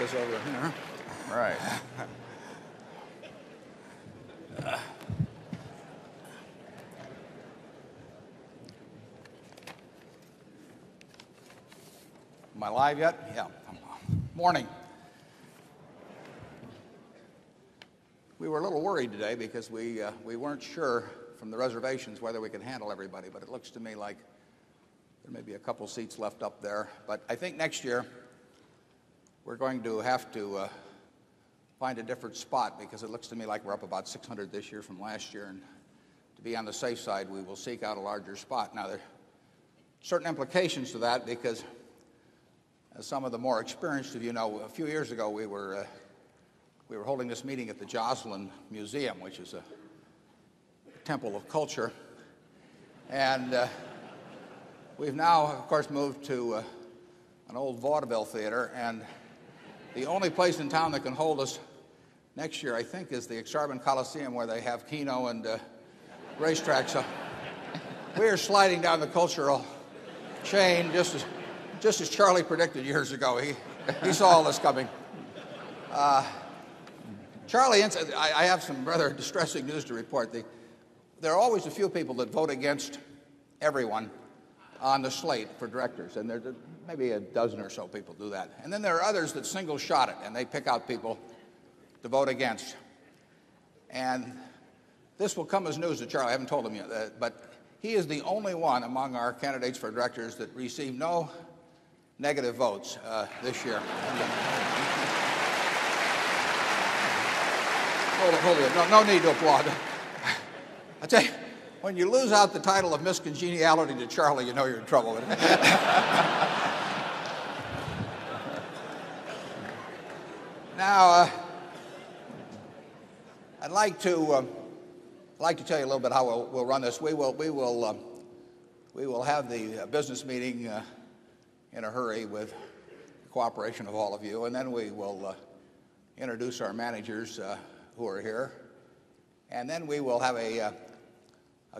Am I live yet? Yeah. Morning. We were a little worried today because we weren't sure from the reservations whether we could handle everybody, but it looks to me like there may be a couple of seats left up there. But I think next year, we're going to have to find a different spot because it looks to me like we're up about 600 this year from last year. And to be on the safe side, we will seek out a larger spot. Now, there are certain implications to that because as some of the more experienced of you know, a few years ago, we were holding this meeting at the Joslin Museum, which is a temple of culture. And we've now, of course, moved to an old vaudeville theater, and the only place in town that can hold us next year, I think, is the Exarban Coliseum, where they have Keno and racetracks. So we are sliding down the cultural chain just as Charlie predicted years ago. He he saw all this coming. Charlie I I have some rather distressing news to report. There are always a few people that vote against everyone on the slate for directors, and there maybe a dozen or so people do that. And then there are others that single shot it, and they pick out people to vote against. And this will come as news to Charlie. I haven't told him yet, but he is the only one among our candidates for directors that received no negative votes this year. Oh, the whole year. No need to applaud. I tell you, when you lose out the title of Miss Congeniality to Charlie, know you're in trouble, isn't it? Now, I'd like to tell you a little bit how we'll run this. We will have the business meeting in a hurry with the cooperation of all of you, and then we will introduce our managers who are here. And then we will have a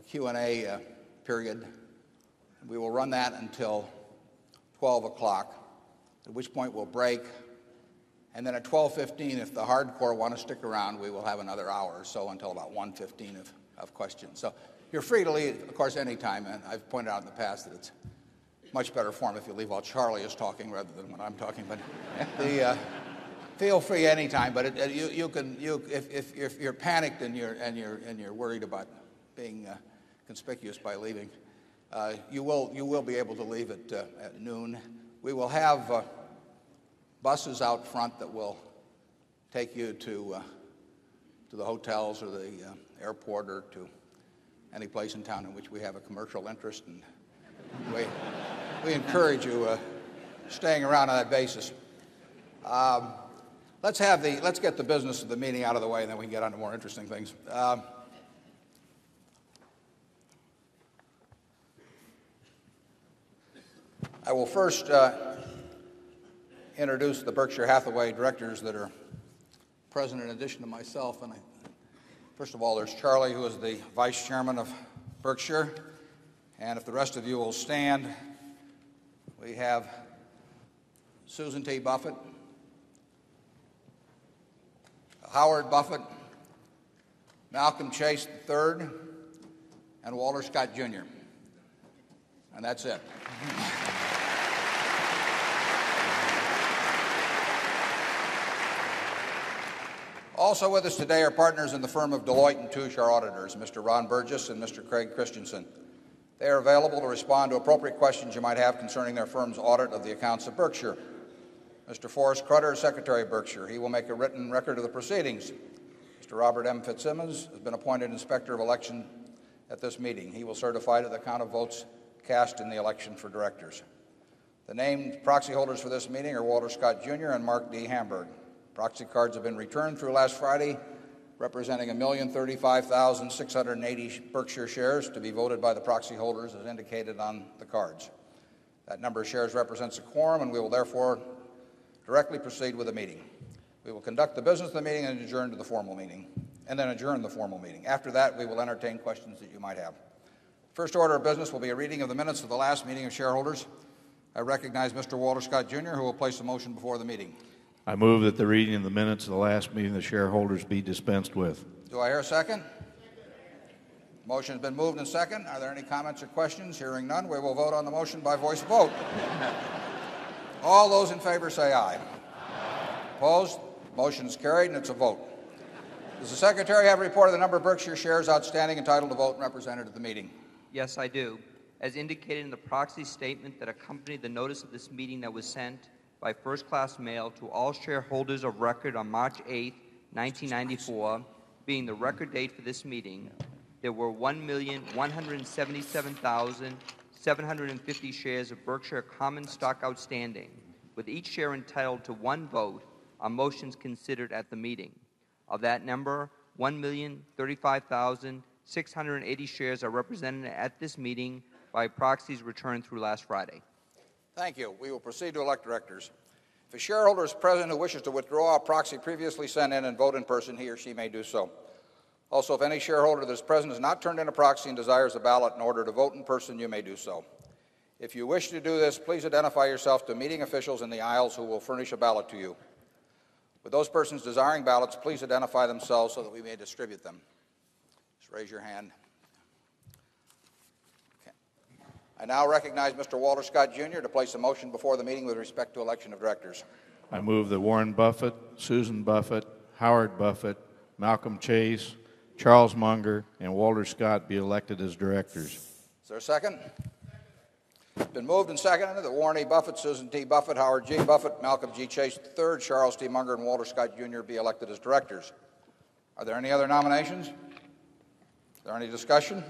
Q and A period. We will run that until 12 at which point we'll break. And then at 12:15, if the hardcore want to stick around, we will have another hour or so until about 1:15 of questions. So you're free to leave, of course, any time, and I've pointed out in the past that it's much better form if you leave while Charlie is talking rather than when I'm talking, but the, feel free anytime, but it it you can you if if you're panicked and you're worried about being conspicuous by leaving, you will you will be able to leave at noon. We will have buses out front that will take you to the hotels or the airport or to any place in town in which we have a commercial interest, and we encourage you staying around on that basis. Let's have the let's get the business of the meeting out of the way, and then we can get on to more interesting things. I will first introduce the Berkshire Hathaway directors that are present in addition to myself. And I first of all, there's Charlie, who is the vice chairman of Berkshire. And if the rest of you will stand, we have Susan T. Buffett, Howard Buffett, Malcolm Chase III, and Walter Scott Junior. And that's it. Also with us today are partners in the firm of Deloitte and Touche, our auditors, Ron Burgess and Mr. Craig Christensen. They are available to respond to appropriate questions you might have concerning their firm's audit of the accounts of Berkshire. Mr. Forrest Cruthers, Secretary of Berkshire, he will make a written record of the proceedings. Mr. Robert M. Fitzsimmons has been appointed inspector of election at this meeting. He will certify to the count of votes cast in the election for directors. The named proxy holders for this meeting are Walter Scott Jr. And Mark D. Hamburg. Proxy cards have been returned through last Friday, representing 1,035,680 Berkshire shares to be voted by the proxy holders, as indicated on the cards. That number of shares represents a quorum, and we will therefore directly proceed with the meeting. We will conduct the business of the meeting and adjourn to the formal meeting and then adjourn the formal meeting. After that, we will entertain questions that you might have. First order of business will be a reading of the minutes of the last meeting of shareholders. I recognize mister Walter Scott Junior, who will place the motion before the meeting. I move that the reading of the minutes of the last meeting of the shareholders be dispensed with. Do I hear a second? Motion has been moved in a second. Are there any comments or questions? Hearing none, we will vote on the motion by voice vote. All those in favor, say aye. Opposed? Motion's carried. And it's a vote. Does the secretary have a report of the number of Berkshire shares outstanding entitled to vote and represented at the meeting? Yes. I do. As indicated in the proxy statement that accompanied the notice of this meeting that was sent by 1st class mail to all shareholders of record on March 8, 1994, being the record date for this meeting there were 1,177,750 shares of Berkshire common stock outstanding with each share entitled to one vote, our motion is considered at the meeting. Of that number, 1,035,000 680 shares are represented at this meeting by proxies returned through last Friday. Thank you. We will proceed to elect directors. If a shareholder is president who wishes to withdraw a proxy previously sent in and vote in person, he or she may do so. Also, if any shareholder that is president has not turned in a proxy and desires a ballot in order to vote in person, you may do so. If you wish to do this, please identify yourself to meeting officials in the aisles who will furnish a ballot to you. With those persons desiring ballots, please identify themselves so that we may distribute them. Just raise your hand. Okay. I now recognize mister Walter Scott Junior to place a motion before the meeting with respect to election of directors. I move that Warren Buffett, Susan Buffett, Howard Buffett, Malcolm Chase, Charles Munger and Walter Scott be elected as directors. Is there a second? It's been moved and seconded that Warren E. Buffett, Susan D. Buffett, Howard G. Buffett, Malcolm G. Chase III, Charles D. Munger, and Walter Scott Junior be elected as directors. There any other nominations? Are there any discussion?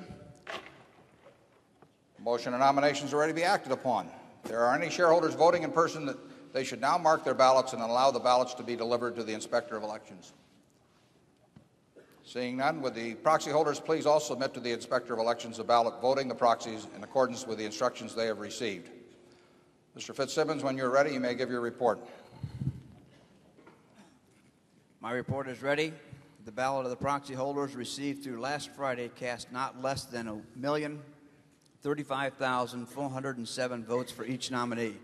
The motion of nominations are ready to be acted upon. There are any shareholders voting in person that they should now mark their ballots and allow the ballots to be delivered to the inspector of elections. Seeing none, would the proxy holders please all submit to the Inspector of Elections the ballot voting, the proxies, in accordance with the instructions they have received. Mister Fitzsimmons, when you're ready, you may give your report. My report is ready. The ballot of the proxy holders received through last Friday cast not less than 1,035,407 votes for each nominee.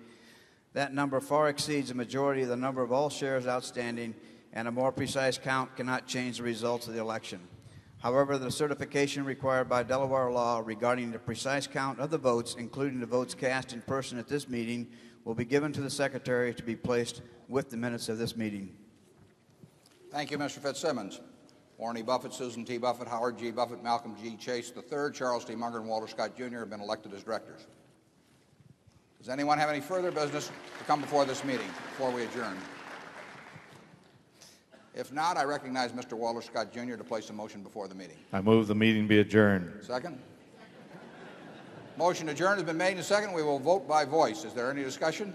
That number far exceeds the majority of the number of all shares outstanding, and a more precise count cannot change the results of the election. However, the certification required by Delaware law regarding the precise count of the votes, including the votes cast in person at this meeting, will be given to the secretary to be placed with the minutes of this meeting. Thank you, mister Fitzsimmons. Warren E. Buffet, Susan T. Buffet, Howard G. Buffet, Malcolm G. Chase III, Charles D. Munger, and Walter Scott Jr. Have been elected as directors. Does anyone have any further business to come before this meeting before we adjourn? If not, I recognize mister Walter Scott Jr. To place a motion before meeting. I move the meeting be adjourned. Second? Motion adjourned has been made. And the second, we will vote by voice. Is there any discussion?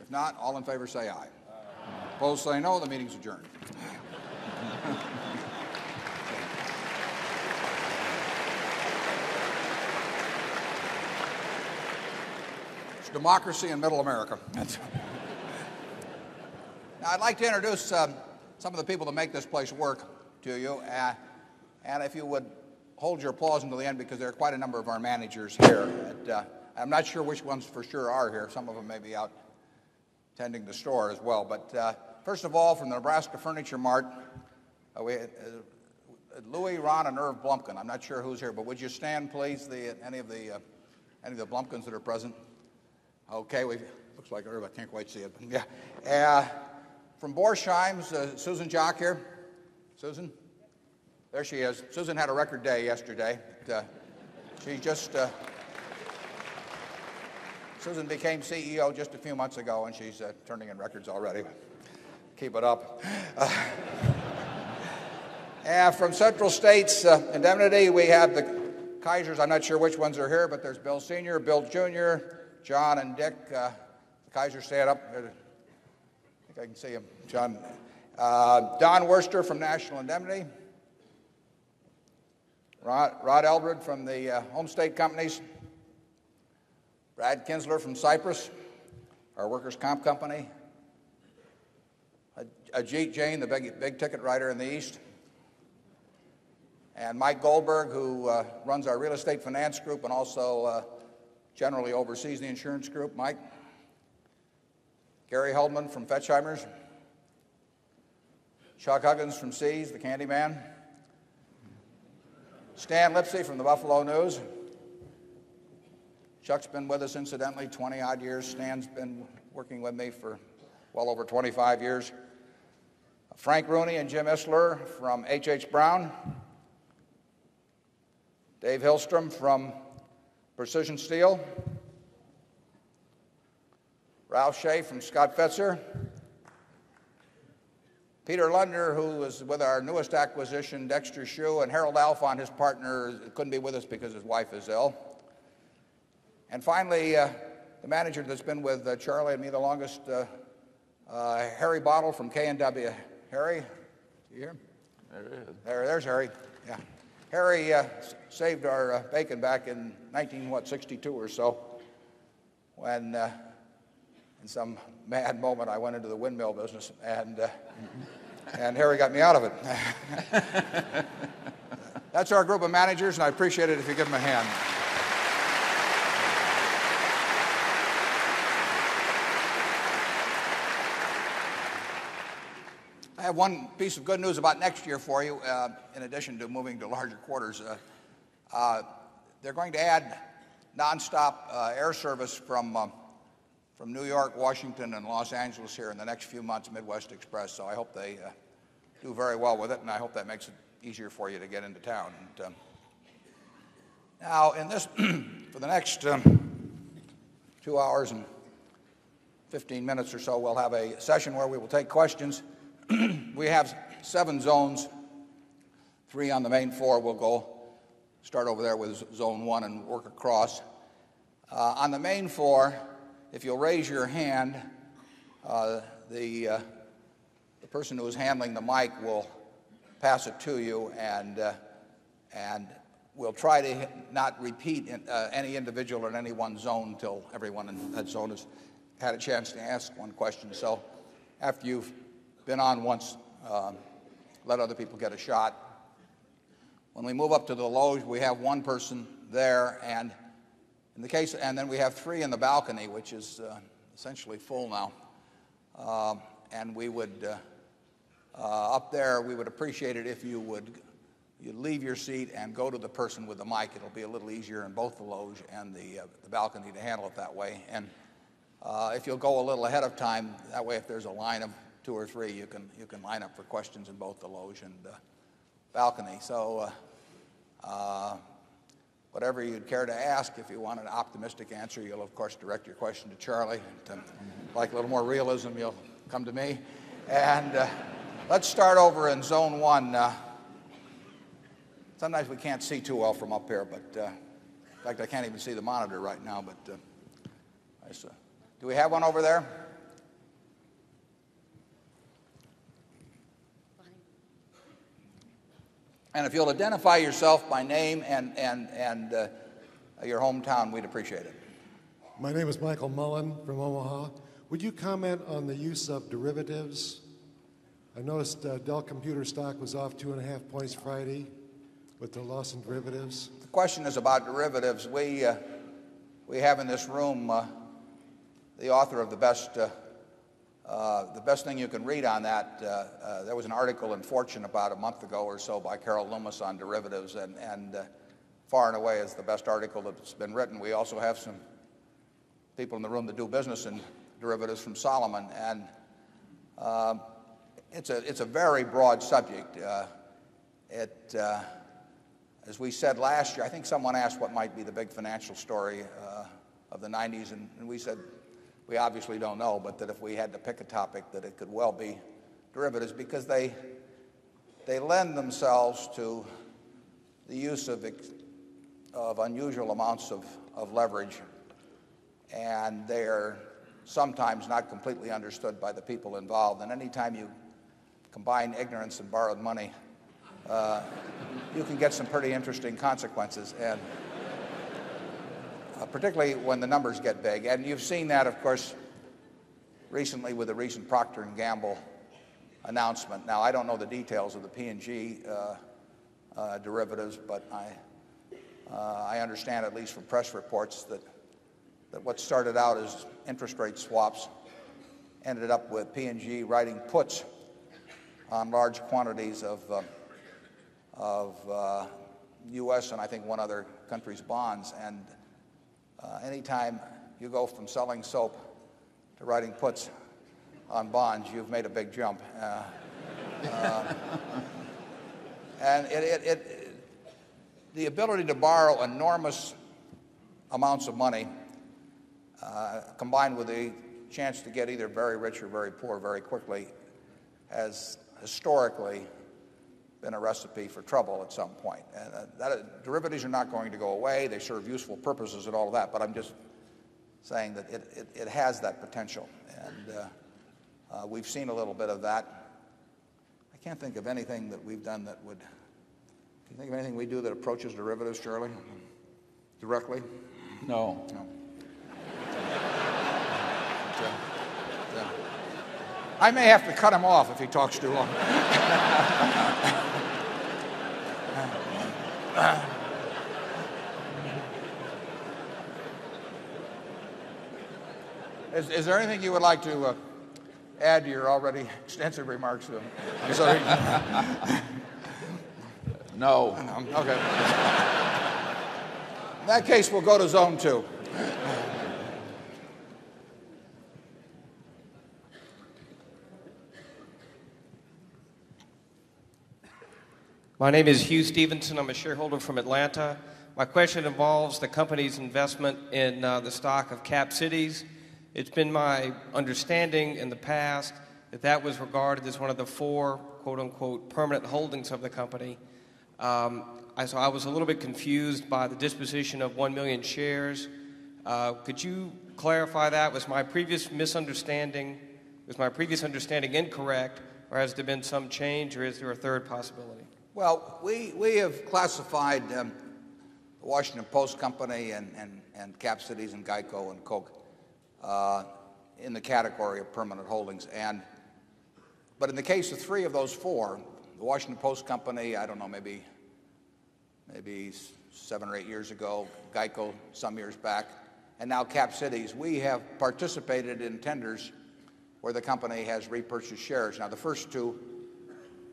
If not, all in favor, say aye. Aye. Opposed, say no. The meeting is adjourned. It's democracy in middle America. Now, I'd like to introduce some of the people that make this place work to you. And if you would hold your applause until the end because there are quite a number of our managers here that I'm not sure which ones for sure are here. Some of them may be out tending the store as well. But first of all, from Nebraska Furniture Mart, Louis, Ron, and Irv Blumkin. I'm not sure who's here, but would you stand, please, any of the Blumkins that are present? Okay. We've looks like an Earth. I can't quite see it. Yeah. From Borsheim, Susan Jock here? Susan? There she is. Susan had a record day yesterday. She just Susan became CEO just a few months ago and she's turning in records already. Keep it up. From Central States Indemnity, we have the Kaisers. I'm not sure which ones are here, but there's Bill Sr, Bill Jr, John, and Dick. The Kaisers stand up. I think I can see him. John Don Werster from National Indemnity Rod Elbrud from the Home State Companies Brad Kinsler from Cyprus, our workers' comp company Ajit Jain, the big ticket writer in the East and Mike Goldberg, who runs our Real Estate Finance Group and also generally oversees the insurance group Mike Gary Heldman from Fetchheimer's Chuck Huggins from C's, the candyman Stan Lipsey from the Buffalo News. Chuck's been with us, incidentally, 20 odd years. Stan's been working with me for well over 25 years. Frank Rooney and Jim Isler from H. H. Brown, Dave Hillstrom from Precision Steel Ralph Schae from Scott Fetzer Peter Lundner, who was with our newest acquisition, Dexter Shue and Harold Alfond, his partner, couldn't be with us because his wife is ill And finally, the manager that's been with Charlie and me the longest, Harry Bottel from K&W. Harry, you here? There he is. There's Harry. Harry saved our bacon back in 19, what, 62 or so when, in some mad moment, I went into the windmill business and Harry got me out of it. That's our group of managers, and I'd appreciate it if you give them a hand. I have one piece of good news about next year for you, in addition to moving to larger quarters. Going to add nonstop air service from New York, Washington, and Los Angeles here in the next few months Midwest Express. So I hope they do very well with it, and I hope that makes it easier for you to get into town. Now, in this for the next 2 hours and 15 minutes or so, we'll have a session where we will take questions. We have 7 zones, 3 on the main four. We'll go start over there with zone 1 and work across. On the main four, if you'll raise your hand, the person who is handling the mic will pass it to you and we'll try to not repeat any individual in any one zone until everyone in that zone has had a chance to ask one question. So after you've been on once, let other people get a shot. When we move up to the lows, we have one person there. And in the case and then we have 3 in the balcony, which is essentially full now. And we would up there, we would appreciate it if you would you leave your seat and go to the person with the mic. It will be a little easier in both the loge and the balcony to handle it that way. And if you'll go a little ahead of time, that way if there's a line of 2 or 3, you can line up for questions in both the loge and balcony. So whatever you'd care to ask, if you want an optimistic answer, you'll, of course, direct your question to Charlie. And if you'd like a little more realism, you'll come to me. And let's start over in zone 1. Sometimes we can't see too well from up here, but in fact, I can't even see the monitor right now. Do we have one over there? And if you'll identify yourself by name and your hometown, we'd appreciate it. My name is Michael Mullen from Omaha. Would you comment on the use of derivatives? I noticed, Dell Computer stock was off 2 and a half points Friday with the loss in derivatives. The question is about derivatives. We, we have in this room, the author of the best, the best thing you can read on that. There was an article in Fortune about a month ago or so by Carol Loomis on derivatives and far and away is the best article that's been written. We also have some people in the room that do business in derivatives from Solomon. And it's a very broad subject. As we said last year I think someone asked what might be the big financial story of the '90s and we said we obviously don't know, but that if we had to pick a topic, that it could well be derivatives because they lend themselves to the use of unusual amounts of leverage and they're sometimes not completely understood by the people involved. And any time you combine ignorance and borrow money, you can get some pretty interesting consequences, particularly when the numbers get big. And you've seen that, of course, recently with the recent Procter and Gamble announcement. Now, I don't know the details of the P and G derivatives, but I understand, at least from press reports, that what started out as interest rate swaps ended up with P&G writing puts on large quantities of of, U. S. And I think one other country's bonds. And any time you go from selling soap to writing puts on bonds, you've made a big jump. And it it it the ability to borrow enormous amounts of money, combined with a chance to get either very rich or very poor very quickly, has historically been a recipe for trouble at some point. And that derivatives are not going to go away. They serve useful purposes and all of that, but I'm just saying that it it has that potential. And, we've seen a little bit of that. I can't think of anything that we've done that would do you think of anything we do that approaches derivatives, Charlie? Directly? No. No. I may have to cut them off if he talks too long. Is there anything you would like to add to your already extensive remarks? My name is Hugh Stevenson. I'm a shareholder from Atlanta. My question involves the company's investment in the stock of cap cities. It's been my understanding in the past that was regarded as one of the 4, quote unquote, permanent holdings of the company. I saw I was a little bit confused by the disposition of 1,000,000 shares. Could you clarify that? Was my previous misunderstanding incorrect or has there been some change or is there a third possibility? Well, we we have classified, the Washington Post Company and and and Cap Cities and GEICO and Coke in the category of permanent holdings. And but in the case of 3 of those 4, the Washington Post Company I don't know, maybe maybe 7 or 8 years ago, GEICO some years back, and now Cap Cities. We have participated in tenders where the company has repurchased shares. Now the first two,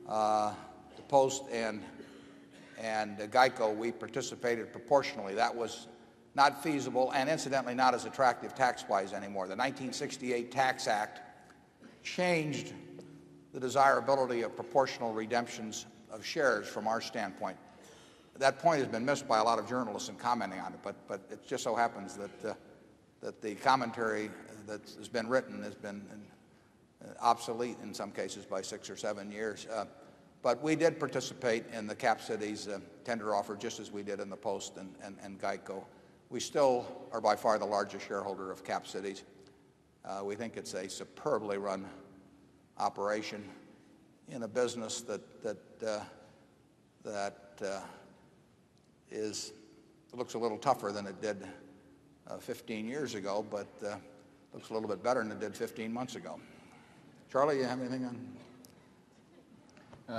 the Post and and GEICO, we participated proportionally. That was not feasible and incidentally not as attractive tax wise anymore. The 1968 Tax Act changed the desirability of proportional redemptions of shares from our standpoint. That point has been missed by a lot of journalists in commenting on it, but it just so happens that the commentary that has been written has been obsolete in some cases by 6 or 7 years. But we did participate in the Cap Cities tender offer, just as we did in the Post and and GEICO. We still are by far the largest shareholder of Cap Cities. We think it's a superbly run operation in a business that that that is looks a little tougher than it did 15 years ago, but looks a little bit better than it did 15 months ago. Charlie, you have anything on?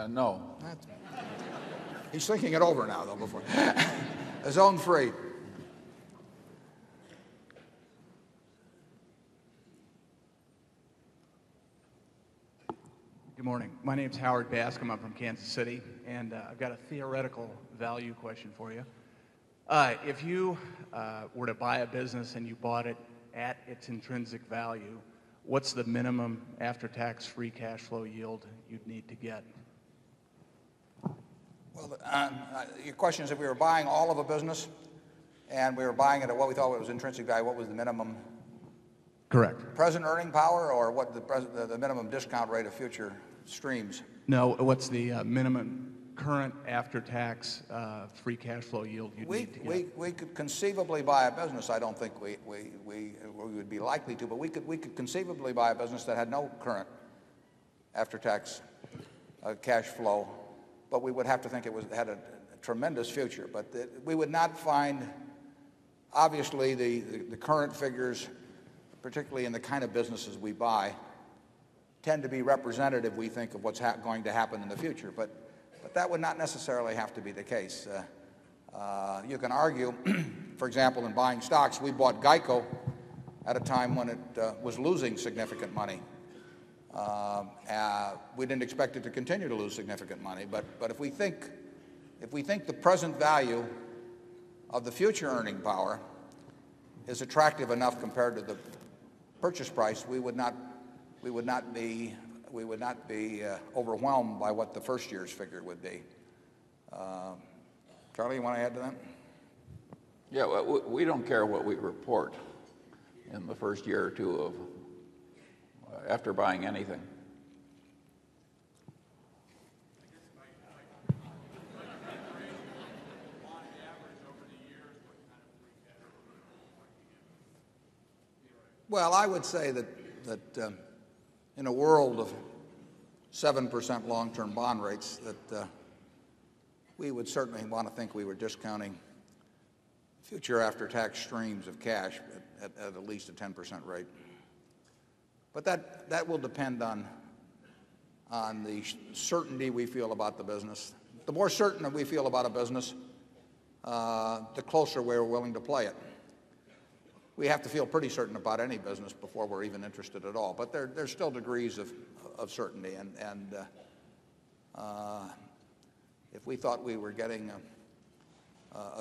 No. He's thinking it over now, though, before. A zone freight. Good morning. My name is Howard Bask. I'm from Kansas City. And I've got a theoretical value question for you. If you were to buy a business and you bought it at its intrinsic value, what's the minimum after tax free cash flow yield you'd need to get? Well, your question is if we were buying all of the business and we were buying it at what we thought was intrinsic value, what was the minimum Correct. Present earning power or what the minimum discount rate of future streams? No. What's the minimum current after tax free cash flow yield you'd We we could conceivably buy a business. I don't think we we we would be likely to, but we could we could conceivably buy a business that had no current after tax cash flow, but we would have to think it was had a tremendous future. But we would not find, obviously, the current figures, particularly in the kind of businesses we buy, tend to be representative, we think, of what's going to happen in the future. But that would not necessarily have to be the case. You can argue for example, in buying stocks, we bought GEICO at a time when it was losing significant money. We didn't expect it to continue to lose significant money. But if we think if we think the present value of the future earning power is attractive enough compared to the purchase price, we would not be overwhelmed by what the 1st year's figure would be. Charlie, do you want to add to that? Yeah. We don't care what we report in the 1st year or 2 of after buying anything. Well, I would say that that, in a world of 7% long term bond rates, that, we would certainly want to think we were discounting future after tax streams of cash at at at least a 10% rate. But that that will depend on on the certainty we feel about the business. The more certain that we feel about a business, the closer we're willing to play it. We have to feel pretty certain about any business before we're even interested at all. But there's still degrees of certainty. And if we thought we were getting a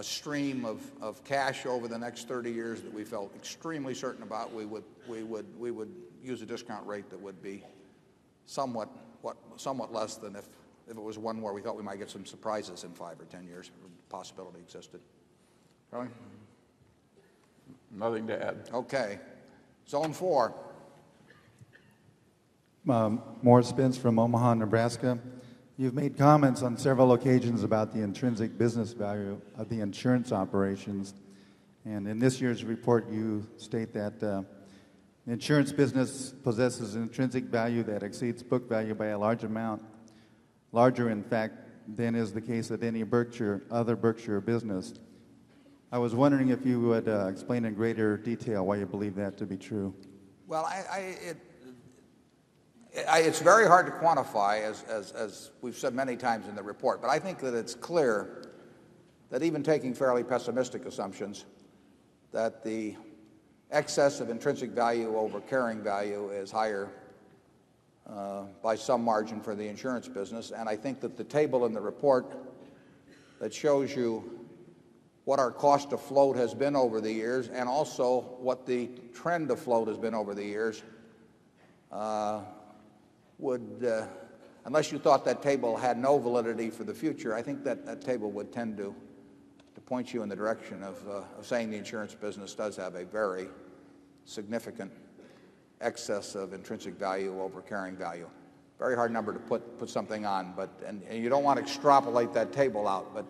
stream of cash over the next 30 years that we felt extremely certain about, we would use a discount rate that would be somewhat somewhat less than if it was one where we thought we might get some surprises in 5 or 10 years. A possibility existed. Charlie? Nothing to add? Okay. Zone 4. Morris Spence from Omaha, Nebraska. You've made comments on several occasions about the intrinsic business value of the insurance operations. In this year's report you state that insurance business possesses intrinsic value that exceeds book value by a large amount, larger in fact than is the case of any Berkshire other Berkshire business. I was wondering if you would explain in greater detail why you believe that to be true. Well, I it's very hard to quantify, as as as we've said many times in the report. But I think that it's clear that even taking fairly pessimistic assumptions that the excess of intrinsic value over carrying value is higher, by some margin for the insurance business. And I think that the table in the report that shows you what our cost to float has been over the years and also what the trend to float has been over the years, would unless you thought that table had no validity for the future, I think that that table would tend to point you in the direction of, of saying the insurance business does have a very significant excess of intrinsic value over carrying value. Very hard number to put something on, but and you don't want to extrapolate that table out, but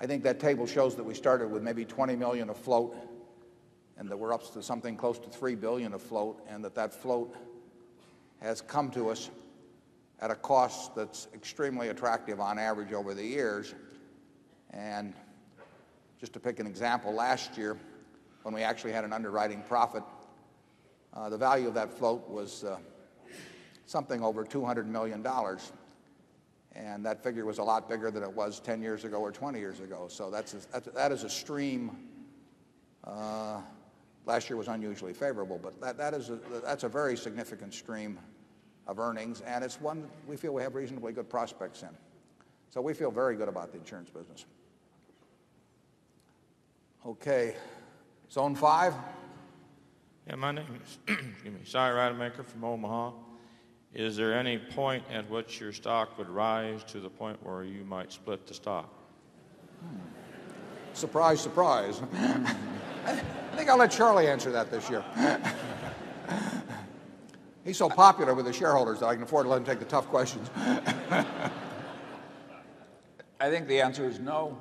I think that table shows that we started with maybe $20,000,000 a float and that we're up to something close to 3,000,000,000 a float and that that float has come to us at a cost that's extremely attractive on average over the years. And just to pick an example, last year when we actually had an underwriting profit, the value of that float was something over $200,000,000 and that figure was a lot bigger than it was 10 years ago or 20 years ago. So that's that is a stream. Last year was unusually favorable, but that is a very significant stream of earnings, and it's one we feel we have reasonably good prospects in. So we feel very good about the insurance business. Okay. Zone 5. Yes. My name is, excuse me, Cy Rademacher from Omaha. Is there any point at which your stock would rise to the point where you might split the stock? Surprise, surprise. I think I'll let Charlie answer that this year. He's so popular with the shareholders that I can afford to let him take the tough questions. I think the answer is no.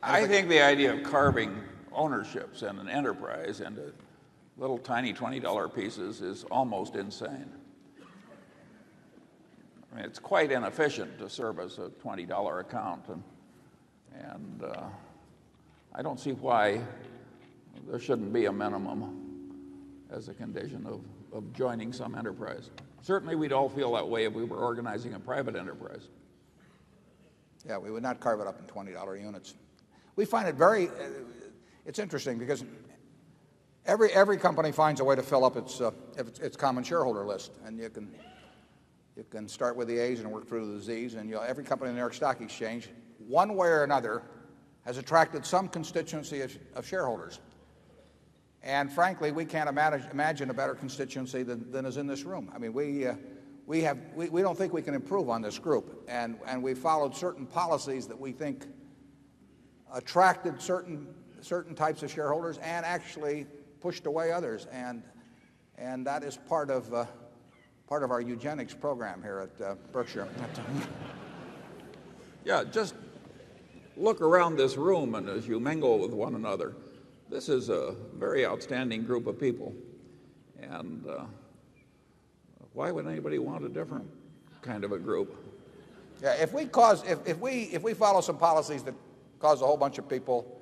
I think the idea of carving ownerships in an enterprise into little tiny $20 pieces is almost insane. It's quite inefficient to service a $20 account I don't see why there shouldn't be a minimum as a condition of joining some enterprise. Certainly, we'd all feel that way if we were organizing a private enterprise. Yes. We would not carve it up in $20 units. We find it very it's interesting because every company finds a way to fill up its common shareholder list. And you can start with the As and work through the Z. And every company in the New York Stock Exchange, one way or another, has attracted some constituency of shareholders. And frankly, we can't imagine a better constituency than is in this room. I mean, we have we don't think we can improve on this group. And we followed certain policies that we think attracted certain types of shareholders and actually pushed away others. And that is part of our eugenics program here at Berkshire. Yeah. Just look around this room and as you mingle with one another, this is a very outstanding group of people. And why would anybody want a different kind of a group? Yeah. If we cause if we follow some policies that cause a whole bunch of people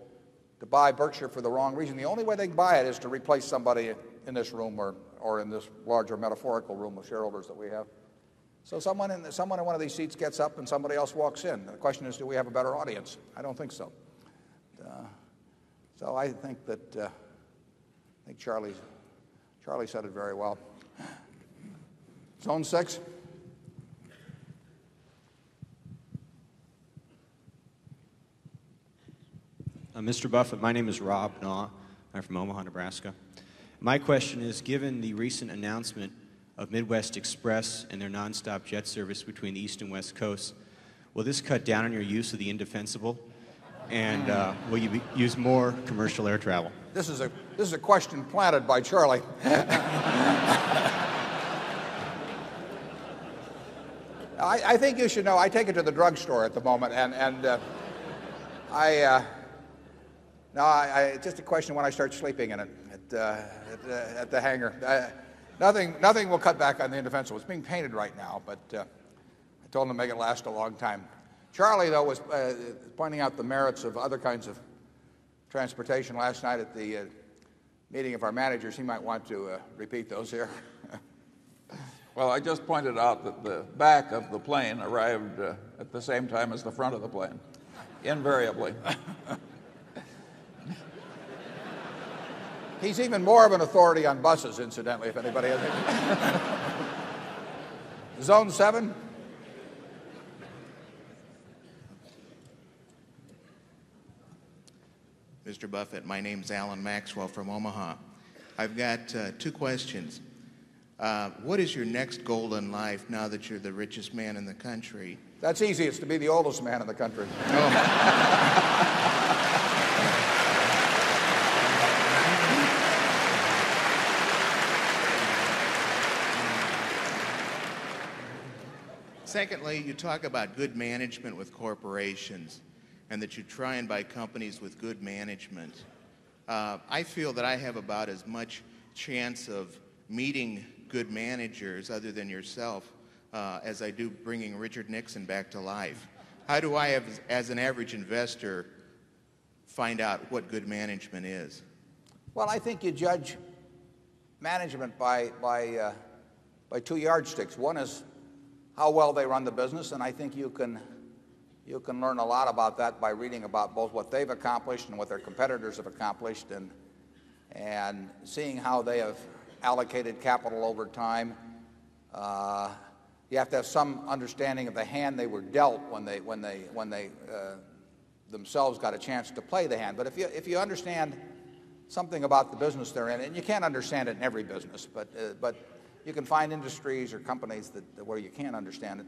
to buy Berkshire for the wrong reason, the only way they can buy it is to replace somebody in this room or or in this larger metaphorical room of shareholders that we have. So someone in one of these seats gets up and somebody else walks in. The question is, do we have a better audience? I don't think so. So I think that I think Charlie said it very well. Zone 6? Mr. Buffet, my name is Rob Naugh. I'm from Omaha, Nebraska. My question is given the recent announcement of Midwest Express and their nonstop jet service between the East and West Coast, Will this cut down on your use of the indefensible? And will you use more commercial air travel? This is a question planted by Charlie. I think you should know. I take it to the drugstore at the moment. And I, no, it's just a question of when I start sleeping at the hangar. Nothing will cut back on the Indeventure. It's being painted right now, but I told them to make it last a long time. Charlie, though, was pointing out the merits of other kinds of transportation last night at the meeting of our managers. He might want to repeat those here. Well, I just pointed out that the back of the plane arrived at the same time as the front of the plane, invariably. He's even more of an authority on buses, incidentally, if anybody has it. Zone 7? Mr. Buffett, my name is Alan Maxwell from Omaha. I've got, two questions. What is your next goal in life now that you're the richest man in the country? That's easiest, be the oldest man in the country. Secondly, you talk about good management with corporations and that you try and buy companies with good management. I feel that I have about as much chance of meeting good managers other than yourself as I do bringing Richard Nixon back to life. How do I, as an average investor, find out what good management is? Well, I think you judge management by by 2 yardsticks. 1 is how well they run the business, and I think you can you can learn a lot about that by reading about both what they've accomplished and what their competitors have accomplished and seeing how they have allocated capital over time. You have to have some understanding of the hand they were dealt when they when they themselves got a chance to play the hand. If you understand something about the business they're in and you can't understand it in every business, but you can find industries or companies that where you can't understand it,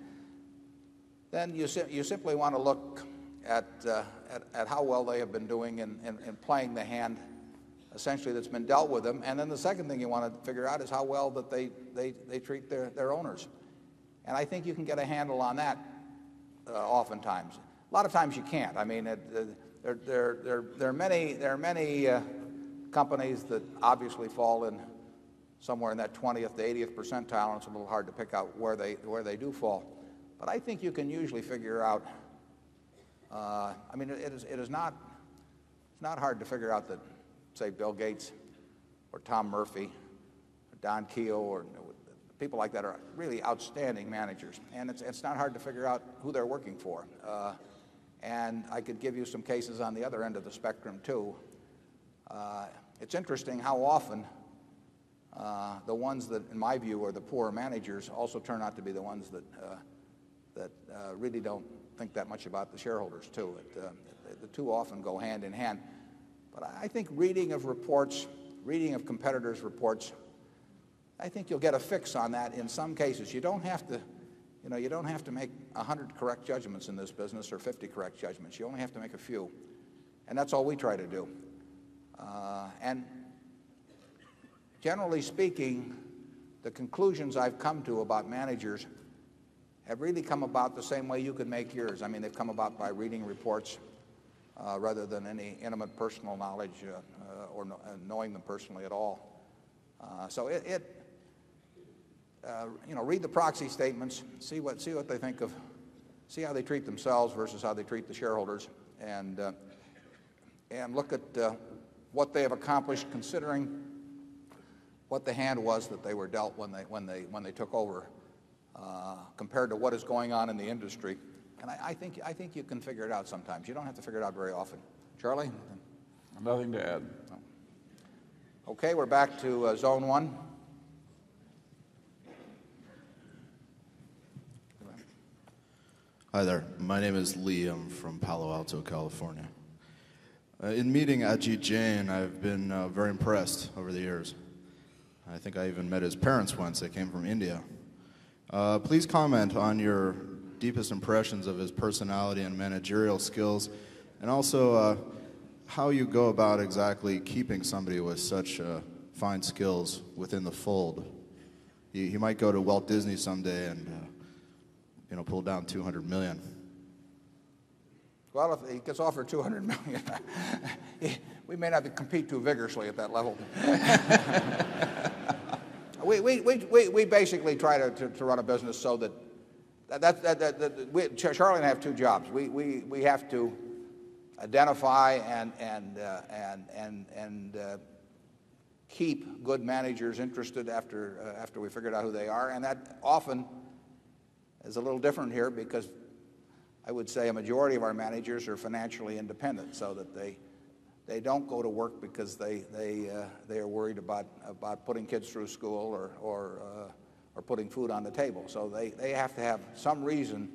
Then you simply want to look at how well they have been doing in playing the hand, essentially, that's been dealt with them. And then the second thing you want to figure out is how well that they treat their owners. And I think you can get a handle on that, oftentimes. A lot of times, you can't. I mean, there are many companies that obviously fall in somewhere in that 20th to 80th percentile. It's a little hard to pick out where they do fall. But I think you can usually figure out, I mean, it is not it's not hard to figure out that, say, Bill Gates or Tom Murphy or Don Kuehl or people like that are really outstanding managers. And it's not hard to figure out who they're working for. And I could give you some cases on the other end of the spectrum too. It's interesting how often the ones that, in my view, are the poor managers also turn out to be the ones that really don't think that much about the shareholders too. The 2 often go hand in hand. But I think reading of reports reading of competitors' reports, I think you'll get a fix on that. In some cases, you don't have to you know, you don't have to make a 100 correct judgments in this business or 50 correct judgments. You only have to make a few. And that's all we try to do. And generally speaking, the conclusions I've come to about managers have really come about the same way you could make yours. I mean, they've come about by reading reports, rather than any intimate personal knowledge or knowing them personally at all. So it you know, read the proxy statements, see what they think of, see how they treat themselves versus how they treat the shareholders, and, and look at, what they have accomplished considering what the hand was that they were dealt when they, when they, when they took over, compared to what is going on in the industry. And I think you can figure it out sometimes. You don't have to figure it out very often. Charlie? Nothing to add. Okay. We're back to Zone 1. Hi there. My name is Liam from Palo Alto, California. In meeting Ajay Jain, I've been very impressed over the years. I think I even met his parents once. They came from India. Please comment on your deepest impressions of his personality and managerial skills, and also how you go about exactly keeping somebody with such fine skills within the fold. You might go to Walt Disney someday and pull down $200,000,000 Well, if he gets offered $200,000,000 we may not have to compete too vigorously at that level. We basically try to run a business so that that we Charlie and I have 2 jobs. We have to identify and keep good managers interested after we've figured out who they are. And that often is a little different here because I would say a majority of our managers are financially independent so that they don't go to work because they are worried about putting kids through school or putting food on the table. So they have to have some reason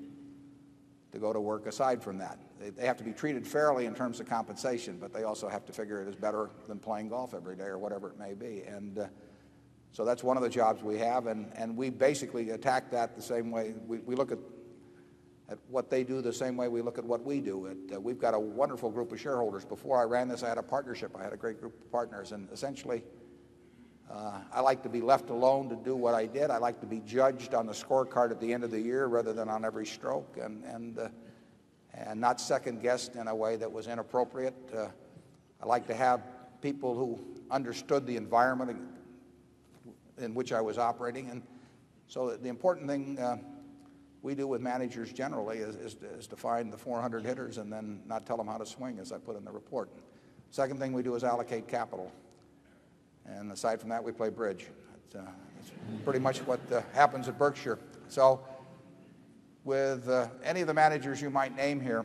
to go to work aside from that. They have to be treated fairly in terms of compensation, but they also have to figure it is better than playing golf every day or whatever it may be. And so that's one of the jobs we have. And we basically attack that the same way we look at what they do the same way we look at what we do. We've got a wonderful group of shareholders. Before I ran this, I had a partnership. I had a great group of partners. And essentially, I liked to be left alone to do what I did. I liked to be judged on the scorecard at the end of the year rather than on every stroke, and not second guess in a way that was inappropriate. I liked to have people who understood the environment in which I was operating. And so the important thing we do with managers generally is to find the 400 hitters and then not tell them how to swing, as I put in the report. The second thing we do is allocate capital. And aside from that, we play bridge. It's pretty much what happens at Berkshire. So with any of the managers you might name here,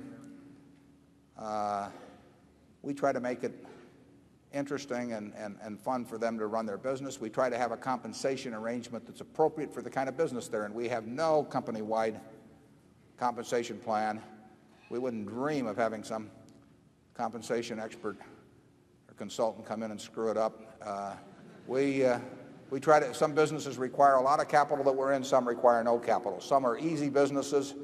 we try to make it interesting and fun for them to run their business. We try to have a compensation arrangement that's appropriate for the kind of business they're in. We have no company wide compensation plan. We wouldn't dream of having some compensation expert or consultant come in and screw it up. We try to some businesses require a lot of capital that we're in, some require no capital. Some are easy businesses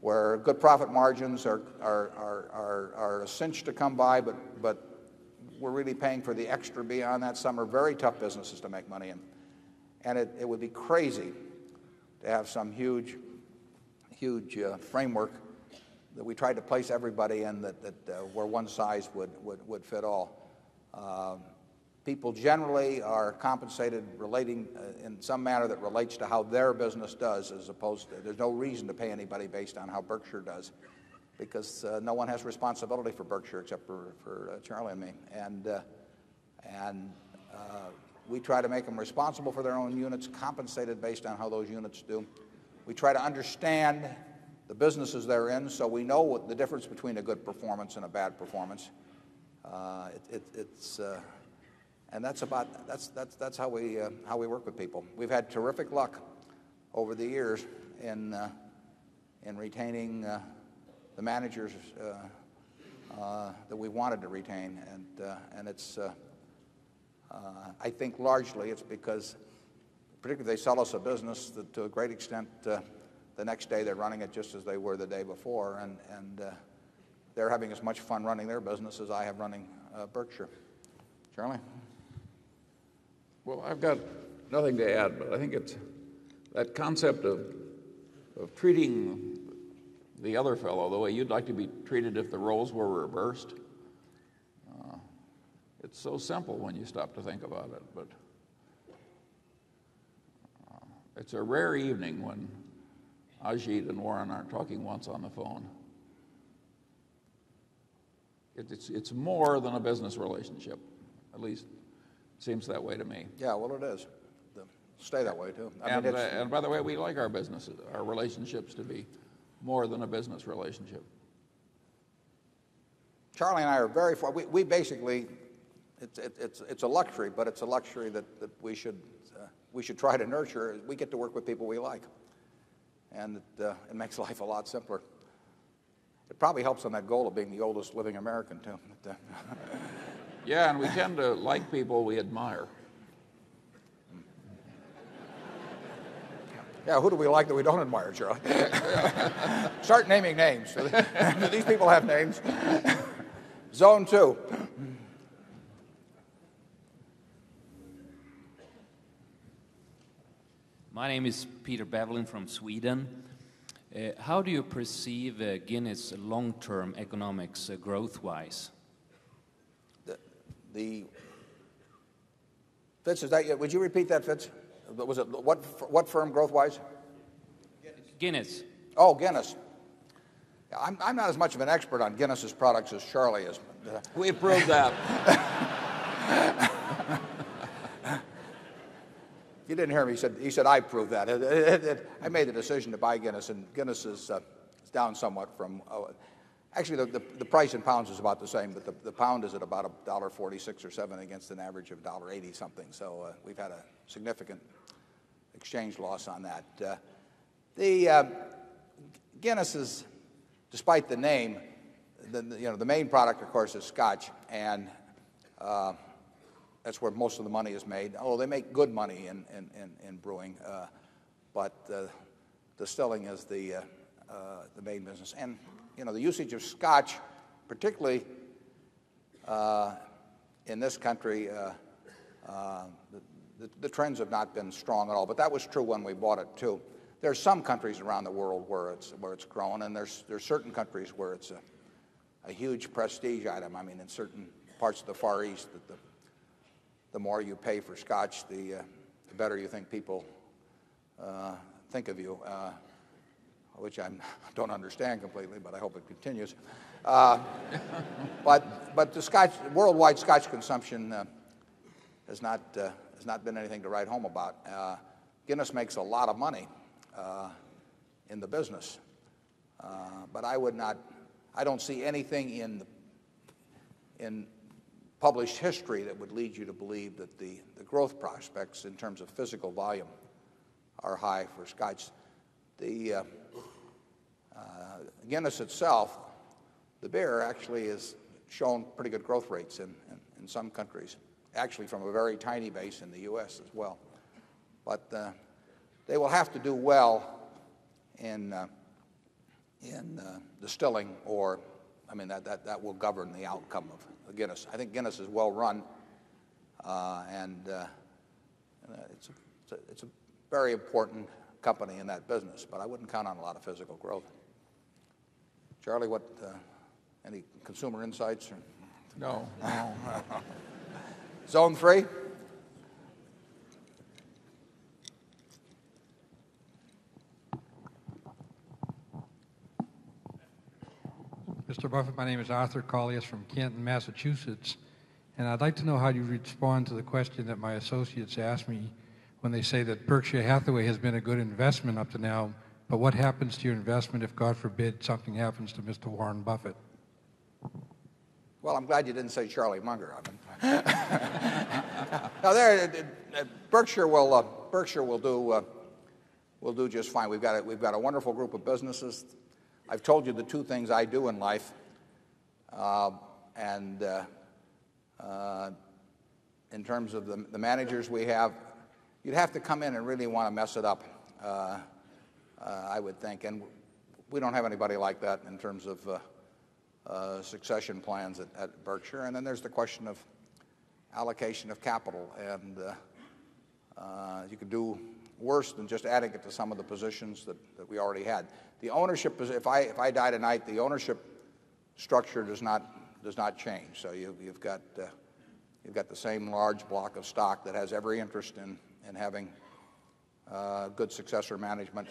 where good profit margins are are are a cinch to come by but but we're really paying for the extra beyond that. Some are very tough businesses to make money in. And it would be crazy to have some huge, framework that we tried to place everybody in that where one size would fit all. People generally are compensated relating in some manner that relates to how their business does as opposed to there's no reason to pay anybody based on how Berkshire does because no one has responsibility for Berkshire except for Charlie and me. And And we try to make them responsible for their own units, compensated based on how those units do. We try to understand the businesses they're in so we know what the difference between a good performance and a bad performance. It's and that's about that's how we work with people. We've had terrific luck over the years in retaining the managers that we wanted to retain. And it's I think largely, it's because particularly, they sell us a business that, to a great extent, the next day, they're running it just as they were the day before. And and they're having as much fun running their business as I have running Berkshire. Charlie? CHIEF Well, I've got nothing to add. But I think it's that concept of treating the other fellow the way you'd like to be treated if the roles were reversed. It's so simple when you stop to think about it. But, it's a rare evening when Azid and Warren aren't talking once on the phone. It's more than a business relationship, at least it seems that way to me. Yeah. Well, it does. It stays that way too. And by the way, we like our businesses, our relationships to be more than a business relationship. Charlie and I are very we basically it's a luxury, but it's a luxury that we should we should try to nurture as we get to work with people we like. And it makes life a lot simpler. It probably helps on that goal of being the oldest living American too. Yeah. And we tend to like people we admire. Yes. Who do we like that we don't admire, Gerard? Start naming names. Do these people have names? Zone 2. My name is Peter Bavlin from Sweden. How do you perceive Guinness long term economics growth wise? Fitz, is that would you repeat that, Fitz? Was it what firm growth wise? Guinness. Guinness. Oh, Guinness. I'm not as much of an expert on Guinness's products as Charlie is. We approved that. You didn't hear me. He said, I proved that. I made the decision to buy Guinness and Guinness is down somewhat from actually, the price in pounds is about the same, but the pound is at about 1.46 or 7 against an average of 1.80 something. So we've had a significant exchange loss on that. The Guinness is despite the name the main product, of course, is scotch, and that's where most of the money is made. Oh, they make good money in brewing, but distilling is the main business. And, you know, the usage of scotch, particularly in this country, the trends have not been strong at all. But that was true when we bought it too. There are some countries around the world where it's where it's grown, and there's there's certain countries where it's a huge prestige item. I mean, in certain parts of the Far East, the the more you pay for scotch, the, the better you think people think of you, which I don't understand completely, but I hope it continues. But the scotch worldwide scotch consumption has not been anything to write home about. Guinness makes a lot of money in the business, but I would not I don't see anything in published history that would lead you to believe that the growth prospects in terms of physical volume are high for Scotch. The Guinness itself the beer actually has shown pretty good growth rates in some countries, actually from a very tiny base in the US as well. But, they will have to do well in in, distilling or I mean, that that that will govern the outcome of Guinness. I think Guinness is well run, and, it's a it's a very important company in that business. But I wouldn't count on a lot of physical growth. Charlie, what any consumer insights? No. Zone 3? Mr. Buffet, my name is Arthur Collius from Canton, Massachusetts. I'd like to know how you respond to the question that my associates asked me when they say that Berkshire Hathaway has been a good investment up to now, But what happens to your investment if, God forbid, something happens to mister Warren Buffett? Well, I'm glad you didn't say Charlie Munger. No, there Berkshire will Berkshire will do just fine. We've got a wonderful group of businesses. I've told you the 2 things I do in life, and in terms of the managers we have, you'd have to come in and really want to mess it up, I would think. And we don't have anybody like that in terms of succession plans at Berkshire. And then there's the question of allocation of capital. And, you could do worse than just adding it to some of the positions that we already had. The ownership if I die tonight, the ownership structure does not change. So you've got the same large block of stock that has every interest in having good successor management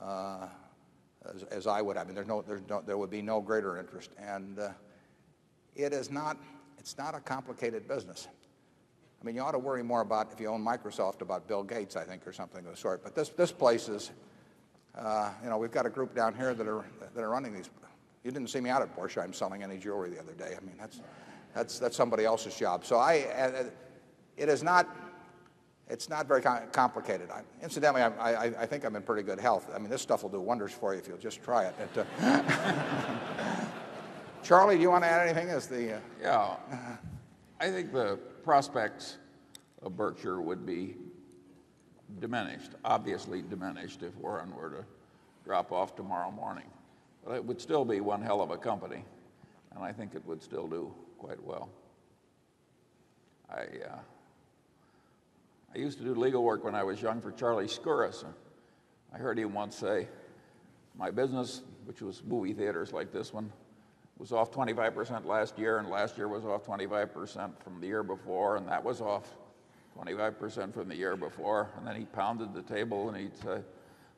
as I would have. I mean, there would be no greater interest. And it is not it's not a complicated business. I mean, you ought to worry more about if you own Microsoft, about Bill Gates, I think, or something of the sort. But this this place is you know, we've got a group down here that are running these you didn't see me out at Porsche. I'm selling any jewelry the other day. I mean, that's somebody else's job. So I it is not it's not very complicated. Incidentally, I think I'm in pretty good health. I mean, this stuff will do wonders for you if you'll just try it. Charlie, do you want to add anything? Yeah. I think the prospects of Berkshire would be diminished, obviously diminished if Warren were to drop off tomorrow morning. It would still be one hell of a company. I think it would still do quite well. I used to do legal work when I was young for Charlie Skoures. I heard him once say, My business, which was movie theaters like this one, was off 25% last year and last year was off 25% from the year before and that was off 25% from the year before. And then he pounded the table and he'd say,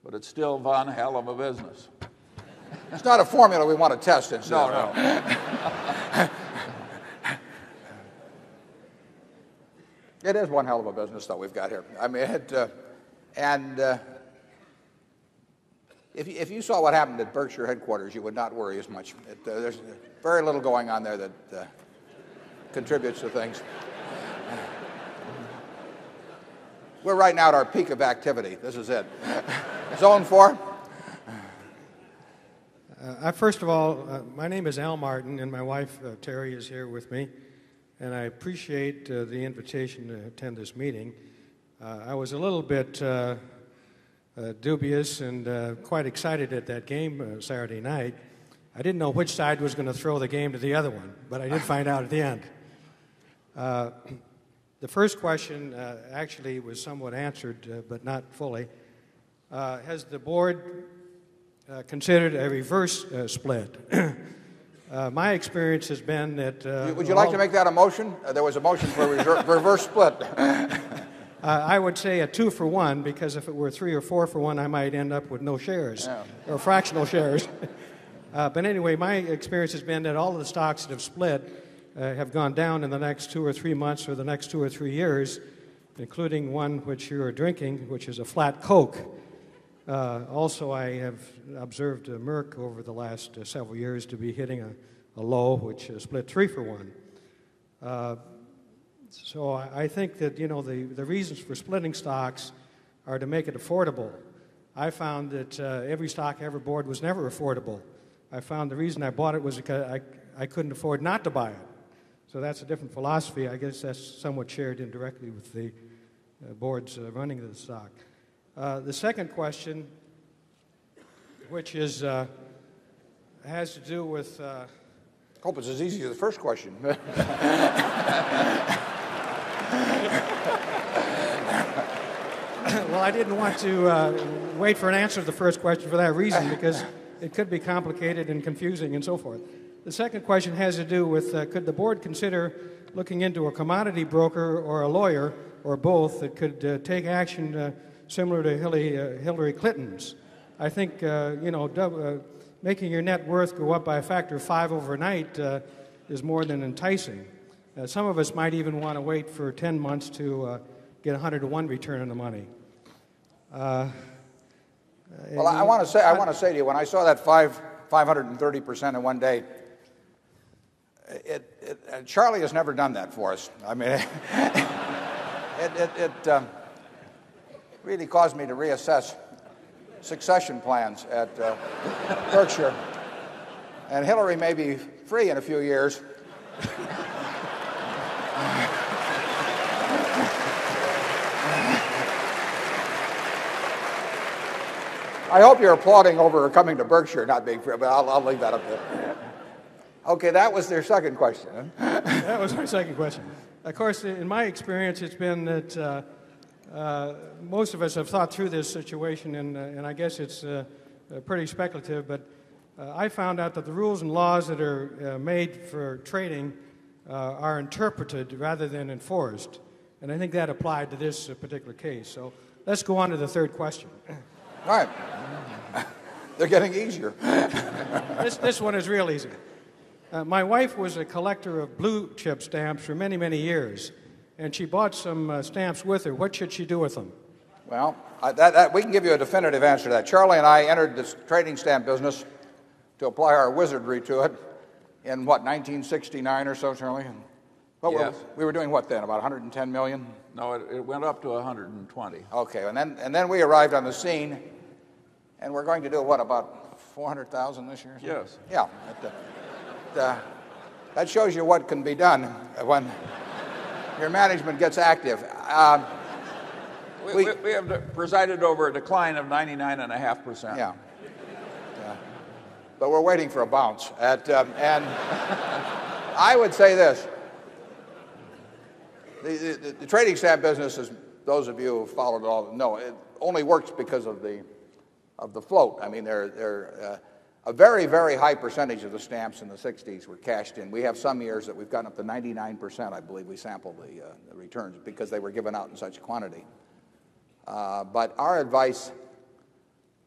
but it's still one hell of a business. It's not a formula we want to test. It's not a no. It is one hell of a business that we've got here. I mean, it and if you saw what happened at Berkshire headquarters, you would not worry as much. There's very little going on there that contributes to things. We're right now at our peak of activity. This is it. Zone 4. First of all, my name is Al Martin and my wife, Terry, is here with me. And I appreciate the invitation to attend this meeting. I was a little bit dubious and quite excited at that game Saturday night. I didn't know which side was going to throw the game to the other one. But, I did find out at the end. The first question, actually was somewhat answered, but not fully. Has the Board considered a reverse split? My experience has been that Would you like to make that a motion? There was a motion for a reverse split. I would say a 2 for 1 because if it were 3 or 4 for 1, I might end up with no shares or fractional shares. But anyway, my experience has been that all of the stocks that have split have gone down in the next 2 or 3 months or the next 2 or 3 years, including one which you are drinking, which is a flat Coke. Also I have observed a Merck over the last several years to be hitting a low, which is split 3 for 1. So I think that, you know, the reasons for splitting stocks are to make it affordable. I found that, every stock ever bought was never affordable. I found the reason I bought it was because I couldn't afford not to buy it. So that's a different philosophy. I guess that's somewhat shared indirectly with the Board's running the stock. The second question, which has to do with Hope it's as easy as the first question. Well, I didn't want to wait for an answer to the first question for that reason because it could be complicated and confusing and so forth. The second question has to do with, could the Board consider looking into a commodity broker or a lawyer or both that could take action similar to Hillary Clinton's? I think, you know, making your net worth go up by a factor of 5 overnight is more than enticing. Some of us might even want to wait for 10 months to a 100 to 1 return on the money. Well, I want to say I want to say to you, when I saw that 5 530% in one day, it it Charlie has never done that for us. I mean, it it it really caused me to reassess succession plans at Berkshire. And Hillary may be free in a few years. I hope you're applauding over coming to Berkshire, not being fair, but I'll I'll leave that up there. Okay. That was their second question. That was my second question. Of course, in my experience, it's been that, most of us have thought through this situation and, and I guess it's pretty speculative. But I found out that the rules and laws that are made for trading are interpreted rather than enforced. I think that applied to this particular case. So let's go on to the third question. All right. They're getting easier. This one is real easy. My wife was a collector of blue chip stamps for many, many years. And she bought some stamps with her. What should she do with them? Well, that that we can give you a definitive answer to that. Charlie and I entered this trading stamp business to apply our wizardry to it in, what, 1969 or so, certainly? Yes. We were doing what then, about $110,000,000 No. It went up to $120,000,000 Okay. And then and then we arrived on the scene and we're going to do, what, about 400,000 this year? Yes. Yeah. That shows you what can be done when your management gets active. We have presided over a decline of 99.5%. Yeah. But we're waiting for a bounce. And I would say this: The trading stamp business, as those of you who have followed it all know, it only works because of the float. I mean, there are a very, very high percentage of the stamps in the sixties were cashed in. We have some years that we've gone up to 99%. I believe we sampled the, the returns because they were given out in such quantity. But our advice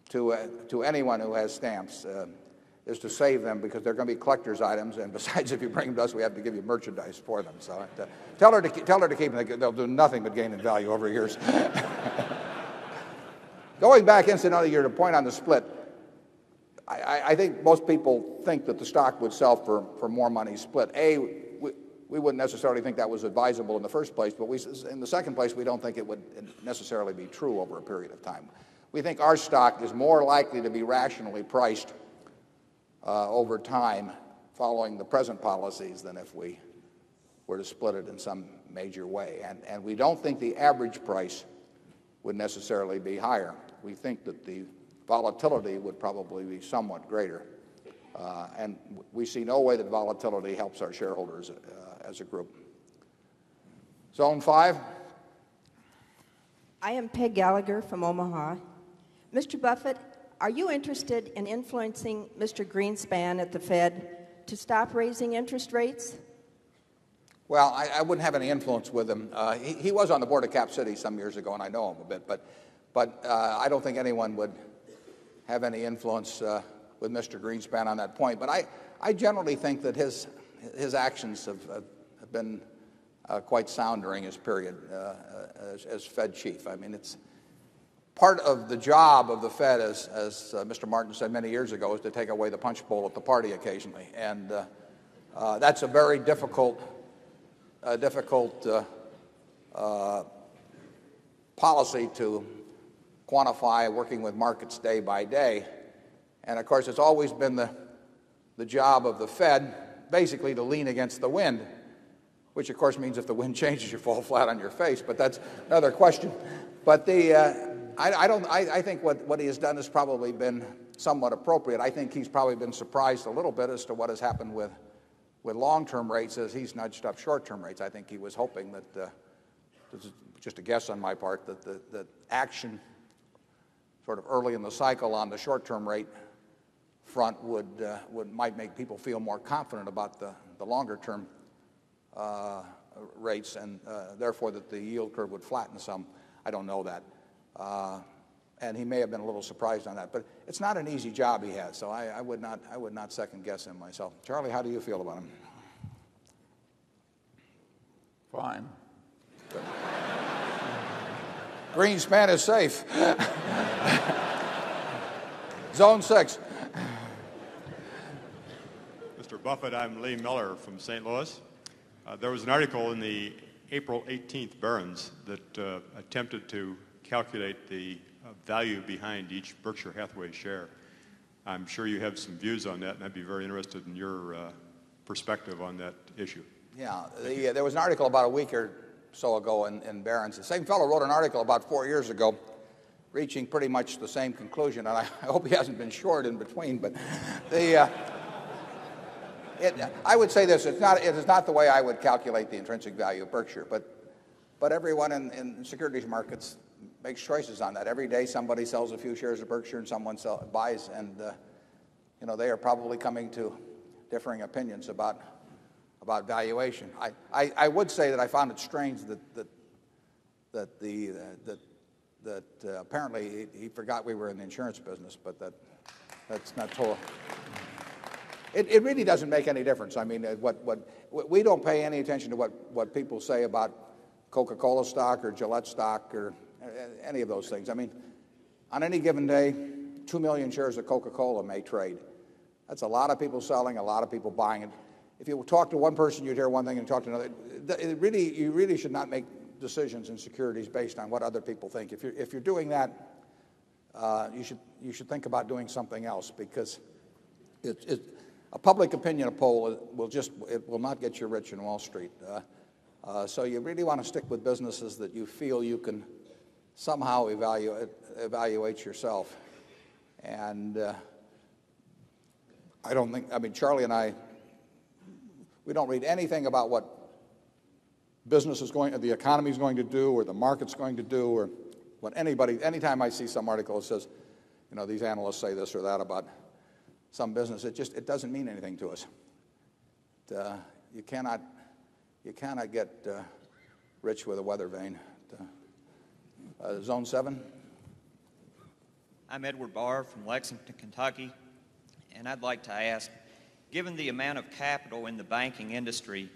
to anyone who has stamps is to save them because they're going to be collectors' items. And Going back into another year, to point on the split, I think Going back into another year to point on the split, I I think most people think that the stock would sell for for more money split. A, we wouldn't necessarily think that was advisable in the 1st place, but we in the 2nd place, we don't think it would necessarily be true over a period of time. We think our stock is more likely to be rationally priced, over time following the present policies than if we were to split it in some major way. And we don't think the average price would necessarily be higher. We think that the volatility would probably be somewhat greater. And we see no way that volatility helps our shareholders as a group. Zone 5. I am Peg Gallagher from Omaha. Mr. Buffett, are you interested in influencing mister Greenspan at the Fed to stop raising interest rates? Well, I I wouldn't have any influence with him. He he was on the board of Cap City some years ago, and I know him a bit. But but, I don't think anyone would have any influence, with Mr. Greenspan on that point. But I I generally think that his his actions have been quite sound during this period as Fed chief. I mean, it's part of the job of the Fed, as as Mr. Martin said many years ago, is to take away the punch bowl at the party occasionally. And, that's a very difficult a difficult policy to quantify working with markets day by day. And of course, it's always been the job of the Fed basically to lean against the wind, which of course means if the wind changes, you fall flat on your face. But that's another question. But the, I don't I think what what he has done has probably been somewhat appropriate. I think he's probably been surprised a little bit as to what has happened with with long term rates as he's nudged up short term rates. I think he was hoping that, this is just a guess on my part that action sort of early in the cycle on the short term rate front would, would might make people feel more confident about the longer term rates and, therefore, that the yield curve would flatten some. I don't know that. And he may have been a little surprised on that. But it's not an easy job he had, so I would not second guess him myself. Charlie, how do you feel about him? Fine. Greenspan is safe. Zone 6. Mr. Buffet, I'm Lee Miller from St. Louis. There was an article in the April 18th Burns that, attempted to calculate the value behind each Berkshire Hathaway share. I'm sure you have some views on that and I'd be very interested in your perspective on that issue. Yeah. There was an article about a week or so ago in Barron's the same fellow who wrote an article about 4 years ago reaching pretty much the same conclusion. And I hope he hasn't been shored in between, but the I would say this: It is not the way I would calculate the intrinsic value of Berkshire, but everyone in the securities markets makes choices on that. Every day, somebody sells a few shares of Berkshire and someone buys. And you know, they are probably coming to differing opinions about, about valuation. I would say that I found it strange that, that that apparently, he forgot we were in the insurance business, but that's not it really doesn't make any difference. I mean, what we don't pay any attention to what people say about Coca Cola stock or Gillette stock or any of those things. I mean, on any given day, 2,000,000 shares of Coca Cola may trade. That's a lot of people selling, a lot of people buying it. If you will talk to one person, you'd hear one thing and talk to another. You really should not make decisions in securities based on what other people think. If you're doing that, you should think about doing something else because it's it's a public opinion poll will just it will not get you rich in Wall Street. So you really want to stick with businesses that you feel you can somehow evaluate yourself. And I don't think I mean, Charlie and I we don't read anything about what business is going the economy is going to do or the market is going to do or what anybody anytime I see some article that says these analysts say this or that about some business, it just it doesn't mean anything to us. You cannot get rich with a weather vane. Zone 7? I'm Edward Barr from Lexington, Kentucky. And I'd like to ask, given the amount of capital in the banking industry,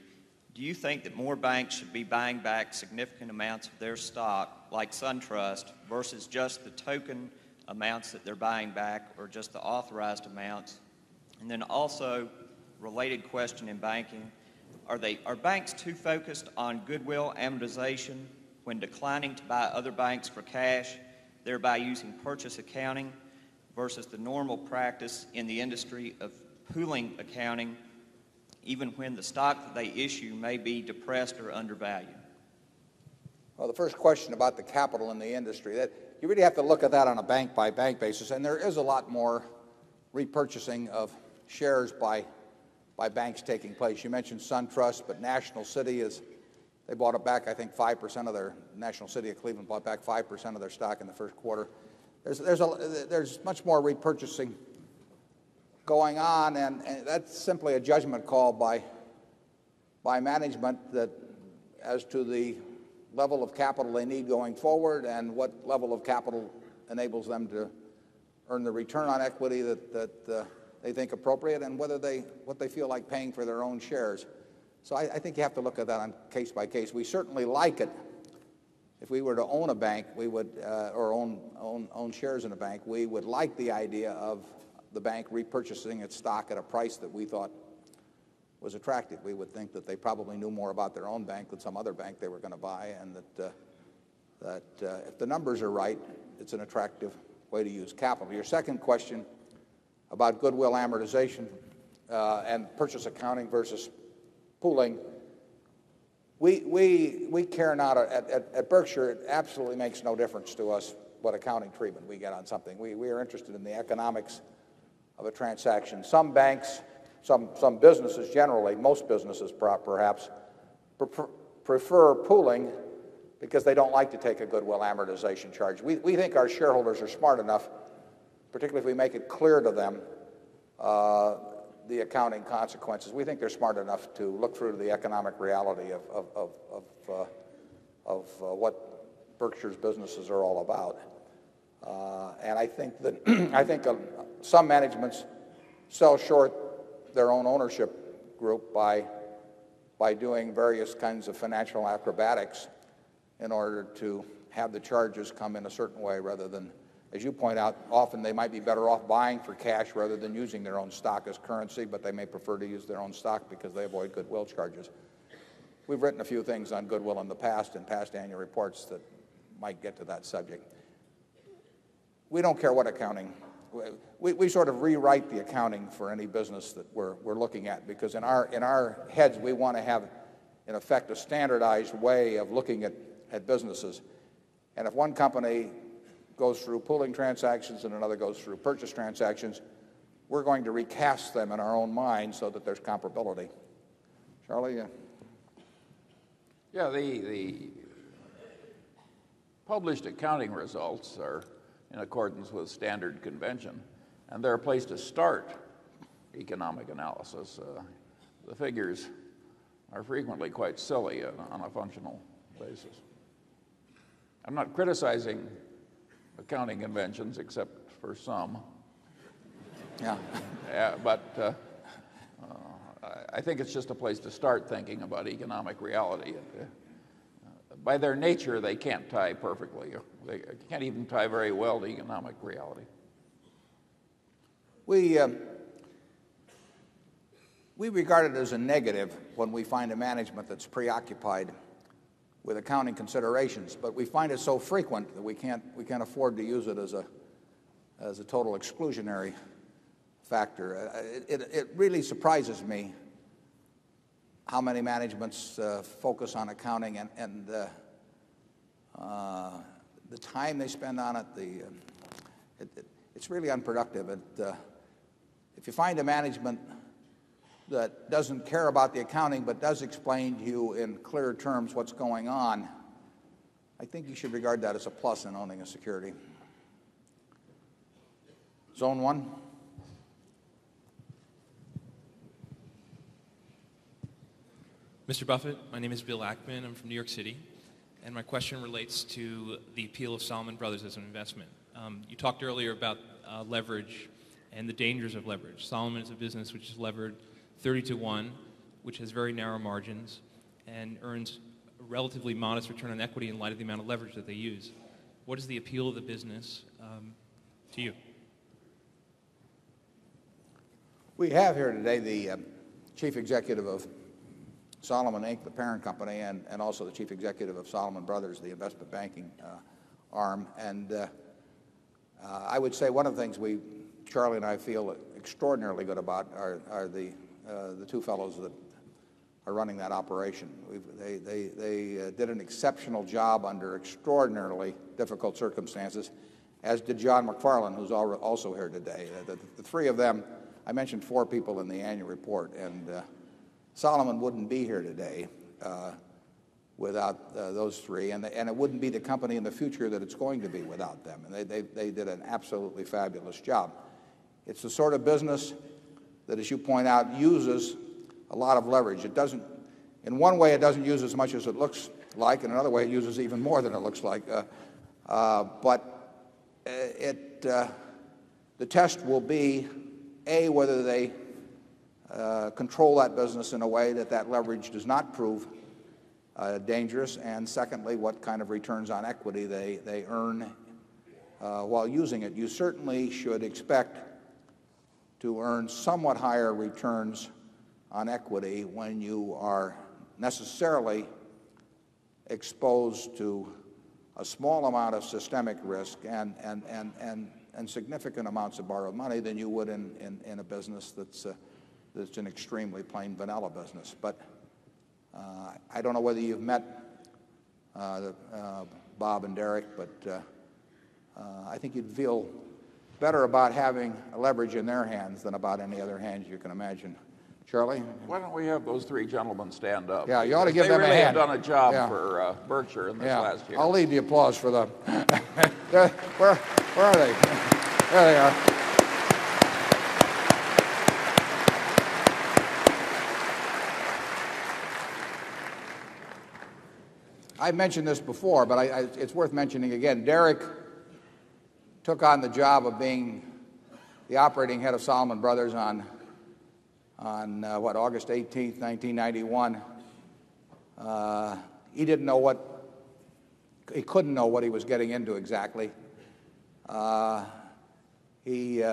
do you think that more banks should be buying back significant amounts of their stock, like SunTrust, versus just the token amounts that they're buying back or just the authorized amounts? And then also related question in banking, are banks too focused on goodwill amortization when declining to buy other banks for cash, thereby using purchase accounting versus the normal practice in the industry of pooling accounting, even when the stock that they issue may be depressed or undervalued? Well, the first question about the capital in the industry, that you really have to look at that on a bank by bank basis. And there is a lot more repurchasing of shares by banks taking place. You mentioned SunTrust, but National City is they bought it back, I think, 5% of their National City of Cleveland bought back 5% of their stock in the Q1. There's much more repurchasing going on, and that's simply a judgment call by management that as to the level of capital they need going forward and what level of capital enables them to earn the return on equity that that, they think appropriate and whether they what they feel like paying for their own shares. So I I think you have to look at that on case by case. We certainly like it. If we were to own a bank, we would or own shares in a bank. We would like the idea of the bank repurchasing its stock at a price that we thought was attractive. We would think that they probably knew more about their own bank than some other bank they were going to buy and that if the numbers are right, it's an attractive way to use capital. Your second question about goodwill amortization, and purchase accounting versus pooling, we care not at Berkshire, it absolutely makes no difference to us what accounting treatment we get on something. We are interested in the economics of a transaction. Some banks some businesses generally most businesses perhaps prefer pooling because they don't like to take a goodwill amortization charge. We think our shareholders are smart enough, particularly if we make it clear to them, the accounting consequences. We think they're smart enough to look through the economic reality of what Berkshire's businesses are all about. And I think that some managements sell short their own ownership group by by doing various kinds of financial acrobatics in order to have the charges come in a certain way rather than as you point out, often they might be better off buying for cash rather than using their own stock as currency, but they may prefer to use their own stock because they avoid goodwill charges. We've written a few things on goodwill in the past and past annual reports that might get to that subject. We don't care what accounting we sort of rewrite the accounting for any business that we're looking at because in our in our heads, we want to have, in effect, a standardized way of looking at businesses. And if one company goes through pulling transactions and another goes through purchase transactions, we're going to recast them in our own mind so that there's comparability. Charlie? Yeah. The the published accounting results are in accordance with standard convention and they're a place to start economic analysis. The figures are frequently quite silly on a functional basis. I'm not criticizing accounting inventions except for some. Yeah. But think it's just a place to start thinking about economic reality. By their nature, they can't tie perfectly. They can't even tie very well to economic reality. We regard it as a negative when we find a management that's preoccupied with accounting considerations. But we find it so frequent that we can't we can't afford to use it as a as a total exclusionary factor. It really surprises me how many managements, focus on accounting and and the time they spend on it, the it's really unproductive. And if you find a management that doesn't care about the accounting but does explain to you in clearer terms what's going on, I think you should regard that as a plus in owning a security. Zone 1. Mr. Buffet, my name is Bill Ackman. I'm from New York City. And my question relates to the appeal of Salomon Brothers as an investment. You talked earlier about leverage and the dangers of leverage. Solomon is a business which is levered 30 to 1, which has very narrow margins and earns relatively modest return on equity in light of the amount of leverage that they use. What is the appeal of the business to you? We have here today the Chief Executive of Solomon, Inc, the parent company, and also the Chief Executive of Solomon Brothers, the investment banking arm. And I would say one of the things we Charlie and I feel extraordinarily good about are the 2 fellows that are running that operation. They did an exceptional job under extraordinarily difficult circumstances, as did John McFarlane, who's also here today. The 3 of them I mentioned 4 people in the annual report. And Solomon wouldn't be here today without those 3. And it wouldn't be the company in the future that it's going to be without them. And they did an absolutely a like. In another way, it uses even more than it looks like. But it the test will be, a, whether they control that business in a way that that leverage does not prove, dangerous and secondly, what kind of returns on equity they earn while using it. You certainly should expect to earn somewhat higher returns on equity when you significant amounts of borrowed money than you would in a business that's, a significant amounts of borrowed money than you would in in a business that's that's an extremely plain vanilla business. But I don't know whether you've met Bob and Derek, but I think you'd feel better about having leverage in their hands than about any other hands you can imagine. Charlie? Why don't we have those 3 gentlemen stand up? Yeah. You ought to give them a hand. They may have done a job for, Berkshire in this last year. Yeah. I'll leave the applause for them. Where are they? There they are. I've mentioned this before, but I I it's worth mentioning again. Derek took on the job of being the operating head of Salomon Brothers on on, what, August 18, 1991. He didn't know what he couldn't know what he was getting into exactly. He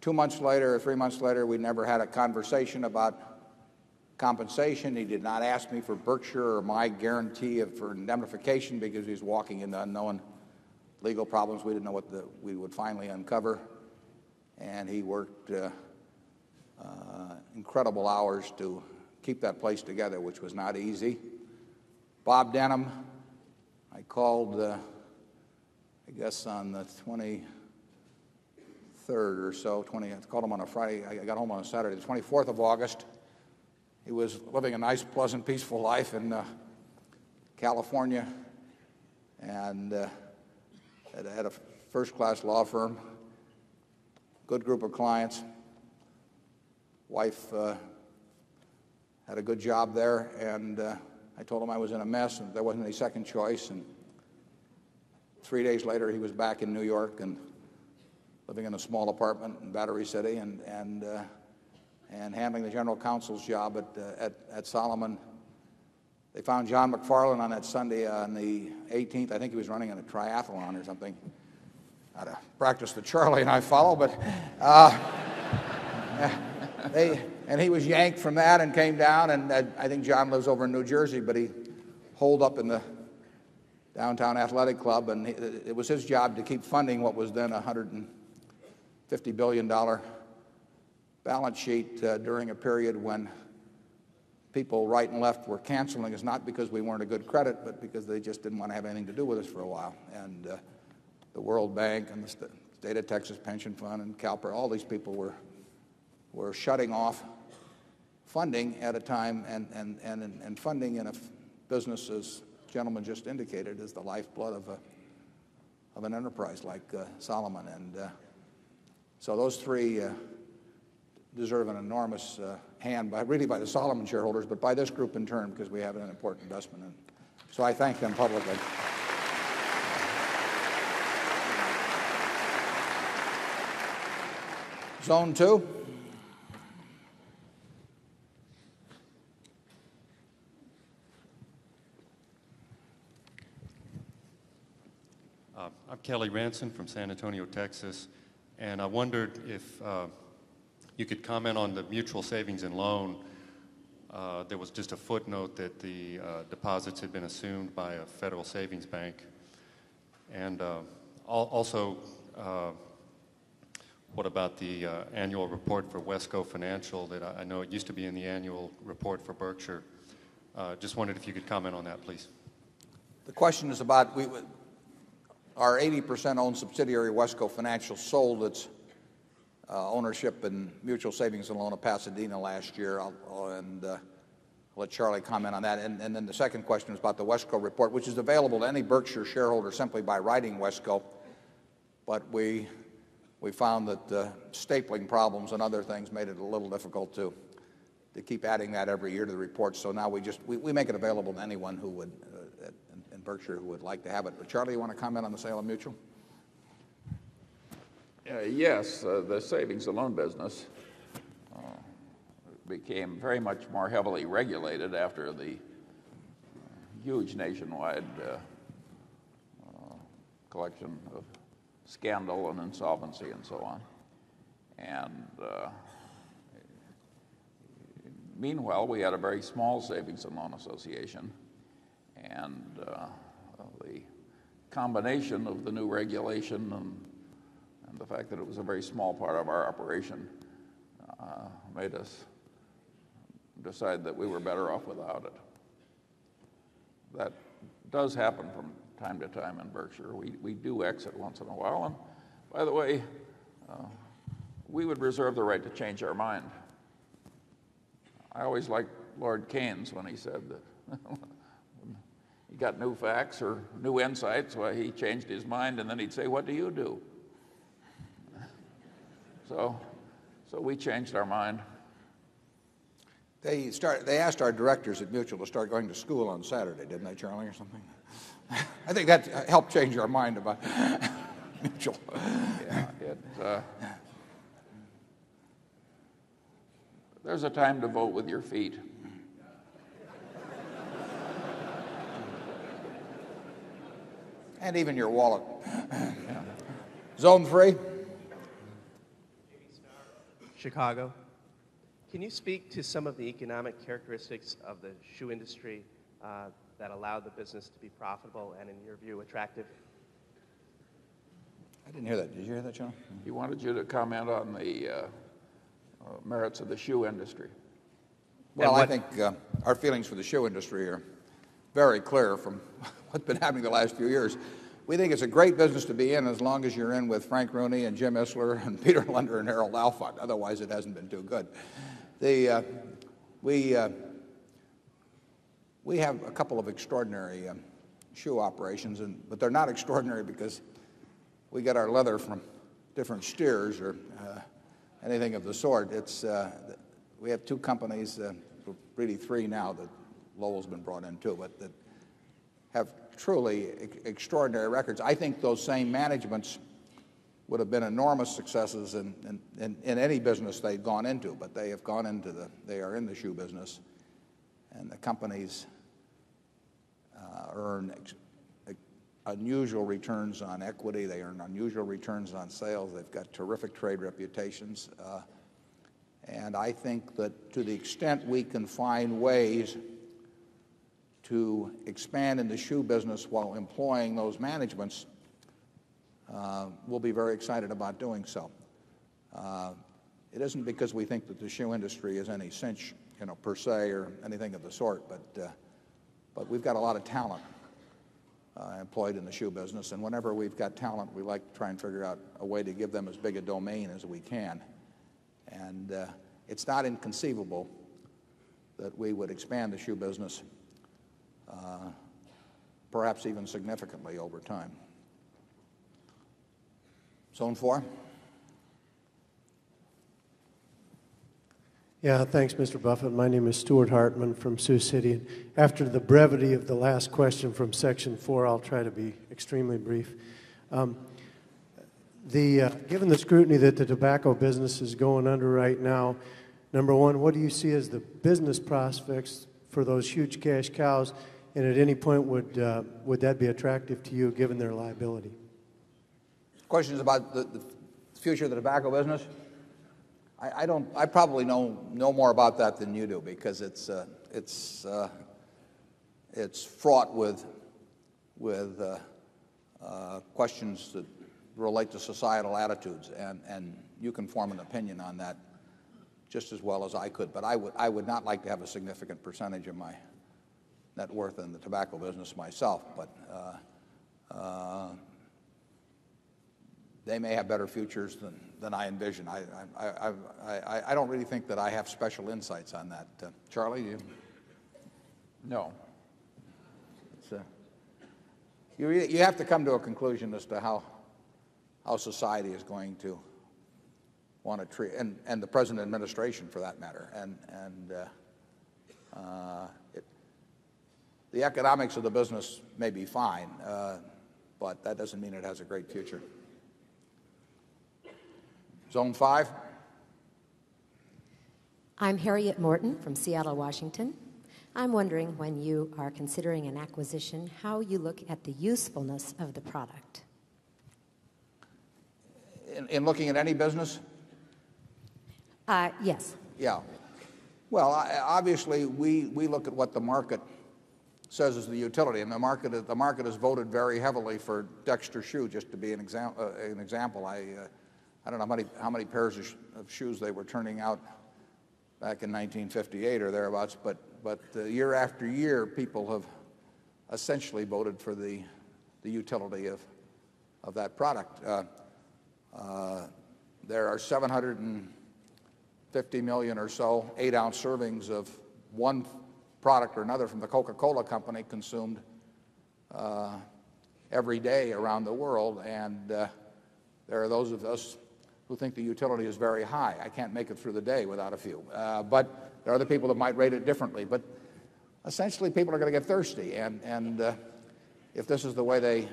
2 months later or 3 months later, we never had a conversation about compensation. He did not ask me for Berkshire or my guarantee for indemnification because he was walking into unknown legal problems. We didn't know what the we would finally uncover. And he worked, incredible hours to keep that place together, which was not easy. Bob Denham, I called, I guess, on the 20 3rd or so. 20th. I called him on a Friday. I got home on a Saturday, 24th August. He was living a nice, pleasant, peaceful life in California and had a first class law firm, good group of clients. Wife had a good job there, and I told him I was in a mess and there wasn't any second choice. And 3 days later, he was back in New York and living in a small apartment in Battery City and handling the general counsel's job at Solomon. They found John MacFarlane on that Sunday on 18th. I think he was running on a triathlon or something. I'd practice the Charlie and I follow, but and he was yanked from that and came down. And I think John lives over in New Jersey, but he holed up in the downtown athletic club. And it was his job to keep funding what was then $150,000,000,000 balance sheet, during a period when people right and left were canceling is not because we weren't a good credit, but because they just didn't want to have anything to do with us for a while. And the World Bank and the State of Texas Pension Fund and CalPRA, all these people were shutting off funding at a time and funding in a business, as the gentleman just indicated, is the lifeblood of an enterprise like Solomon. And so those 3 deserve an enormous hand by really by the Solomon shareholders, but by this group in turn because we have an important investment in it. So I thank them publicly. I'm Kelly Ransom from San Antonio, Texas. And I wondered if, you could comment on the mutual savings and loan. There was just a footnote that the, deposits had been assumed by a federal savings bank. And also, what about the annual report for WESCO Financial that I know it used to be in the annual report for Berkshire. Just wondered if you could comment on that, please. The question is about we our 80% owned subsidiary Wesco Financial sold its ownership and mutual savings and loan to Pasadena last year. I'll and I'll let Charlie comment on that. And then the second question is about the WESCO report, which is available to any Berkshire shareholder simply by writing WESCO. But we we found that the stapling problems and other things made it a little difficult to to keep adding that every year to the report. So now we just we make it available to anyone who would and Berkshire who would like to have it. But Charlie, do you want to comment on the sale of mutual? Yes. The savings and loan business became very much more heavily regulated after the huge nationwide collection of scandal and insolvency and so on. And meanwhile, we had a very small Savings and Loan Association and the combination of the new regulation and the fact that it was a very small part of our operation made us decide that we were better off without it. That does happen from time to time in Berkshire. We do exit once in a while. By the way, we would reserve the right to change our mind. I always liked Lord Keynes when he said he got new facts or new insights. Well, he changed his mind and then he'd say, what do you do? So we changed our mind. They asked our directors at Mutual to start going to school on Saturday, didn't they, Charlie, or something? I think that helped change our mind about Mutual. There's a time to vote with your feet. And even your wallet. Chicago. Can you speak to some of the economic characteristics of the shoe industry, that allowed the business to be profitable and in your view attractive? I didn't hear that. Did you hear that, John? He wanted you to comment on the merits of the shoe industry. Well, I think our feelings for the shoe industry are very clear from what's been happening the last few years. We think it's a great business to be in as long as you're in with Frank Rooney and Jim Isler and Peter Lunder and Harold Alfoot. Otherwise, it hasn't been too good. The we we have a couple of extraordinary shoe operations and but they're not extraordinary because we get our leather from different steers or, anything of the sort. It's, we have 2 companies, really 3 now that Lowell's been brought into, but that have truly extraordinary records. I think those same managements would have been enormous successes in in in any business they've gone into, but they have gone into the they are in the shoe business. And the companies, earn unusual returns on equity. They earn unusual returns on sales. They've got terrific trade reputations. And I think that to the extent we can find ways to expand in the shoe business while employing those managements, we'll be very excited about doing so. It isn't because we think that the shoe industry is any cinch, you know, per se or anything of the sort, but we've got a lot of talent employed in the shoe business. And whenever we've got talent, we like to try and figure out a way to give them as big a domain as we can. And, it's not inconceivable that we would expand the shoe business, perhaps even significantly over time. Zone 4. Yeah. Thanks, My name is Stuart Hartman from Sioux City. After the brevity of the last question from Section 4, I'll try to be extremely brief. Given the scrutiny that the tobacco business is going under right now, number 1, what do you see as the business prospects for those huge cash cows? And at any point, would that be attractive to you given their liability? Question is about the future of the tobacco business? I don't I probably know know more about that than you do because it's, it's fraught with questions that relate to societal attitudes, and you can form an opinion on that just as well as I could. But I would not like to have a significant percentage of my net worth in the tobacco business myself, but they may have better futures than I envision. I don't really think that I have special insights on that. Charlie, do you no. So you have to come to a conclusion as to how society is going to want to treat and the present administration, for that matter. And the economics of the business may be fine, but that doesn't mean it has a great future. Zone 5. I'm Harriet Morton from Seattle, Washington. I'm wondering, when you are considering an acquisition, how you look at the usefulness of the product? In looking at any business? Yes. Yeah. Well, obviously, we we look at what the market says as the utility. And the market the market has voted very heavily for Dexter shoe, just to be an example an example. I I don't know how many how many pairs of shoes they were turning out back in 1958 or thereabouts, but but year after year, people have essentially voted for the utility of that product. There are 7 50,000,000 or so 8 ounce servings of 1 product or another from the Coca Cola Company consumed every day around the world. And there are those of us who think the utility is very high. I can't make it through the day without a few. But there are other people that might rate it differently. But essentially, people are going to get thirsty. And and if this is the way they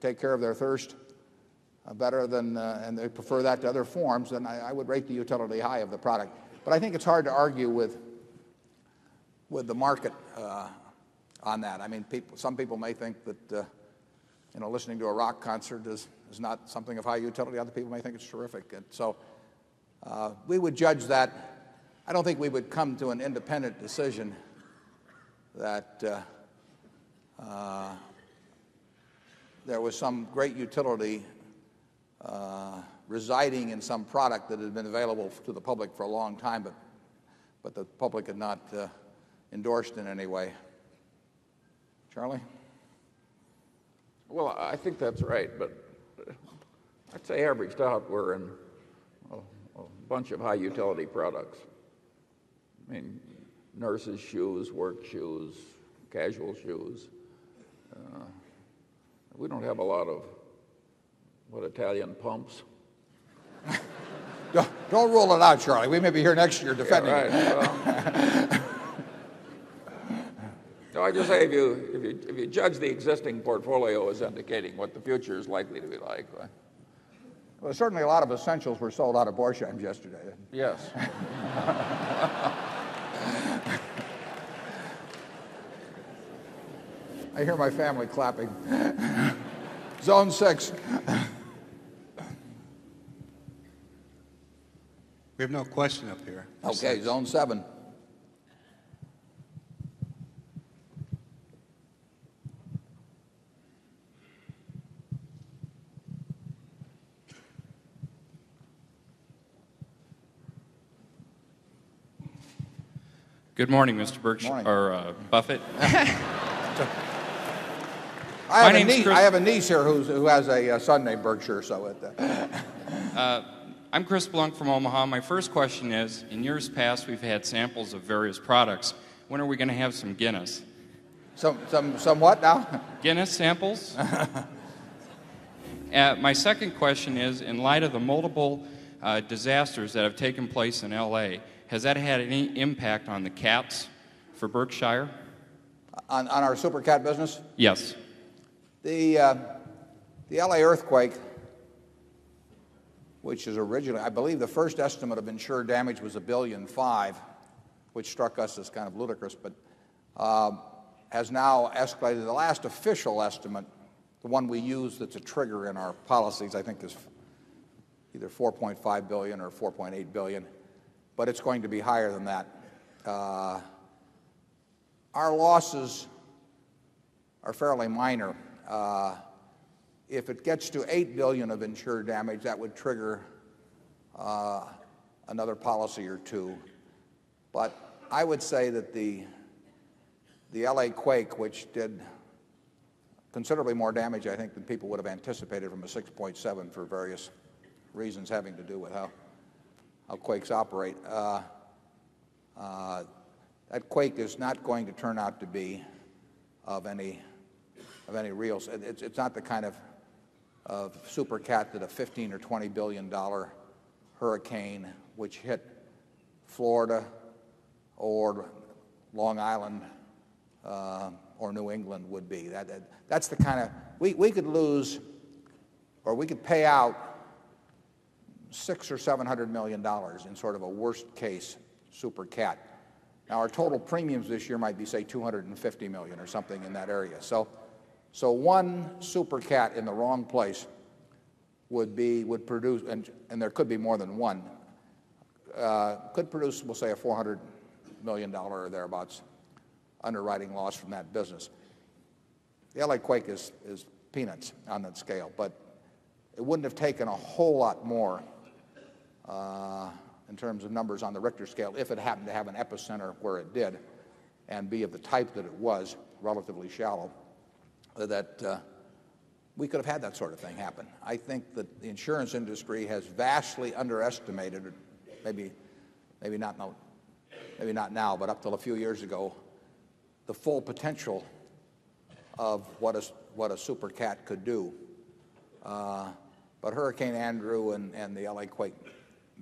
take care of their thirst better than and they prefer that to other forms, then I would rate the utility high of the product. But I think it's hard to argue with with the market on that. I mean, people some people may think that, you know, listening to a rock concert is is not something of high utility. Other people may think it's terrific. And so, we would judge that. I don't think we would come to an independent decision that there was some great utility residing in some product that had been available to the public for a long time, but the public had not endorsed in any way. Charlie? MR. Well, I think that's right. But I'd say, average stock, we're in a bunch of high utility products. I mean, nurses shoes, work shoes, casual shoes. We don't have a lot of what Italian pumps. Don't rule it out, Charlie. We may be here next year defending. All right. So I just say if you judge the existing portfolio as indicating what the future is likely to be like. Well, certainly a lot of essentials were sold out of Boruchaim yesterday. Yes. I hear my family clapping. Zone 6. We have no question up here. Okay. Zone 7. Good morning, Mr. Birx or, Buffett. Good morning, sir. I have a niece here who has a son named Berkshire. I'm Chris Blunk from Omaha. My first question is, in years past, we've had samples of various products. When are we going to have some Guinness? Some what now? Guinness samples? My second question is, in light of the multiple disasters that have taken place in LA, has that had any impact on the caps for Berkshire? On our super cat business? Yes. The, the L. A. Earthquake, which is originally I believe the first estimate of insured damage was 1,500,000,000 which struck us as kind of ludicrous. But as now as by the last official estimate, the one we use that's a trigger in our policies, I think, is either $4,500,000,000 or $4,800,000,000 But it's going to be higher than that. Our losses are fairly minor. If it gets to $8,000,000,000 of insured damage, that would trigger another policy or 2. But I would say that the L. A. Quake, which did considerably more damage, I think, than people would have anticipated from a 6.7 for various reasons having to do with how quakes operate, That quake is not going to turn out to be of any of any real it's not the kind of super cat that a $15 or $20,000,000,000 hurricane which hit Florida or Long Island, or New England would be. That's the kind of we could lose or we could pay out $6 or $700,000,000 in sort of a worst case super cat. Now, our total premiums this year might be, say, 250,000,000 or something in that area. So one super cat in the wrong place would be would produce and and there could be more than 1 could produce, we'll say, a $400,000,000 or thereabouts underwriting loss from that business. The L. A. Quake is peanuts on that scale, but it wouldn't have taken a whole lot more in terms of numbers on the Richter scale if it happened to have an epicenter where it did and be of the type that it was relatively shallow that we could have had that sort of thing happen. I think that the insurance industry has vastly underestimated maybe maybe not now maybe not now, but up until a few years ago the full potential of what a what a super cat could do. But Hurricane Andrew and the L. A. Quake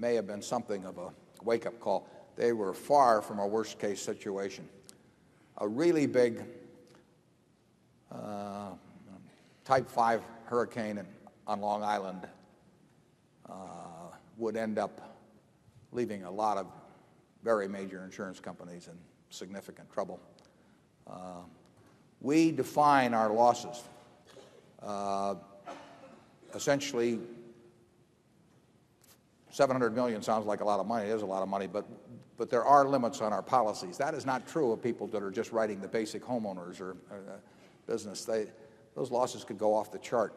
may have been something of a wake up call. They were far from a worst case situation. A really big, Type 5 hurricane on Long Island would end up leaving a lot of very major insurance companies in significant trouble. We define our losses. Essentially, 700,000,000 sounds like a lot of money. It is a lot of money, but there are limits on our policies. That is not true of people that are just writing the basic homeowners or business. They those losses could go off the chart.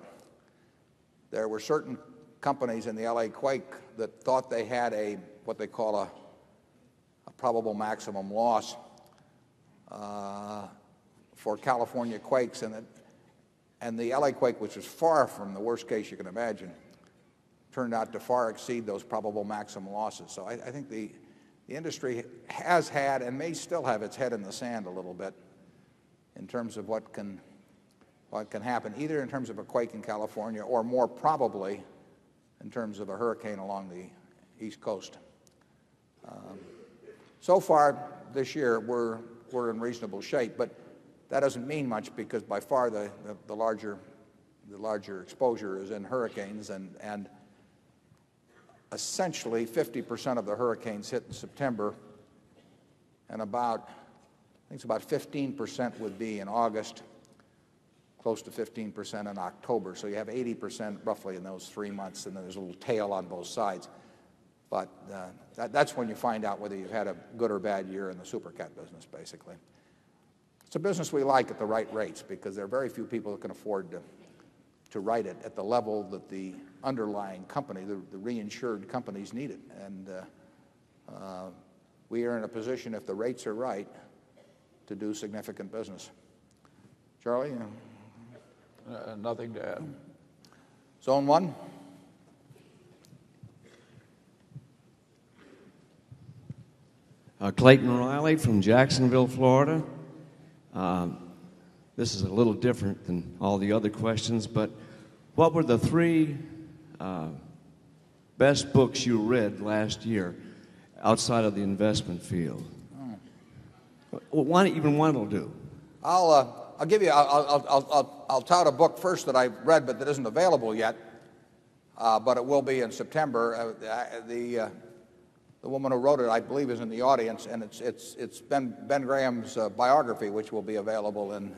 There were certain companies in the L. A. Quake that thought they had a what they call a probable maximum loss, for California quakes. And it and the L. A. Quake, which was far from the worst case you can imagine, turned out to far exceed those probable maximum losses. So I think the the industry has had and may still have its head in the sand a little bit in terms of what can what can happen, either in terms of a quake in California or more probably in terms of a hurricane along the East Coast. So far this year, we're we're in reasonable shape, but that doesn't mean much because, by far, the the larger the larger exposure is in hurricanes. And and, essentially, 50% of the hurricanes hit in September, and about I think it's about 15% would be in August, close to 15% in October. So you have 80% roughly in those 3 months, and then there's a little tail on both sides. But that's when you find out whether you've had a good or bad year in the super cat business, basically. It's a business we like at the right rates because there are very few people that can afford to to write it at the level that the underlying company the the reinsured companies need it. And we are in a position, if the rates are right, to do significant business. Charlie? MR. Nothing to add. Zone 1. Clayton O'Reilly from Jacksonville, Florida. This is a little different than all the other questions, but what were the 3 best books you read last year outside of the investment field? 1, even 1 will do. I'll, I'll give you I'll I'll I'll I'll I'll I'll I'll tie out a book first that I've read but that isn't available yet, but it will be in September. The the woman who wrote it, I believe, is in the audience, and it's Ben Graham's biography, which will be available in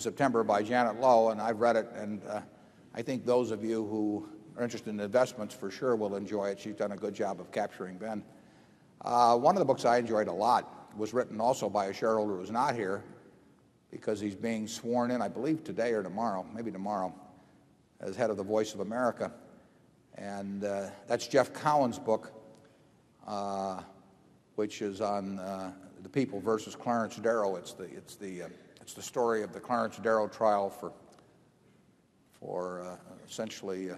September by Janet Lowe. And I've read it, and I think those of you who are interested in investments for sure will enjoy it. She's done a good job of capturing Ben. One of the books I enjoyed a lot was written also by a shareholder who's not here because he's being sworn in, I believe, today or tomorrow maybe tomorrow as head of the Voice of America. And, that's Jeff Collins' book, which is on the people versus Clarence Darrow. It's the it's the, it's the story of the Clarence Darrow trial for for essentially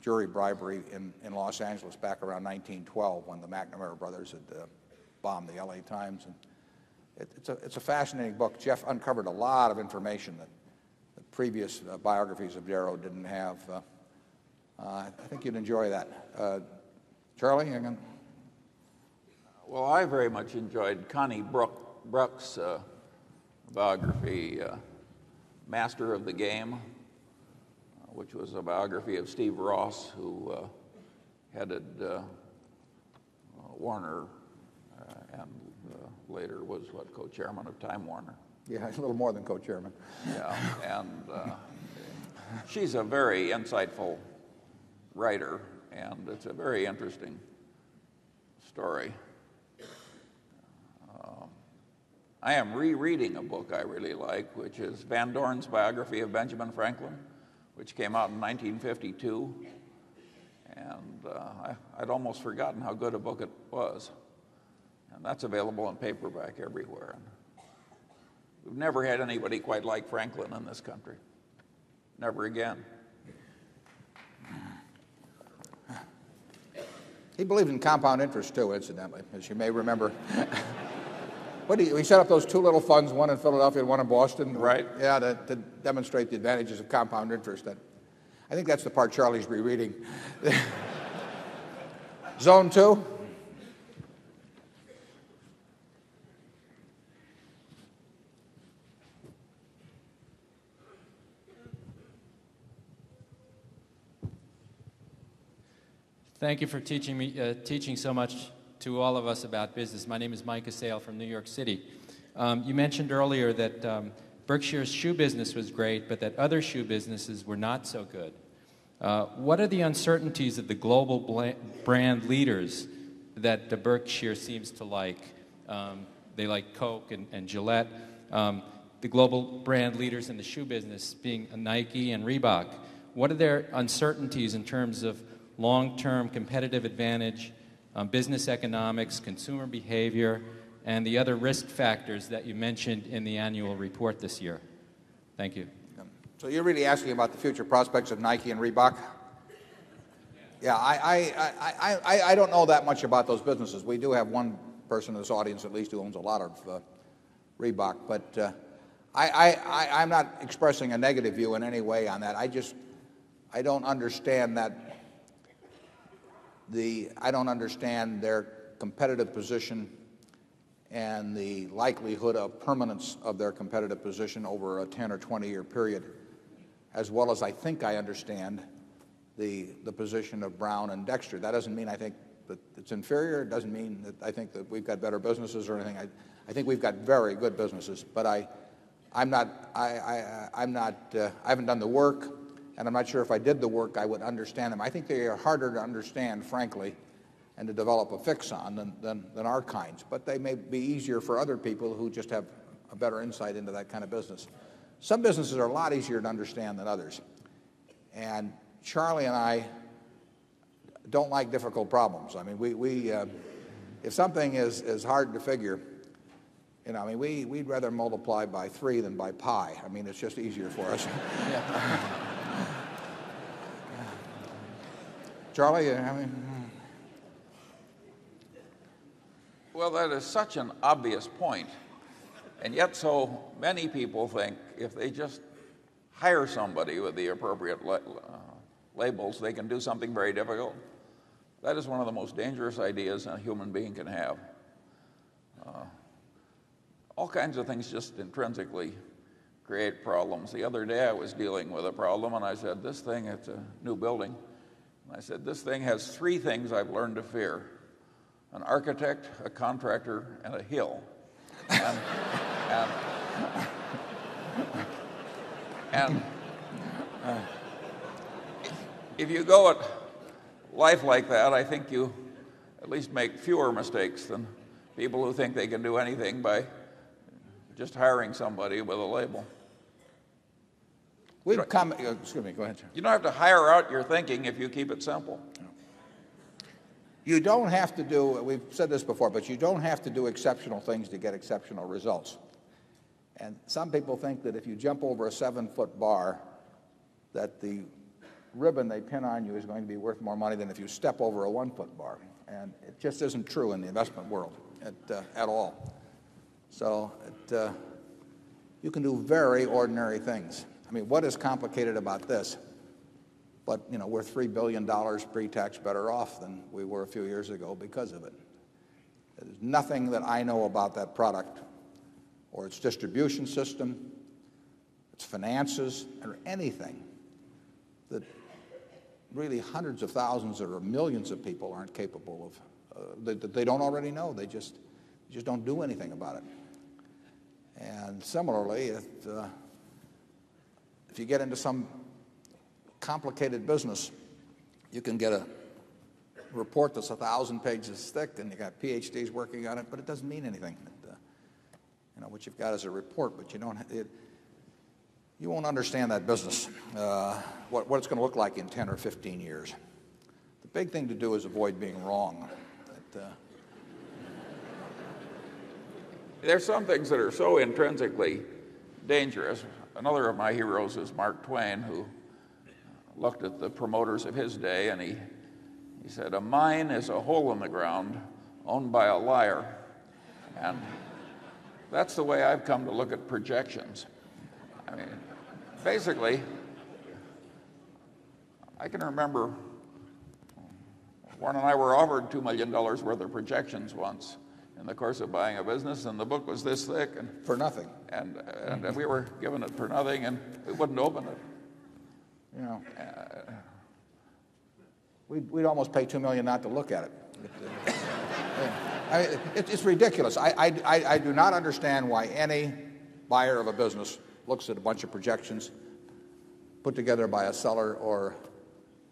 jury bribery in in Los Angeles back around 1912 when the McNamara brothers had, bombed the LA Times. And it's a fascinating book. Jeff uncovered a lot of information that previous biographies of Darrow didn't have. I think you'd enjoy that. Charlie, hang on. Well, I very much enjoyed Connie Brook's biography, Master of the Game, which was a biography of Steve Ross who headed Warner and later was, what, co chairman of Time Warner. Yeah. He's a little more than co chairman. And she's a very insightful writer and it's a very interesting story. I am rereading a book I really like which is Van Dorn's biography of Benjamin Franklin which came out in 1952. I had almost forgotten how good a book it was. And that's available in paperback everywhere. We've never had anybody quite like Franklin in this country. Never again. He believed in compound interest too, incidentally, as you may remember. What do you we set up those 2 little funds, 1 in Philadelphia and 1 in Boston? Right. Yes, to demonstrate the advantages of compound interest. I think that's the part Charlie is rereading. Zone 2? Thank you for teaching me, teaching so much to all of us about business. My name is Mike Asail from New York City. You mentioned earlier that, Berkshire's shoe business was great, but that other shoe businesses were not so good. What are the uncertainties of the global brand leaders that the Berkshire seems to like? They like Coke and Gillette. The global brand leaders in the shoe business being Nike and Reebok, What are their uncertainties in terms of long term competitive advantage, business economics, consumer behavior and the other risk factors that you mentioned in the annual report this year? Thank you. So you're really asking about the future prospects of Nike and Reebok? Yeah. I don't know that much about those businesses. We do have one person in this audience, at least, who owns a lot of Reebok. But I I I'm not expressing a negative view in any way on that. I just I don't understand that the I don't understand their competitive position and the likelihood of permanence of their competitive position over a 10 or 20 year period as well as I think I understand the position of Brown and Dexter. That doesn't mean I think that it's inferior. It doesn't mean that I think that we've got better businesses or anything. I think we've got very good businesses, but I'm not I'm not I haven't done the work, and I'm not sure if I did the work, I would understand them. I think they are harder to understand, frankly, and to develop a fix on than our kinds, but they may be easier for other people who just have a better insight into that kind of business. Some businesses are a lot easier to understand than others. And Charlie and I don't like difficult problems. I mean, we if something is hard to figure, I mean, we'd rather multiply by 3 than by pi. I mean, it's just easier for us. Charlie? Well, that is such an obvious point. And yet so many people think if they just hire somebody with the appropriate labels, they can do something very difficult. That is one of the most dangerous ideas a human being can have. All kinds of things just intrinsically create problems. The other day, I was dealing with a problem and I said, this thing, it's a new building. I said, This thing has 3 things I've learned to fear: an architect, a contractor, and a hill. And if you go at life like that, I think you at least make fewer mistakes than people who think they can do anything by just hiring somebody with a label. Excuse me. Go ahead, sir. You don't have to hire out your thinking if you keep it simple. You don't have to do and we've said this before, but you don't have to do exceptional things to get exceptional results. And some people think that if you jump over a 7 foot bar, that the ribbon they pin on you is going to be worth more money than if you step over a 1 foot bar. And it just isn't true in the investment world at all. So it, you can do very ordinary things. I mean, what is complicated about this? But, you know, we're $3,000,000,000 pretax, better off than we were a few years ago because of it. There's nothing that I know about that product or its distribution system, its finances, or anything that really 100 of 1000 or 1000000 of people aren't capable of that they don't already know. They just just don't do anything about it. And similarly, if you get into some complicated business, you can get a report that's a 1,000 pages thick and you've got PhDs working on it, but it doesn't mean anything. You know, what you've got is a report, but you don't you won't understand that business, what it's going to look like in 10 or 15 years. The big thing to do is avoid being wrong. There are some things that are so intrinsically dangerous. Another of my heroes is Mark Twain who looked at the promoters of his day and he said, A mine is a hole in the ground owned by a liar. And that's the way I've come to look at projections. Basically, I can remember Warren and I were offered $2,000,000 worth of projections once in the course of buying a business, and the book was this thick. And for nothing. And then we were given it for nothing and we wouldn't open it. We'd almost pay $2,000,000 not to look at it. It's ridiculous. I do not understand why any buyer of a business looks at a bunch of projections put together by a seller or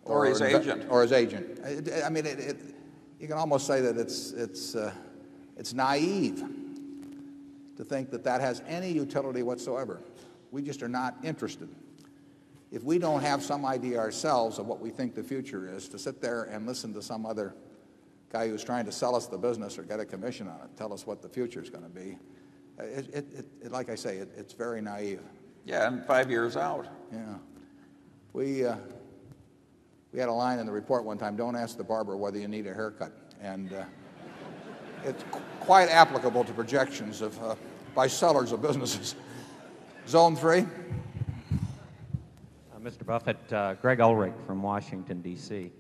Or his agent. Or his agent. I mean, it you can almost say that it's naive to think that that has any utility whatsoever. We just are not interested. If we don't have some idea ourselves of what we think the future is to sit there and listen to some other guy who's trying to sell us the business or get a commission on it, tell us what the future is going to be, It it like I say, it's very naive. Yes. And 5 years out. Yes. We had a line in the report one time, don't ask the barber whether you need a haircut. And it's quite applicable to projections of by sellers of businesses. Zone 3. Mr. Buffet, Greg Ulrich from Washington, D. C.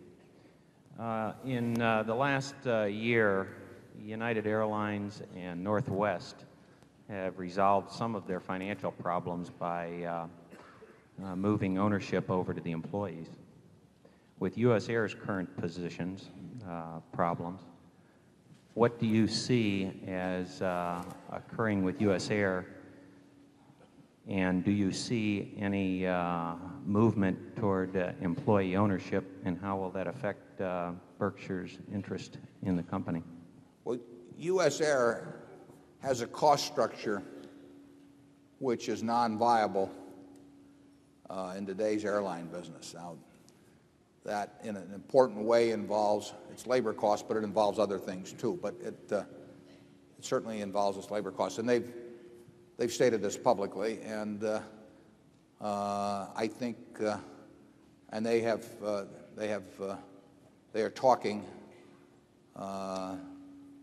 In the last year, United Airlines and Northwest have resolved some of their financial problems by moving ownership over to the employees. With U. S. Air's current positions, problems, what do you see as occurring with U. S. Air? And do you see any movement toward employee ownership? And how will that affect Berkshire's interest in the company? Well, US Air has a cost structure which is non viable, in today's airline business. Now, that in an important way involves its labor costs, but it involves other things too. But it certainly involves its labor costs. And they've they've stated this publicly. And, I think and they have they have they are talking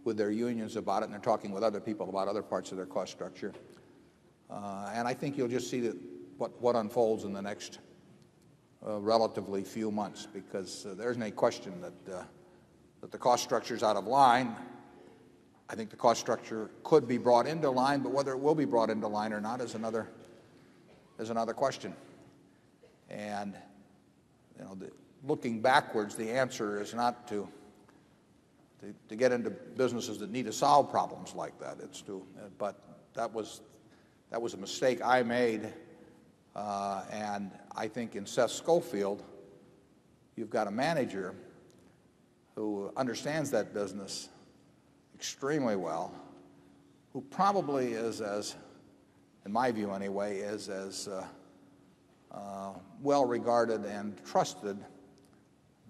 with their unions about it, and they're talking with other people about other parts of their cost structure. And I think you'll just see that what what unfolds in the next, relatively few months because there isn't a question that, that the cost structure is out of line. I think the cost structure could be brought into line, but whether it will be brought into line or not is another is another question. And looking backwards, the answer is not to get into businesses that need to solve problems like that. But that was a mistake I made, and I think in Seth Schofield, you've got a manager who understands that business extremely well, who probably is as in my view anyway, is as, well regarded and trusted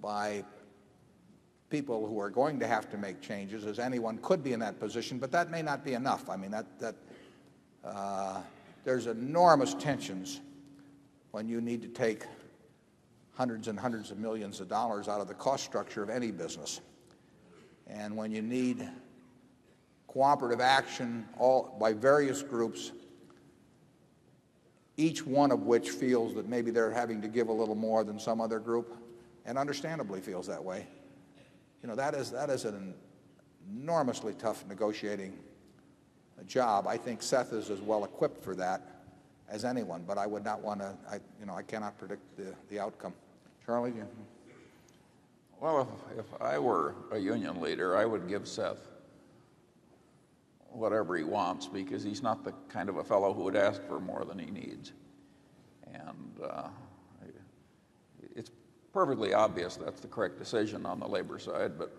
by people who are going to have to make changes, as anyone could be in that position. But that may not be enough. I mean, that that, there's enormous tensions when you need to take 100 and 100 of 1,000,000 of dollars out of the cost structure of any business and when you need cooperative action all by various groups, each one of which feels that maybe they're having to give a little more than some other group and understandably feels that way. You know, that is that is an enormously tough negotiating job. I think Seth is as well equipped for that as anyone. But I would not want to I, you know, I cannot predict the outcome. Charlie, do you want to? Well, if I were a union leader, I would give Seth whatever he wants because he's not the kind of a fellow who would ask for more than he needs. It's perfectly obvious that's the correct decision on the labor side. But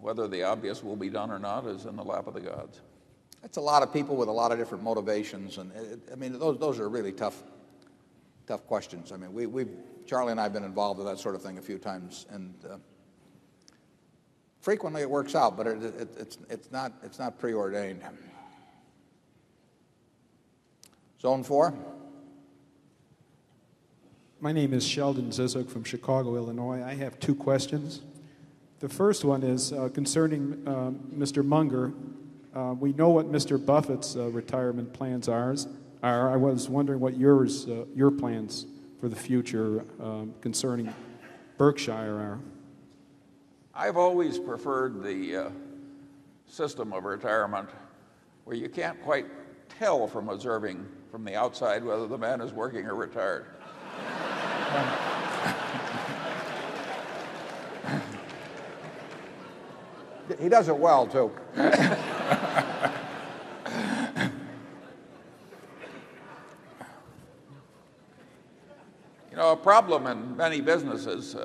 whether the obvious will be done or not is in the lap of the gods. It's a lot of people with a lot of different motivations. And I mean, those are really tough, tough questions. I mean, we we Charlie and I have been involved with that sort of thing a few times. And frequently, it works out, but it it it's it's not it's not preordained. Zone 4? My name is Sheldon Zizook from Chicago, Illinois. I have two questions. The first one is concerning, mister Munger. We know what Mr. Buffett's retirement plans are. I was wondering what your plans for the future concerning Berkshire, Aaron. I've always preferred the system of retirement where you can't quite tell from observing from the outside whether the man is working or retired. He does it well too. A problem in many businesses,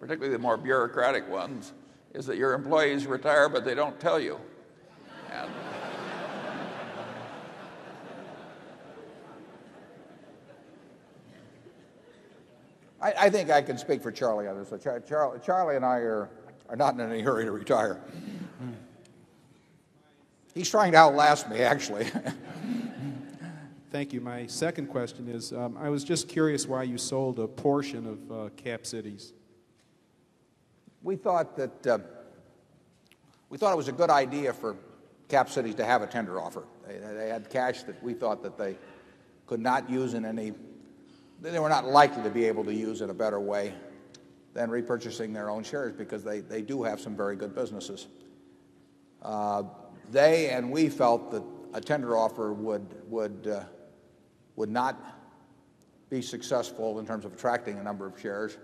particularly the more bureaucratic ones, is that your employees retire but they don't tell you. I think I can speak for Charlie on this. So Charlie and I are not in any hurry to retire. He's trying to outlast me, actually. Thank you. My second question is, I was just curious why you sold a portion of, cap cities. We thought that, we thought it was a good idea for Cap Cities to have a tender offer. They, they had cash that we thought that they could not use in any they were not likely to be able to use in a better way than repurchasing their own shares because they they do have some very good businesses. They and we felt that a tender offer would not be successful in terms of attracting a number of shares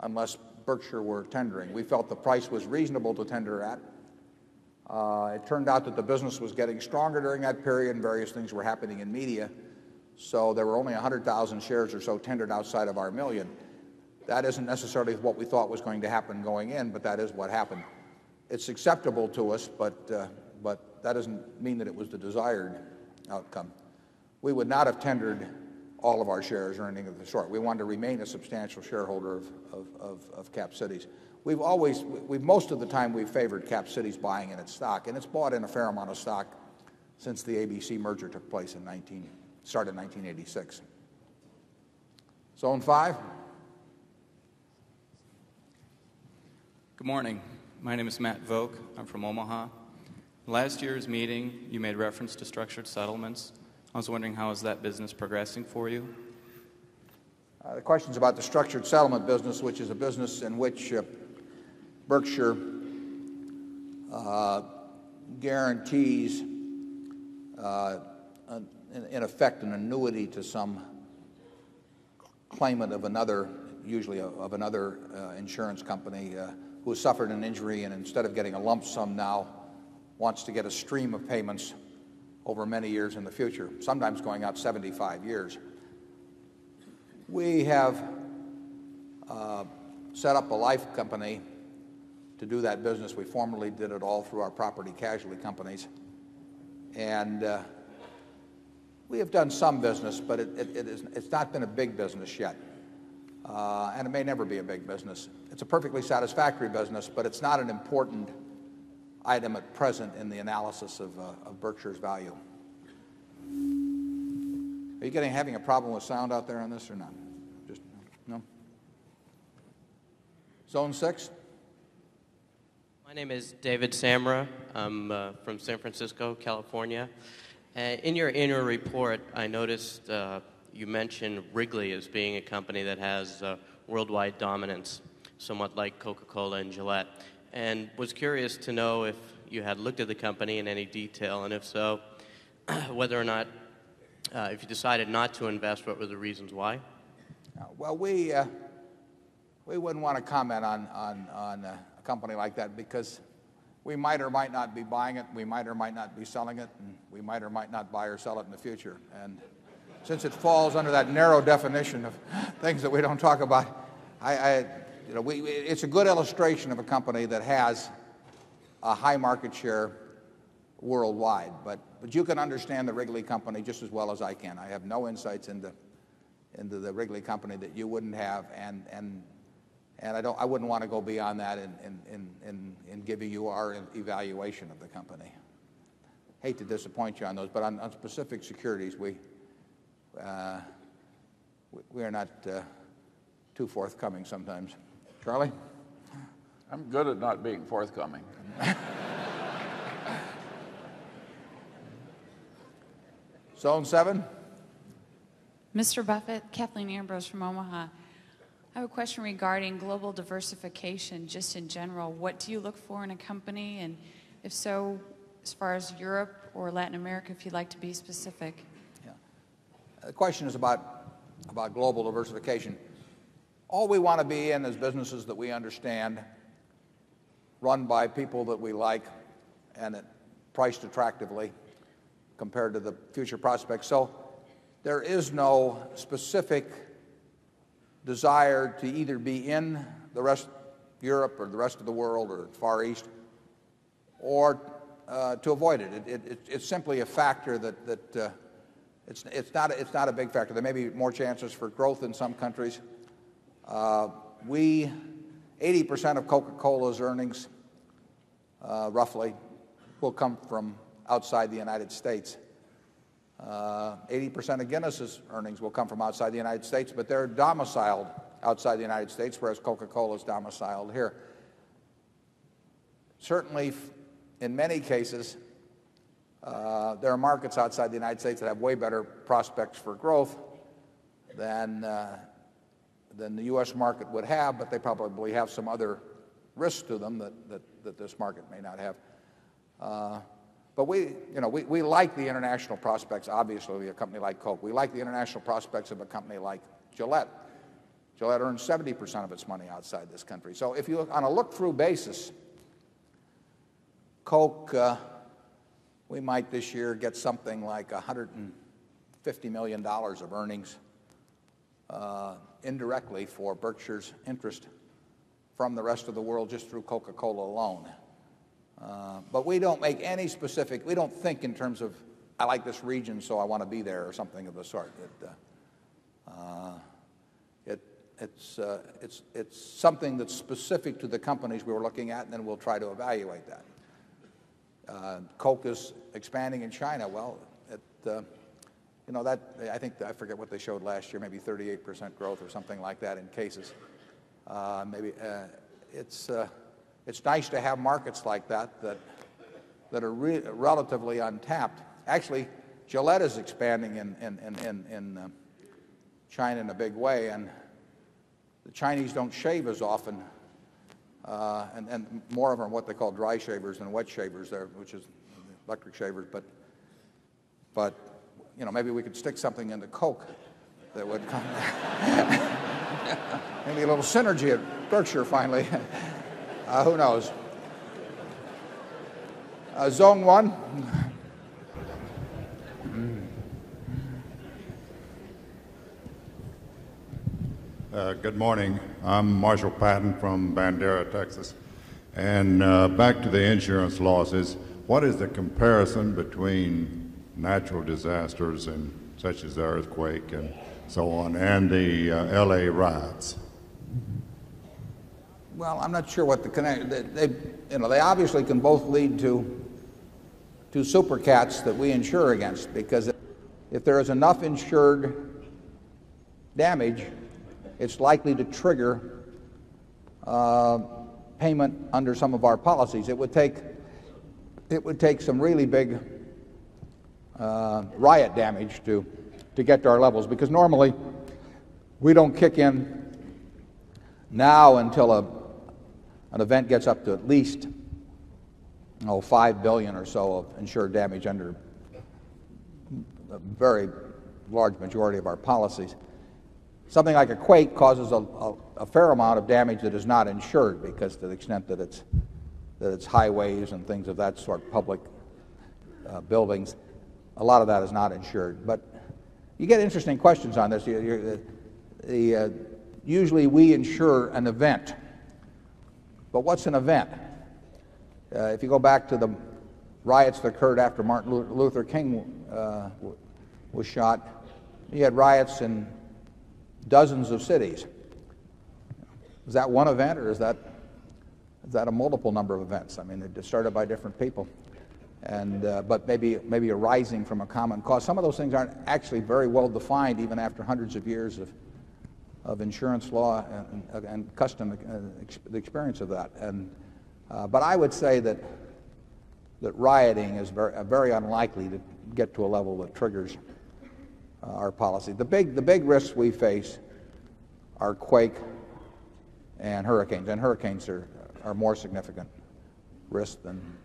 unless Berkshire were tendering. We felt the price was reasonable to tender at. It turned out that the business was getting stronger during that period. Various things were happening in media. So there were only 100,000 shares or so tendered outside of our 1,000,000. That isn't necessarily what we thought was going to happen going in, but that is what happened. It's acceptable to us, but, but that doesn't mean that it was the desired outcome. We would not have tendered all of our shares or anything of the short. We wanted to remain a substantial shareholder of Cap Cities. We've always we've most of the time, we've favored Cap Cities buying in its stock, and it's bought in a fair amount of stock since the ABC merger took place in 19 started in 1986. Zone 5. Good morning. My name is Matt Voke. I'm from Omaha. Last year's meeting, you made reference to structured settlements. I was wondering how is that business progressing for you? The question is about the structured settlement business, which is a business in which Berkshire guarantees, in effect, an annuity to some claimant of another usually of another insurance company, who suffered an injury and instead of getting a lump sum now, wants to get a stream of payments over many years in the future, sometimes going out 75 years. We have, set up a life company to do that business. We formerly did it all through our property casualty companies. And we have done some business but it isn't it's not been a big business yet, and it may never be a big business. It's a perfectly satisfactory business but it's not an important item at present in the analysis of, of Berkshire's value. Are you getting having a problem with sound out there on this or not? Just no. Zone 6. My name is David Samra. I'm from San Francisco, California. In your annual report, I noticed you mentioned Wrigley as being a company that has worldwide dominance, somewhat like Coca Cola and Gillette. And was curious to know if you had looked at the company in any detail. And if so, whether or not, if you decided not to invest, what were the reasons why? Well, we wouldn't want to comment on a company like that because we might or might not be buying it. We might or might not be selling it. And we might or might not buy or sell it in the future. And since it falls under that narrow definition of things that we don't talk about, I I you know, we we it's a good illustration of a company that has a high market share worldwide. But you can understand the Wrigley company just as well as I can. I have no insights into, into the Wrigley company that you wouldn't have. And, and, And I don't I wouldn't want to go beyond that in giving you our evaluation of the company. I hate to disappoint you on those, but on specific securities, we we are not too forthcoming sometimes. Charlie? I'm good at not being forthcoming. Mr. Buffett, Kathleen Ambrose from Omaha. I have a question regarding global diversification just in general. What do you look for in a company? And if so, as far as Europe or Latin America, if you'd like to be specific? Yeah. The question is about global diversification. All we want to be in is businesses that we understand, run by people that we like, and priced attractively compared to the future prospects. So there is no specific desire to either be in the rest of Europe or the rest of the world or Far East or, to avoid it. It's simply a factor that that it's not a big factor. There may be more chances for growth in some countries. We 80% of Coca Cola's earnings, roughly, will come from outside the United States. 80% of Guinness's earnings will come from outside the United States, but they're domiciled outside the United States, whereas Coca Cola is domiciled here. Certainly, in many cases, there are markets outside the United States that have way better prospects for growth than than the U. S. Market would have, but they probably have some other risk to them that that that this market may not have. But we you know, we we like the international prospects, obviously, of a company like Coke. We like the international prospects of a company like Gillette. Gillette earned 70% of its money outside this country. So if you look on a look through basis, Coke, we might this year get something like $150,000,000 of earnings, indirectly for Berkshire's interest from the rest of the world just through Coca Cola alone. But we don't make any specific we don't think in terms of I like this region, so I want to be there or something of the sort. It's something that's specific to the companies we were looking at, and then we'll try to evaluate that. Coke is expanding in China. Well, at, you know, that I think I forget what they showed last year, maybe 38% growth or something like that in cases. Maybe it's nice to have markets like that that are relatively untapped. Actually, Gillette is expanding in China in a big way, and the Chinese don't shave as often. And and more of them are what they call dry shavers and wet shavers there, which is electric shavers. But but, you know, maybe we could stick something into Coke that would come. Maybe a little synergy at Berkshire finally. Who knows? Good morning. I'm Marshall Patton from Bandera, Texas. And, back to the insurance losses, what is the comparison between natural disasters and such as the earthquake and so on and the, LA riots? Well, I'm not sure what the connect they obviously can both lead to 2 super cats that we insure against because if there is enough insured damage, it's likely to trigger payment under some of our policies. It would take some really big riot damage to get to our levels because normally we don't kick in now until an event gets up to at least $5,000,000,000 or so of insured damage under a very large majority of our policies. Something like a quake causes a fair amount of damage that is not insured because to the extent that it's highways and things of that sort, public buildings, a lot of that is not insured. But you get interesting questions on this. Usually, we insure an event. But what's an event? If you go back to the riots that occurred after Martin Luther King was shot. He had riots in dozens of cities. Is that one event or is that a multiple number of events? I mean, they're just started by different people but maybe arising from a common cause. Some of those things aren't actually very well defined even after 100 of years of insurance law and custom experience of that. But I would say that rioting is very unlikely to get to a level that triggers our policy. The big risks we face are quake and hurricanes. And hurricanes are more significant risks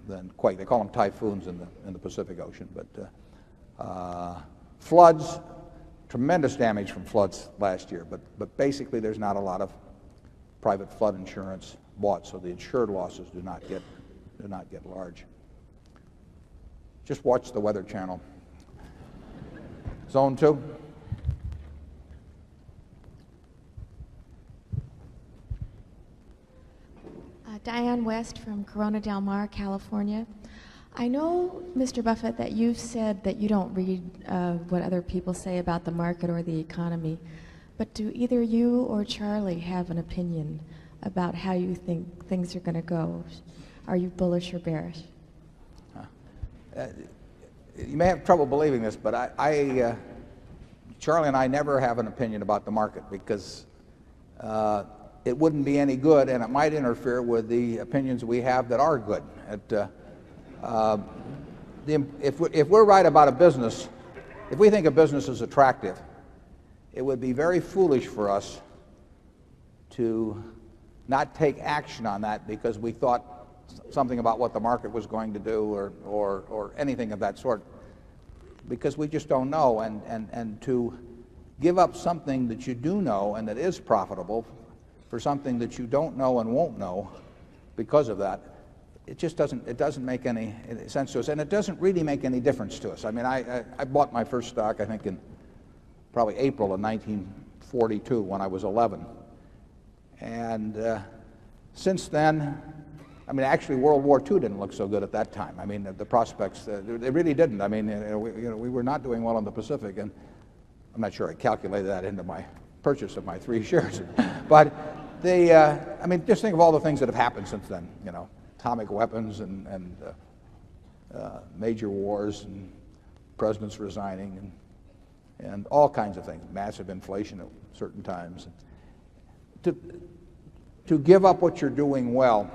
than quake. They call them typhoons in the Pacific Ocean. But floods, tremendous damage from floods last year, but basically there's not a lot of private flood insurance bought. So the insured losses do not get large. Just watch the weather channel. Zone 2. Diane West from Corona Del Mar, California. I know, Mr. Buffet, that you've said that you don't read what other people say about the market or the economy. But do either you or Charlie have an opinion about how you think things are going to go? Are you bullish or bearish? You may have trouble believing this but I Charlie and I never have an opinion about the market because it wouldn't be any good and it might interfere with the opinions we have that are good. If we're right about a business, if we think a business is attractive, it would be very foolish for us to not take action on that because we thought something about what the market was going to do or anything of that sort because we just don't know. And to give up something that you do know and that is profitable for something that you don't know and won't know because of that, it just doesn't make any sense to us and it doesn't really make any difference to us. I mean, I bought my first stock, I think, in probably April of 1942 when I was 11. And since then, I mean, actually World War II didn't look so good at that time. I mean, the prospects they really didn't. I mean, we were not doing well in the Pacific and I'm not sure I calculated that into my purchase of my 3 shares. But I mean, just think of all the things that have happened since then, atomic weapons and major wars and presidents resigning and all kinds of things, massive inflation at certain times. To give up what you're doing well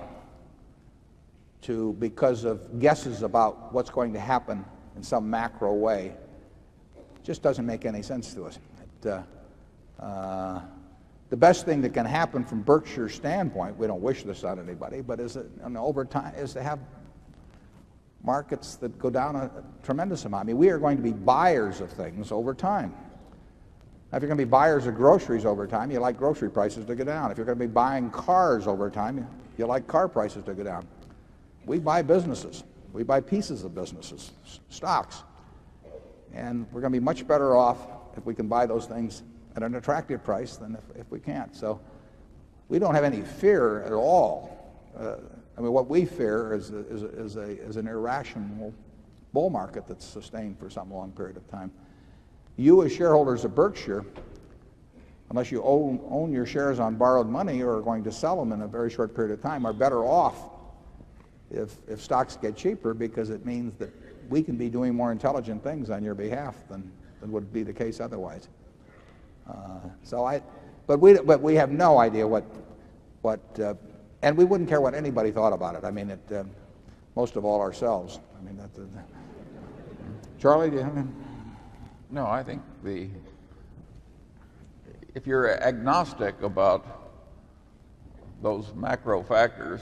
to because of guesses about what's going to happen in some macro way just doesn't make any sense to us. The best thing that can happen from Berkshire's standpoint, we don't wish this on anybody, but is it over is to have markets that go down a tremendous amount. I mean, we are going to be buyers of things over time. If you're going to be buyers of groceries over time, you like grocery prices to go down. If you're going to be buying cars over time, you like car prices to go down. We buy businesses. We buy pieces of businesses, stocks. And we're going to be much better off if we can buy those things at an attractive price than if we can't. So we don't have any fear at all. I mean, what we fear is an irrational bull market that's sustained for some long period of time. You as shareholders of Berkshire, unless you own your shares on borrowed money or are going to sell them in a very short period of time, are better off if stocks get cheaper because it means that we can be doing more intelligent things on your behalf than would be the case otherwise. So I but we have no idea what and we wouldn't care what anybody thought about it. I mean, most of all ourselves. I mean, that's it. Charlie, do you have any? No. I think the if you're agnostic about those macro factors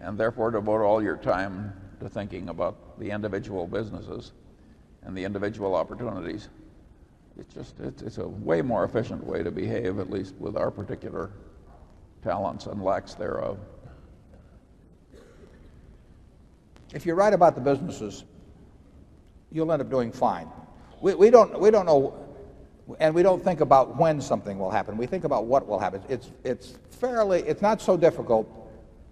and therefore to vote all your time to thinking about the individual businesses and the individual opportunities. It's just it's a way more efficient way to behave at least with our particular talents and lacks thereof. If you're right about the businesses, you'll end up doing fine. We don't know And we don't think about when something will happen. We think about what will happen. It's fairly it's not so difficult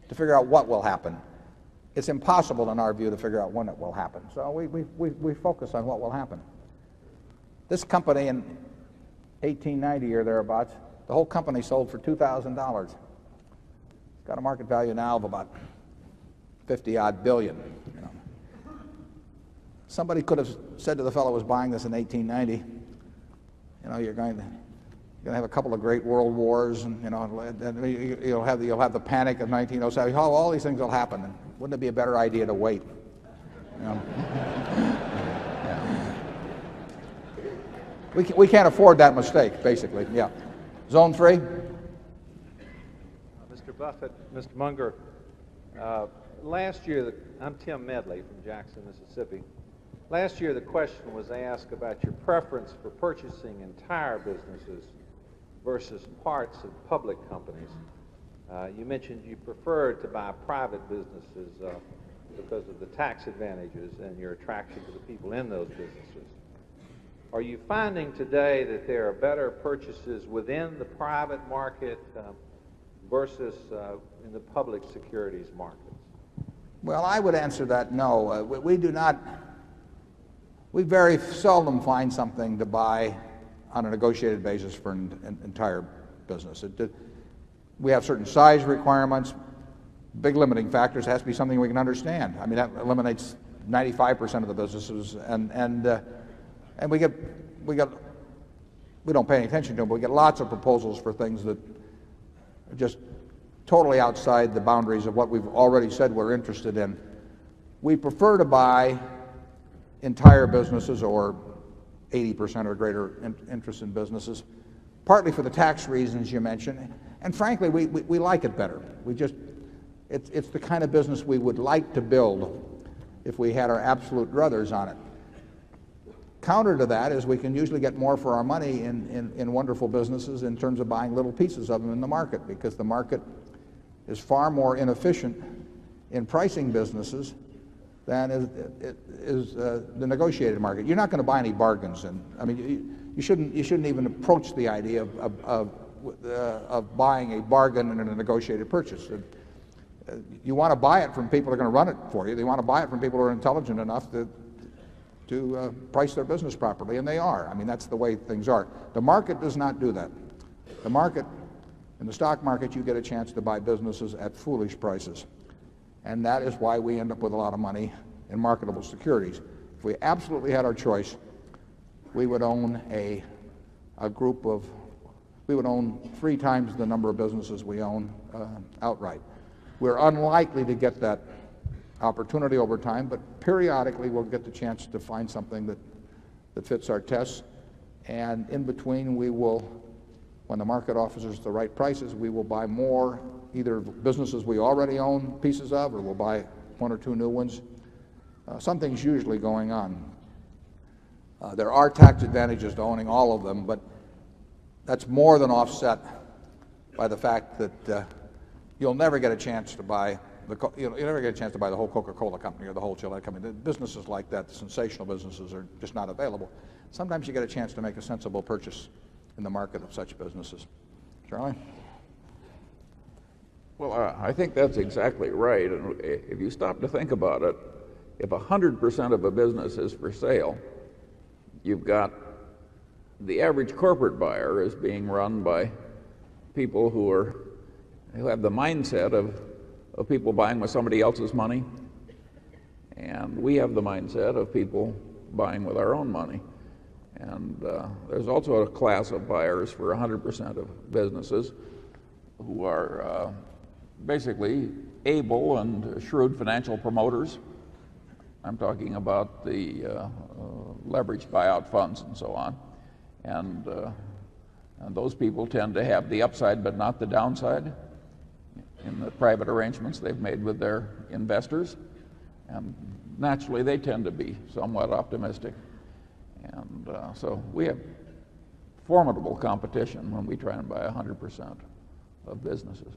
to figure out what will happen. It's impossible in our view to figure out when it will happen. So we focus on what will happen. This company in 18, 90 or thereabouts, the whole company sold for $2,000 Got a market value now of about 50 odd 1000000000. Somebody could have said to the fellow who was buying this in 18/90, you know, you're going to have a couple of great world wars and you know, you'll have the panic of 1970. How all these things will happen? Wouldn't it be a better idea to wait? We can't afford that mistake, basically. Yeah. Zone 3? Mr. Buffet, Mr. Munger, last year I'm Tim Medley from Jackson, Mississippi. Last year, the question was asked about your preference for purchasing entire businesses versus parts of public companies. You mentioned you prefer to buy private businesses because of the tax advantages and your attraction to the people in those businesses. Are you finding today that there are better purchases within the private market versus in the public securities market? Well, I would answer that no. We do not we very seldom find something to buy on a negotiated basis for an entire business. We have certain size requirements. Big limiting factors has to be something we can understand. I mean, that eliminates 95% of the businesses. And we get we don't pay any attention to them. We get lots of proposals for things that are just totally outside the boundaries of what we've already said we're interested in. We prefer to buy entire businesses or 80% or greater interest in businesses partly for the tax reasons you mentioned. And frankly, we like it better. We just it's the kind of business we would like to build if we had our absolute brothers on it. Counter to that is we can usually get more for our money in wonderful businesses in terms of buying little pieces of them in the market because the market is far more inefficient in pricing businesses than it is the negotiated market. You're not going to buy any bargains. And I mean, you shouldn't even approach the idea of buying a bargain and then a negotiated purchase. You want to buy it from people who are going to run it for you. They want to buy it from people who are intelligent enough to price their business properly and they are. I mean, that's the way things are. The market does not do that. The market in the stock market, you get a chance to buy businesses at foolish prices. And that is why we end up with a lot of money in marketable securities. If we absolutely had our choice, we would own a group of we would own 3 times the number of businesses we own outright. We're unlikely to get that opportunity over time, but periodically, we'll get the chance to find something that fits our test. And in between, we will when the market offers us the right prices, we will buy more either businesses we already own pieces of or we'll buy 1 or 2 new ones. Something's usually going on. There are tax advantages to owning all of them, but that's more than offset by the fact that you'll never get a chance to buy the whole Coca Cola company or the whole Chile company. Businesses like that, the sensational businesses are just not available. Sometimes you get a chance to make a sensible purchase in the market of such businesses. Charlie? Well, I think that's exactly right. And if you stop to think about it, if 100% of a business is for sale, you've got the average corporate buyer is being run by people who are who have the mindset of people buying with somebody else's money and we have the mindset of people buying with our own money. And there's also a class of buyers for 100% of businesses who are basically able and shrewd financial promoters. I'm talking about the leveraged buyout funds and so on. And And those people tend to have the upside but not the downside in the private arrangements they've made with their investors. And naturally, they tend to be somewhat optimistic. And so we have formidable competition when we try and buy 100% of businesses.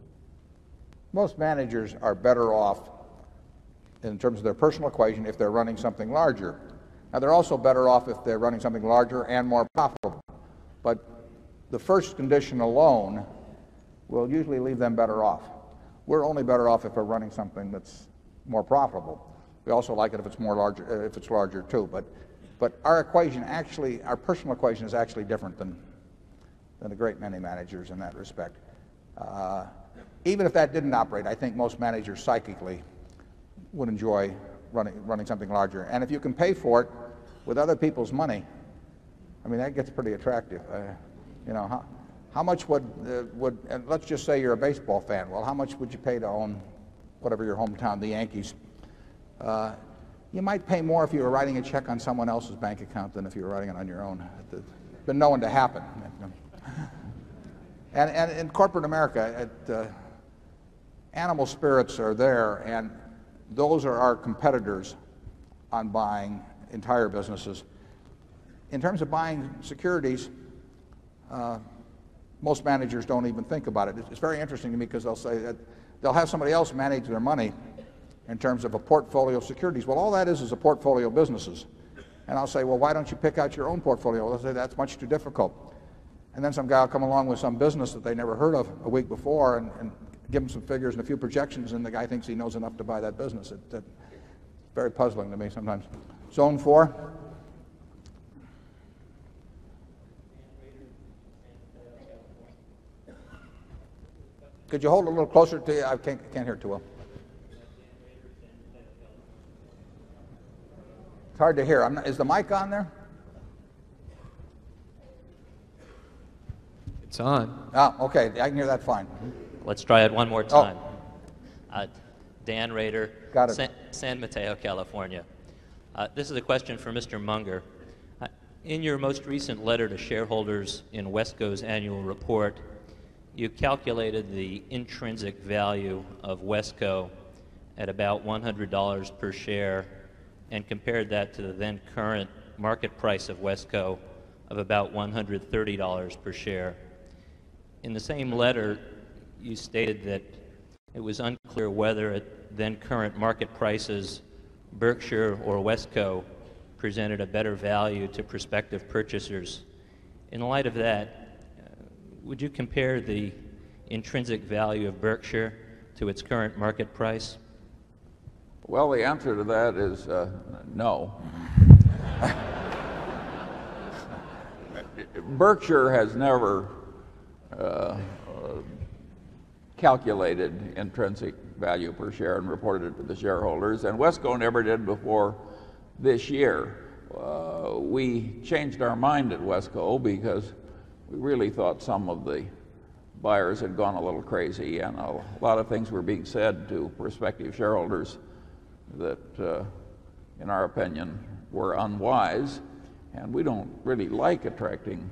Most managers are better off in terms of their personal equation if they're running something larger. Now they're also better off if they're running something larger and more profitable. But the first condition alone will usually leave them better off. We're only better off if we're running something that's more profitable. We also like it if it's more larger if it's larger too. But our equation actually our personal equation is actually different than a great many managers in that respect. Even if that didn't operate, I think most managers would enjoy running something larger. And if you can pay for it with other people's money, I mean, that gets pretty attractive. How much would let's just say you're a baseball fan. Well, how much would you pay to own whatever your hometown, the Yankees? You might pay more if you were writing a check on someone else's bank account than if you were writing it on your own. But no one to happen. And in corporate America, animal spirits are there and those are our competitors on buying entire businesses. In terms of buying securities, most managers don't even think about it. It's very interesting to me because they'll say that they'll have somebody else manage their money in terms of a portfolio of securities. Well, all that is is a portfolio of businesses. And I'll say, Well, why don't you pick out your own portfolio? They'll say, That's much too difficult. And then some guy will come along with some business that they never heard of a week before and give them some figures and a few projections and the guy thinks he knows enough to buy that business. It's very puzzling to me sometimes. Zone 4. It's hard to hear. Is the mic on there? It's on. Okay. I can hear that fine. Let's try it one more time. Dan Raider, San Mateo, California. This is a question for Mr. Munger. In your most recent letter to shareholders in WESCO's annual report, you calculated the intrinsic value of WESCO at about $100 per share and compared that to the then current market price of WESCO of about $130 per share. In the same letter, you stated that it was unclear whether at then current market prices, Berkshire or Wesco presented a better value to prospective purchasers. In light of that, would you compare the intrinsic value of Berkshire to its current market price? Well, the answer to that is no. Berkshire has never calculated intrinsic value per share and reported it to the shareholders and WESCO never did before this year. We changed our mind at WESCO because we really thought some of the buyers had gone a little crazy and a lot of things were being said to prospective shareholders that in our opinion were unwise and we don't really like attracting,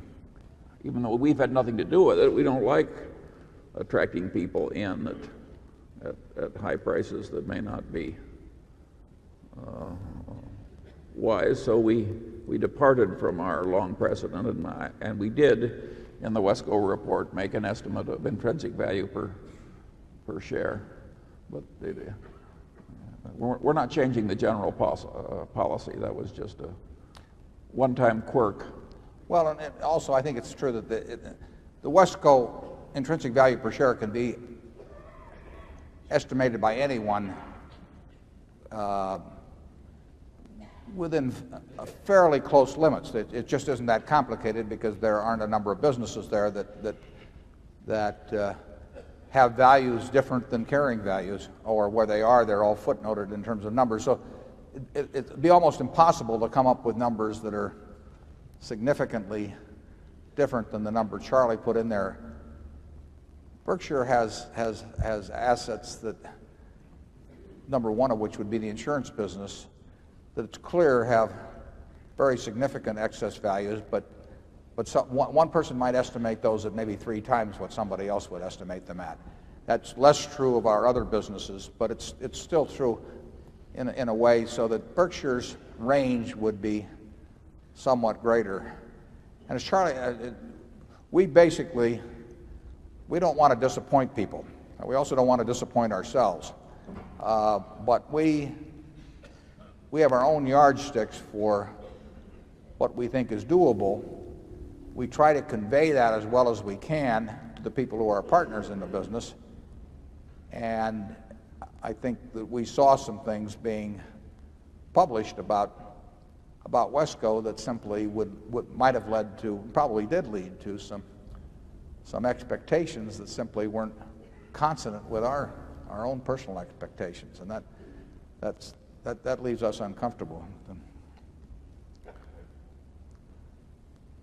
even though we've had nothing to do with it. We don't like attracting people in at high prices that may not be wise. So we departed from our long precedent and we did in the Westco report make an estimate of intrinsic value per share. We're not changing the general policy. That was just a one time quirk. Well, and also I think it's true that the WESCO intrinsic value per share can be estimated by anyone within fairly close limits. It just isn't that complicated because there aren't a number of businesses there that have values different than carrying values or where they are. They're all footnoted in terms of numbers. So it'd be almost impossible to come up with numbers that are significantly different than the number Charlie put in there. Berkshire has assets that number one of which would be the insurance business that it's clear have very significant excess values. But one person might estimate those at maybe 3 times what somebody else would estimate them at. That's less true of our other businesses, but it's still true in a way so that Berkshire's range would be somewhat greater. And as Charlie we basically we don't want to disappoint people. We also don't want to disappoint ourselves. But we have our own yardsticks for what we think is doable. We try to convey that as well as we can to the people who are partners in the business. And I think that we saw some things being published about WESCO that simply would might have led to probably did lead to some expectations that simply weren't consonant with our own personal expectations. And that leaves us uncomfortable.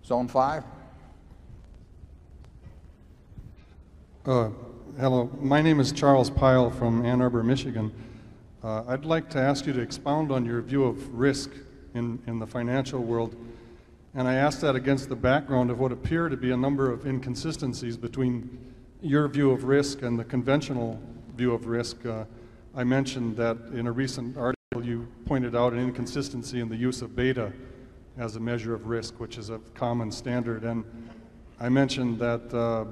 Zone 5. Hello. My name is Charles Pyle from Ann Arbor, Michigan. I'd like to ask you to expound on your view of risk in the financial world. And I asked that against the background of what appear to be a number of inconsistencies between your view of risk and the conventional view of risk. I mentioned that in a recent article, you pointed out an inconsistency in the use of beta as a measure of risk, which is a common standard. And I mentioned that,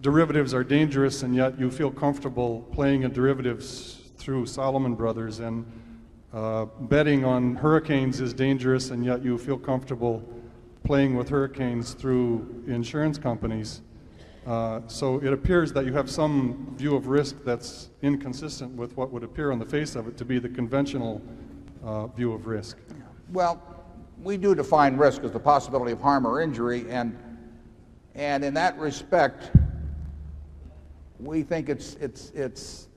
derivatives are dangerous and yet you feel comfortable playing a derivatives through Solomon brothers and, betting on hurricanes is dangerous, and yet you feel comfortable playing with hurricanes through insurance companies. So it appears that you have some view of risk that's inconsistent with what would appear on the face of it to be the conventional, view of risk. Well, we do define risk as the possibility of harm or injury. And in that respect, we think it's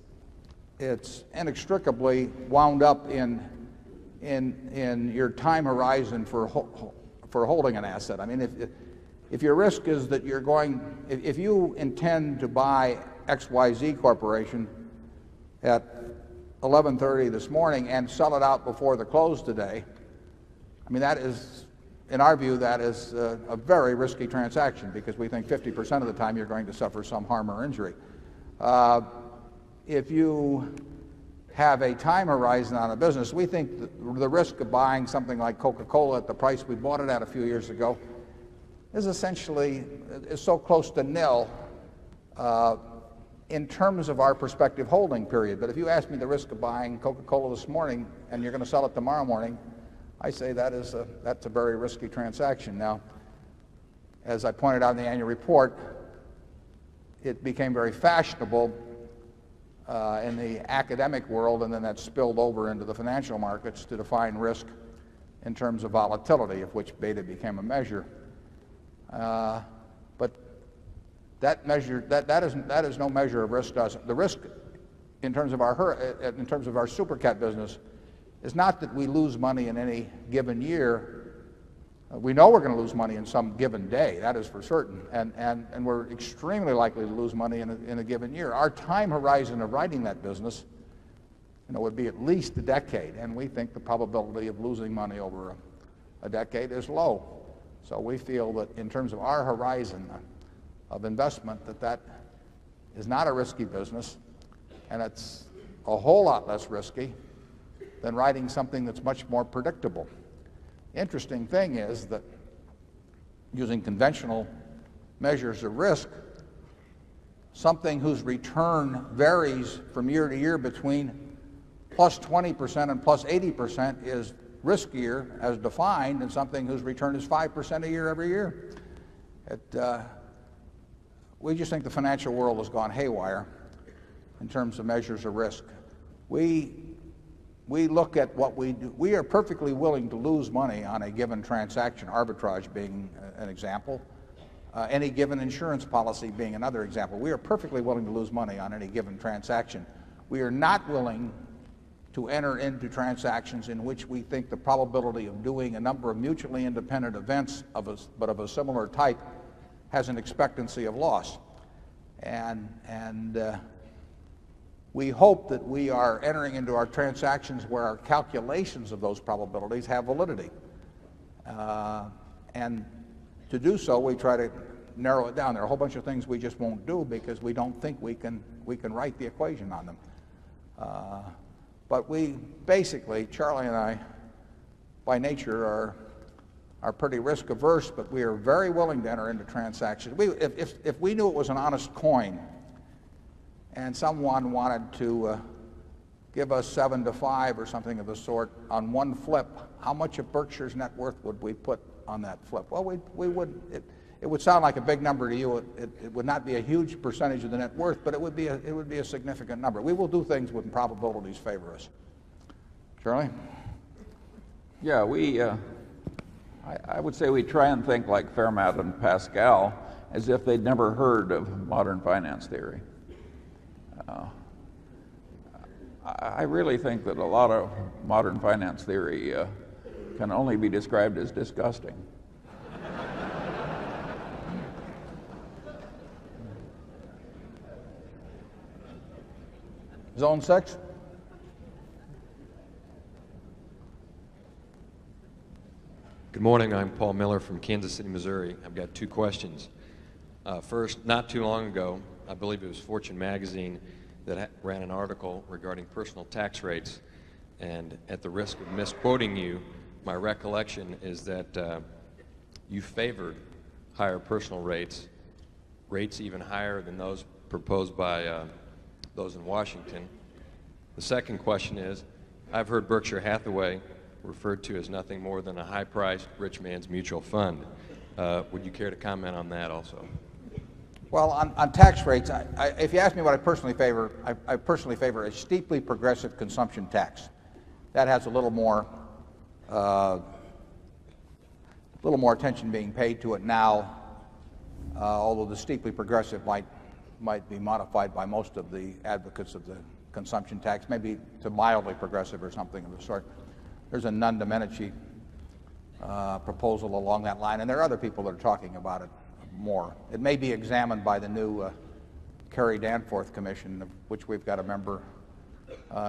inextricably wound up in your time horizon for holding an asset. I mean, if your risk is that you're going if you intend to buy XYZ Corporation at 11:30 this morning and sell it out before the close today, I mean, that is in our view, that is a very risky transaction because we think 50% of the time you're going to suffer some harm or injury. If you have a time horizon on a business, we think the risk of buying something like Coca Cola at the price we bought it at a few years ago is essentially is so close to nil in terms of our prospective holding period. But if you ask me the risk of buying Coca Cola this morning and you're going to sell it tomorrow morning, I say that is a that's a very risky transaction. Now as I pointed out in the annual report, it became very fashionable, in the academic world and then that spilled over into the financial markets to define risk in terms of volatility, of which beta became a measure. But that measure that is no measure of risk to us. The risk in terms of our super cat business is not that we lose money in any given year. We know we're going to lose money in some given day. That is for certain. And we're extremely likely to lose money in a given year. Our time horizon of writing that business would be at least a decade and we think the probability of losing money over a decade is low. So we feel that in terms of our horizon of investment that that is not a risky business and it's a whole lot less risky than writing something that's much more predictable. Interesting thing is that using conventional measures of risk, something whose return varies from year to year between plus 20% and plus 80% is riskier as defined in something whose return is 5% a year every year. We just think the financial world has gone haywire in terms of measures of risk. We look at what we do. We are perfectly willing to lose money on a given transaction, arbitrage being an example, any given insurance policy being another example. We are perfectly willing to lose money on any given transaction. We are not willing to enter into transactions in which we think the probability of doing a number of mutually independent events of a but of a similar type has an expectancy of loss. And we hope that we are entering into our transactions where calculations of those probabilities have validity. And to do so, we try to narrow it down. There are a whole bunch of things we just won't do because we don't think we can write the equation on them. But we basically, Charlie and I, by nature, are pretty risk averse, but we are very willing to enter into transaction. If we knew it was an honest coin and someone wanted to give us 7 to 5 or something of the sort on one flip, how much of Berkshire's net worth would we put on that flip? Well, we would it would sound like a big number to you. It would not be a huge percentage of the net worth, but it would be a significant number. We will do things when probabilities favor us. Charlie? Yeah. I would say we try and think like Fairmount and Pascal as if they'd never heard of modern finance theory. I really think that a lot of modern finance theory can only be described as disgusting. Good morning. I'm Paul Miller from Kansas City, Missouri. I've got 2 questions. First, not too long ago, I believe it was Fortune Magazine that ran an article regarding personal tax rates. And at the risk of misquoting you, my recollection is that, you favored higher personal rates, rates even higher than those proposed by those in Washington. The second question is I've heard Berkshire Hathaway referred to as nothing more than a high priced rich man's mutual fund. Would you care to comment on that also? Well, on tax rates, if you ask me what I personally favor, I personally favor a steeply progressive consumption tax that has a little more attention being paid to it now, although the steeply progressive might be modified by most of the advocates of the consumption tax, maybe to mildly progressive or something of the sort. There's a non Domenici proposal along that line. And there are other people that are talking about it more. It may be examined by the new Kerry Danforth Commission, which we've got a member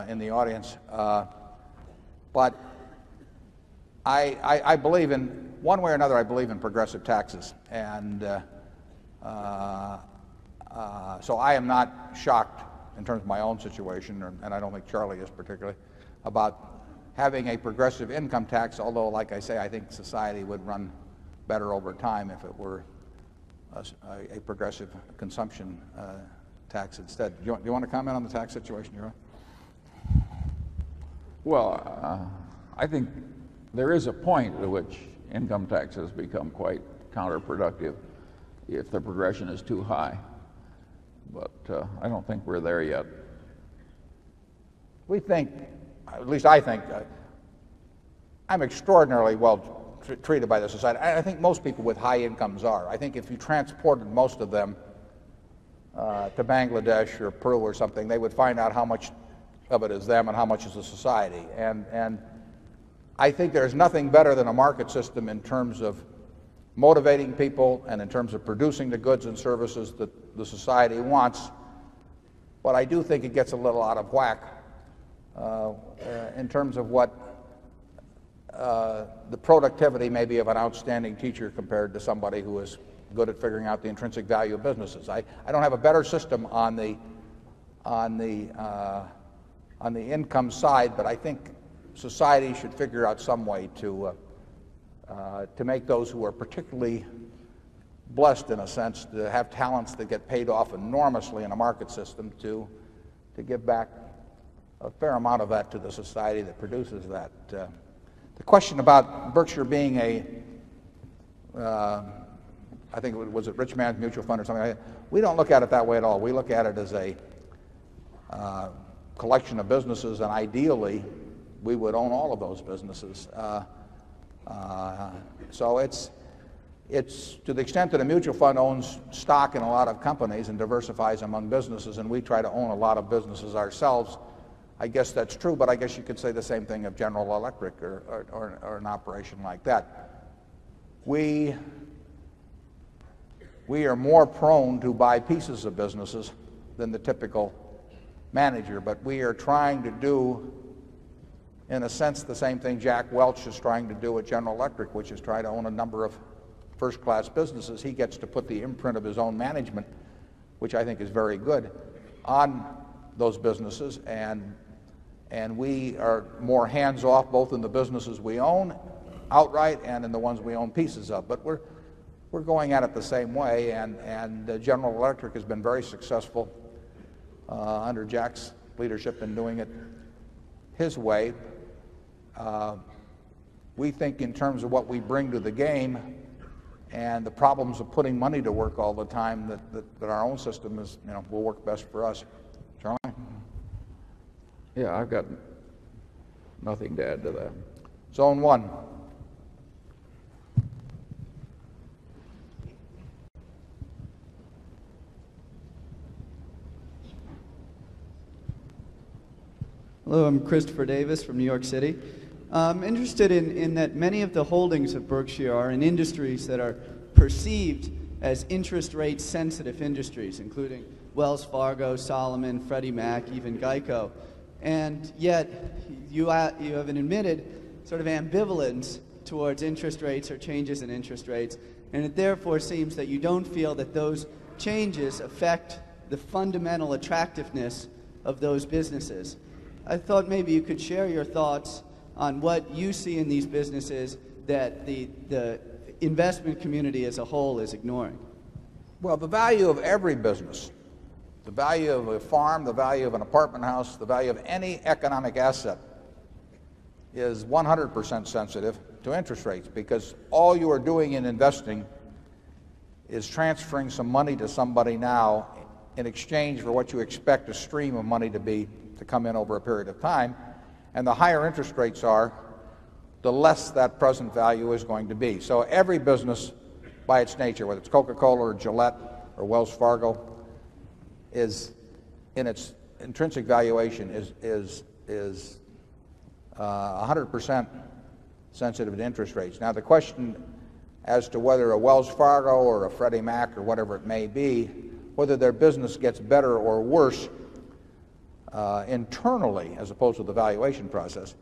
in the audience. But I believe in one way or another, I believe in progressive taxes. And so I am not shocked in terms of my own situation and I don't think Charlie is particularly about having a progressive income tax, although like I say, I think society would run better over time if it were a progressive consumption tax instead. Do you want to comment on the tax situation, Euron? Well, I think there is a point at which income taxes become quite counterproductive if the progression is too high. But I don't think we're there yet. We think, at least I think, I'm extraordinarily well treated by the society. I think most people with high incomes are. I think if you transported most of them to Bangladesh or Peru or something, they would find out how much of it is them and how much is a society. And I think there is nothing better than a market system in terms of motivating people and in terms of producing the goods and services that the society wants. But I do think it gets a little out of whack in terms of what the productivity may be of an outstanding teacher compared to somebody who is good at figuring out the intrinsic value of businesses. I don't have a better system on the income side, but I think society should figure out some way to make those who are particularly blessed in a sense to have talents that get paid off enormously in a market system to give back a fair amount of that to the society that produces that. The question about Berkshire being a I think it was a rich man, mutual fund or something like that. We don't look at it that way at all. We look at it as a collection of businesses and ideally, we would own all of those businesses. So it's to the extent that a mutual fund owns stock in a lot of companies and diversifies among businesses and we try to own a lot of businesses ourselves. I guess that's true but I guess you could say the same thing of General Electric or an operation like that. We are more prone to buy pieces of businesses than the typical manager. But we are trying to do in a sense the same thing Jack Welch is trying to do at General Electric, which is try to own a number of first class businesses. He gets to put the imprint of his own management, which I think is very good, on those businesses. And we are more hands off both in the businesses we own outright and in the ones we own pieces of. But we're going at it the same way. And General Electric has been very successful under Jack's leadership and doing it his way. We think in terms of what we bring to the game and the problems of putting money to work all the time that our own system is will work best for us. John? Yes, I've got nothing to add to that. Zone 1. Hello, I'm Christopher Davis from New York City. I'm interested in that many of the holdings of Berkshire are in industries that are perceived as interest rate sensitive industries, including Wells Fargo, Solomon, Freddie Mac, even GEICO. And yet you have an admitted sort of ambivalence towards interest rates or changes in interest rates. And it therefore seems that you don't feel that those changes affect the fundamental attractiveness of those businesses. I thought maybe you could share your thoughts on what you see in these businesses that the investment community as a whole is ignoring? Well, the value of every business, the value of a farm, the value of an apartment house, the value of any economic asset is 100% sensitive to interest rates because all you are doing in investing is transferring some money to somebody now in exchange for what you expect a stream of money to be to come in over a period of time. And the higher interest rates are, the less that present value is going to be. So every business by its nature, whether it's Coca Cola or Gillette or Wells Fargo, is in its intrinsic valuation is 100% sensitive to interest rates. Now the question as to whether a Wells Fargo or a Freddie Mac or whatever it may be, whether their business gets better or worse internally as opposed to the valuation process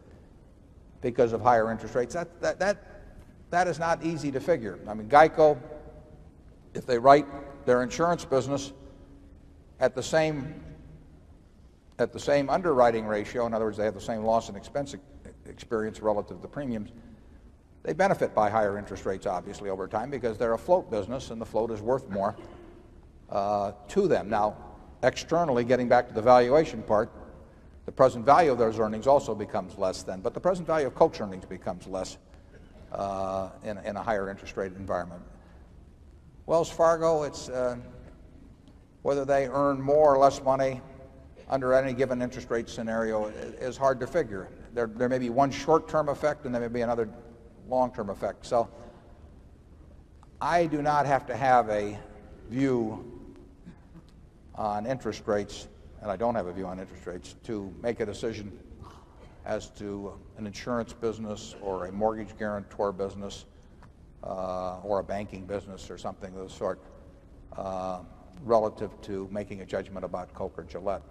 because of higher interest rates, that is not easy to figure. I mean, GEICO, if they write their insurance business at the same underwriting ratio in other words, they have the same loss and expense experience relative to premiums benefit by higher interest rates obviously over time because they're a float business and the float is worth more to them. Now, externally, getting back to the valuation part, present value of those earnings also becomes less than but the present value of coach earnings becomes less in a higher interest rate environment. Wells Fargo, it's whether they earn more or less money under any given interest rate scenario is hard to figure. There may be one short term effect and there may be another long term effect. So I do not have to have a view on interest rates and I don't have a view on interest rates to make a decision as to an insurance business or a mortgage guarantor business or a banking business or something of those sort relative to making a judgment about Coke or Gillette.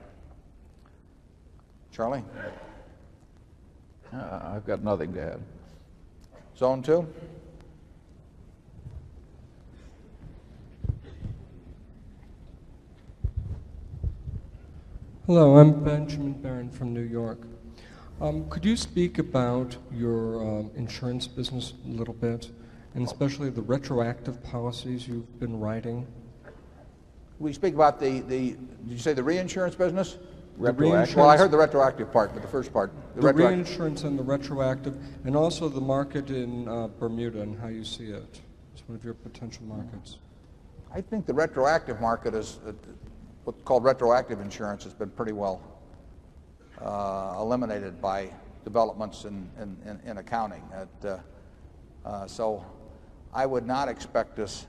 Charlie? I've got nothing to add. Zone 2. Hello. I'm Benjamin Barron from New York. Could you speak about your insurance business a little bit and especially the retroactive policies you've been writing? We speak about the did you say the reinsurance business? Reinsurance. Well, I heard the retroactive part, but the first part. Reinsurance and the retroactive and also the market in Bermuda and how you see it as one of your potential markets? I think the retroactive market is what's called retroactive insurance has been pretty well eliminated by developments in accounting. So I would not expect us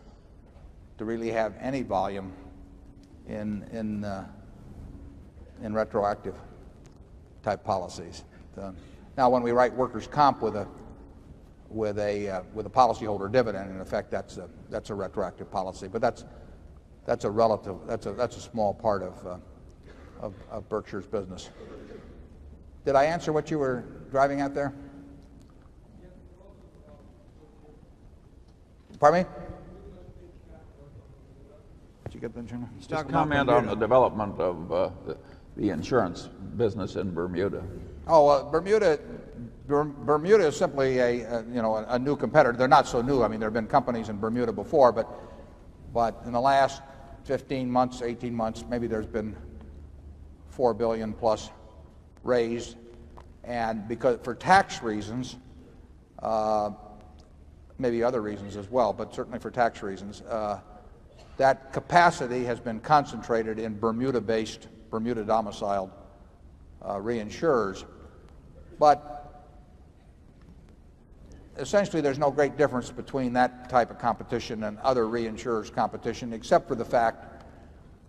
to really have any volume in retroactive type policies. Now when we write workers' comp with a policyholder dividend, in effect, that's a retroactive policy. But that's a relative that's a small part of Berkshire's business. Did I answer what you were driving out there? Pardon me? You get the insurance? Can you comment on the development of the insurance business in Bermuda? Oh, Bermuda is simply a new competitor. They're not so new. I mean, there have been companies in Bermuda before. But in the last 15 months, 18 months, maybe there's been $4,000,000,000 plus raise. And because for tax reasons maybe other reasons as well but certainly for tax reasons, that capacity has been concentrated in Bermuda based, Bermuda domiciled But essentially, there's no great difference between that type of competition and other reinsurers' competition except for the fact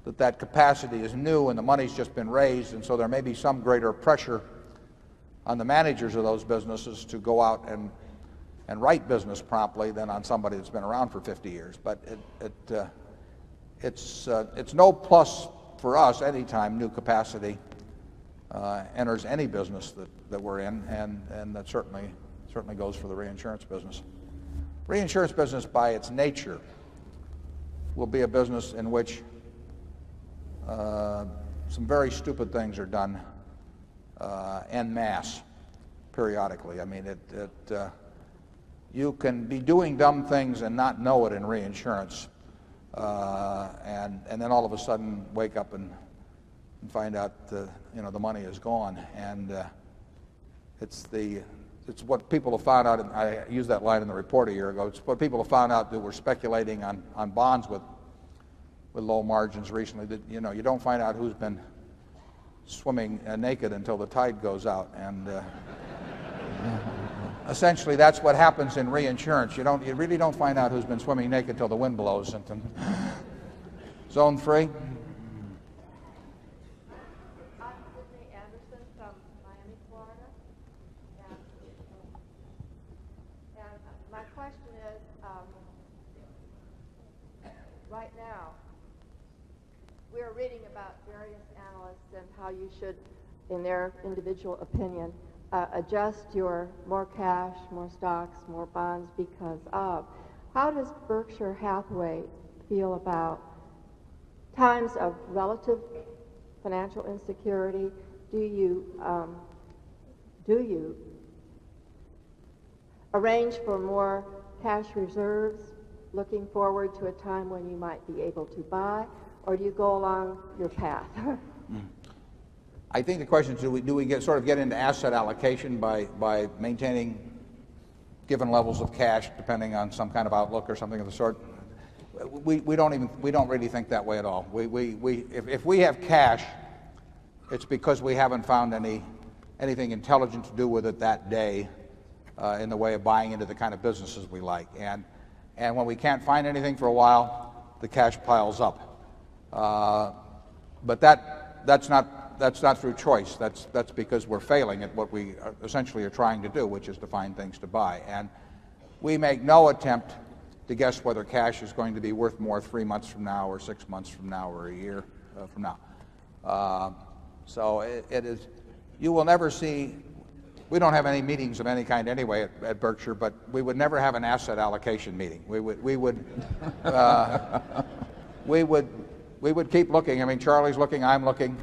that that capacity is new and the money's just been raised. And so there may be some greater pressure on the managers of those businesses to go out and write business promptly than on somebody that's been around for 50 years. But it's no plus for us anytime new capacity enters any business that we're in and that certainly goes for the reinsurance business. Reinsurance business by its nature will be a business in which some very stupid things are done en masse periodically. I mean, you can be doing dumb things and not know it in reinsurance and then all of a sudden wake up and find out, you know, the money is gone. And it's the it's what people have found out and I used that line in the report a year ago. It's what people have found out that were speculating on bonds with the low margins recently that, you know, you don't find out who's been swimming naked until the tide goes out. And essentially that's what happens in reinsurance. You don't you really don't find out who's been swimming naked till the wind blows. Zone 3. Right now, we are reading about various analysts and how you should, in their individual opinion, adjust your more cash, more stocks, more bonds because of. How does Berkshire Hathaway feel about times of relative financial insecurity? Do you arrange for more cash reserves looking forward to a time when you might be able to buy? Or do you go along your path? I think the question is do we get sort of get into asset allocation by maintaining given levels of cash depending on some kind of outlook or something of the sort? We don't really think that way at all. If we have cash, it's because we haven't found anything intelligent to do with it that day in the way of buying into the kind of businesses we like. When we can't find anything for a while, the cash piles up. But that's not through choice. That's because we're failing at what we essentially are trying to do, which is to find things to buy. And we make no attempt to guess whether cash is going to be worth more 3 months from now or 6 months from now or a year from now. So it is you will never see we don't have any meetings of any kind anyway at Berkshire but we would never have an asset allocation meeting. We would would keep looking. I mean, Charlie's looking. I'm looking.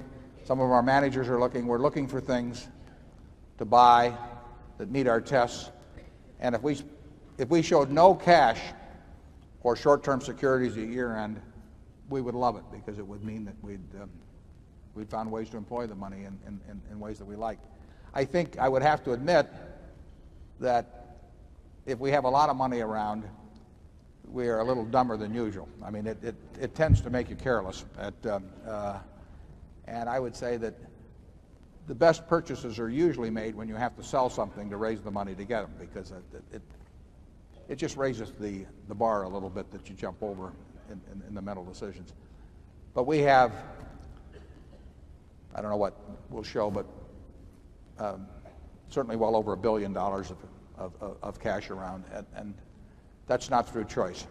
Some of our managers are looking. We're looking for things to buy that meet our tests. And if we showed no cash or short term securities at year end, we would love it because it would mean that we'd found ways to employ the money in ways that we like. I think I would have to admit that if we have a lot of money around, we are a little dumber than usual. I mean, it tends to make you careless. And I would say that the best purchases are usually made when you have to sell something to raise the money to get them because it just raises the bar a little bit that you jump over in the metal decisions. But we have I don't know what we'll show, but certainly well over $1,000,000,000 of cash around. And that's not through choice.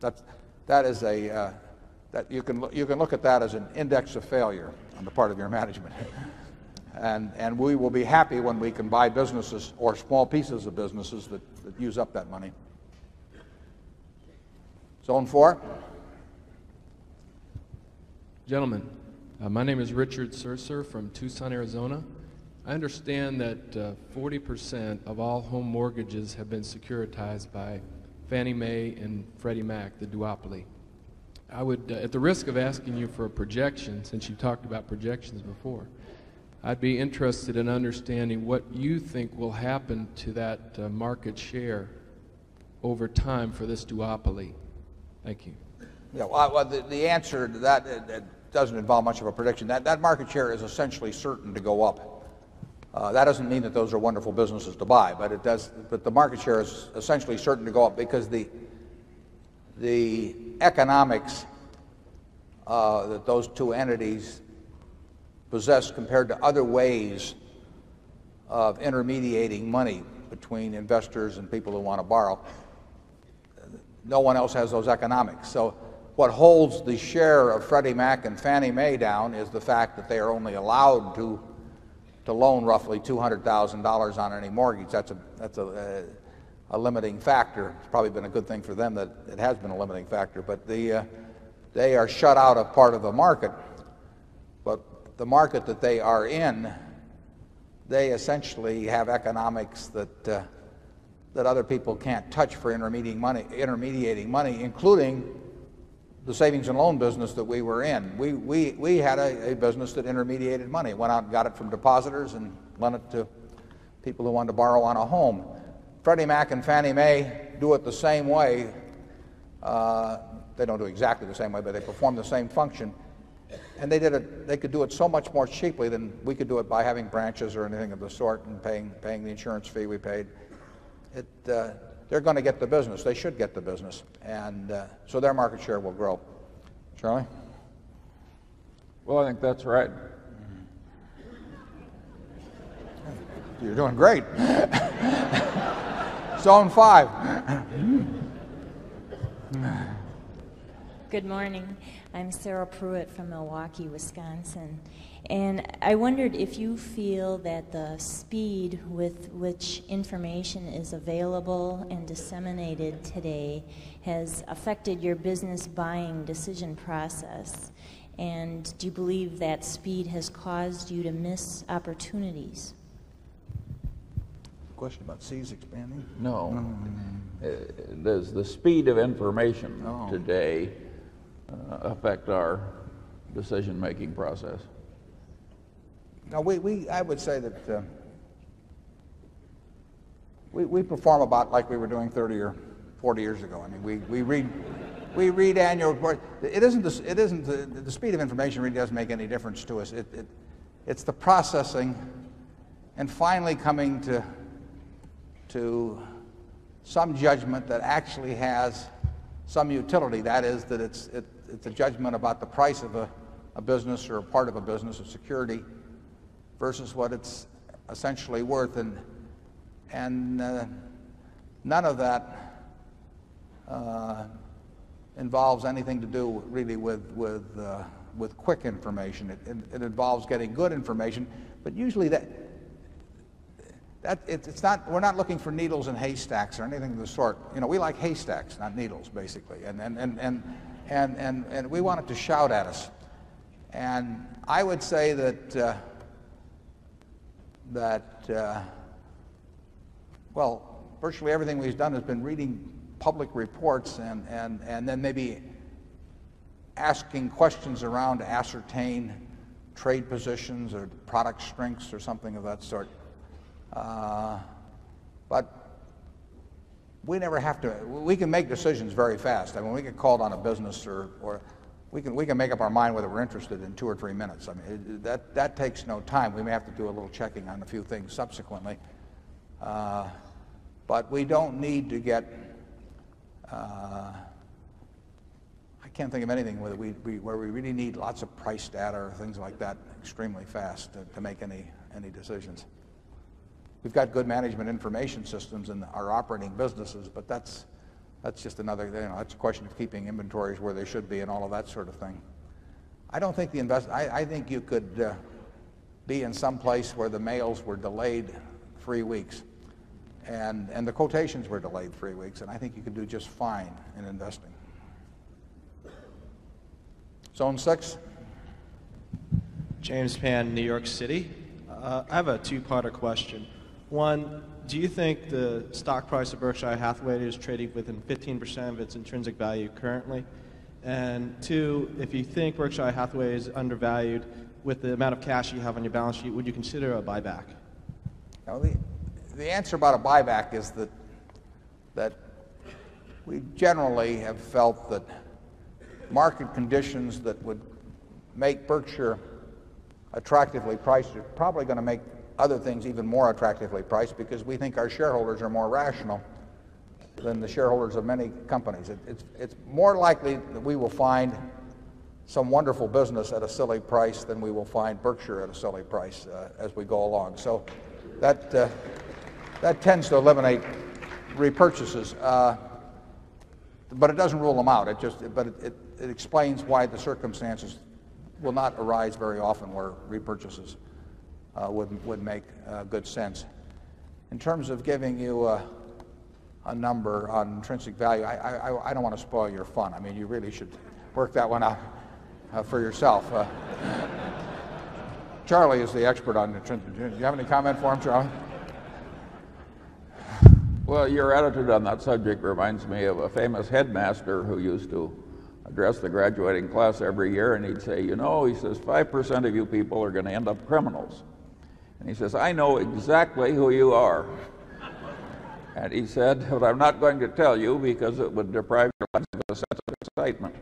That is a that you can look at that as an index of failure on the part of your management. And we will be happy when we can buy businesses or small pieces of businesses that use up that money. Zone 4. Gentlemen, my name is Richard Surcer from Tucson, Arizona. I understand that 40% of all home mortgages have been securitized by Fannie Mae and Freddie Mac, the duopoly. I would, at the risk of asking you for a projection since you talked about projections before, I'd be interested in understanding what you think will happen to that market share over time for this duopoly. Thank you. Well, the answer to that essentially certain to go up because the economics that those two entities possess compared to other ways of intermediating money between investors and people who want to borrow. No one else has those economics. So what holds the share of Freddie Mac and Fannie Mae down is the fact that they are only allowed to loan roughly $200,000 on any mortgage. That's a limiting factor. It's probably been a good thing for them that it has been a limiting factor but they are shut out of part of the market. But the market that they are in, they essentially have economics that other people can't touch for intermediating money, including the savings and loan business that we were in. We had a business that intermediated money, went out and got it from depositors and went it to people who want to borrow on a home. Freddie Mac and Fannie Mae do it the same way. They don't do exactly the same way, but they perform the same function. And they did it they could do it so much more cheaply than we could do it by having branches or anything of the sort and paying the insurance fee we paid. They're going to get the business. They should get the business. And so their market share will grow. Charlie? Well, I think that's right. You're doing great. Zone 5. Good morning. I'm Sarah Pruitt from Milwaukee, Wisconsin. And I wondered if you feel that the speed with which information is available and disseminated today has affected your business buying decision process? And do you believe that speed has caused you to miss opportunities? Question about seas expanding? No. There's the speed of information today affect our decision making process? I would say that we perform about like we were doing 30 or 40 years ago. I mean, we read annual reports. It isn't the speed of information really doesn't make any difference to us. It's the processing and finally coming to some judgment that actually has some utility that is that it's a judgment about the price of a business or a part of a business of security versus what it's essentially worth. And none of that involves anything to do really with quick information. It involves getting good information. But usually that it's not we're not looking for needles in haystacks or anything of the sort. You know, we like haystacks, not needles basically. And we want it to shout at us. And I would say that well, virtually everything we've done has been reading public reports and then maybe asking questions around to ascertain trade positions or product strengths or something of that sort. But we never have to we can make decisions very fast. I mean, we get called on a business or we can make up our mind whether we're interested in 2 or 3 minutes. I mean, that takes no time. We may have to do a little checking on a few things subsequently. But we don't need to get I can't think of anything where we really need lots price data or things like that extremely fast to make any decisions. We've got good management information systems in our operating businesses but that's just another thing. It's a question of keeping inventories where they should be and all of that sort of thing. I don't think the invest I think you could be in some place where the mails were delayed 3 weeks and the quotations were delayed 3 weeks and I think you could do just fine in investing. Zone 6. James Pan, New York City. I have a 2 parter question. One, do you think the stock price of Berkshire Hathaway is trading within 15% of its intrinsic value currently? And 2, if you think Berkshire Hathaway is undervalued with the amount of cash you have on your balance sheet, would you consider a buyback? The answer about a buyback is that we generally have felt that market conditions that would make Berkshire attractively priced are probably going to make other things even more attractively priced because we think our shareholders are more rational than the shareholders of many companies. It's more likely that we will find some wonderful business at a silly price than we will find Berkshire at a silly price as we go along. So that tends to eliminate repurchases. But it doesn't rule them out. It just but it explains why the circumstances will not arise very often where repurchases would make good sense. In terms of giving you a number on intrinsic value, I don't want to spoil your fun. I mean, you really should work that one for yourself. Charlie is the expert on the do you have any comment for him, Charlie? Well, your attitude on that subject reminds me of a famous headmaster who used to address the graduating class every year and he'd say, you know, he says, 5% of you people are going to end up criminals. And he says, I know exactly who you are. And he said, I'm not going to tell you because it would deprive excitement.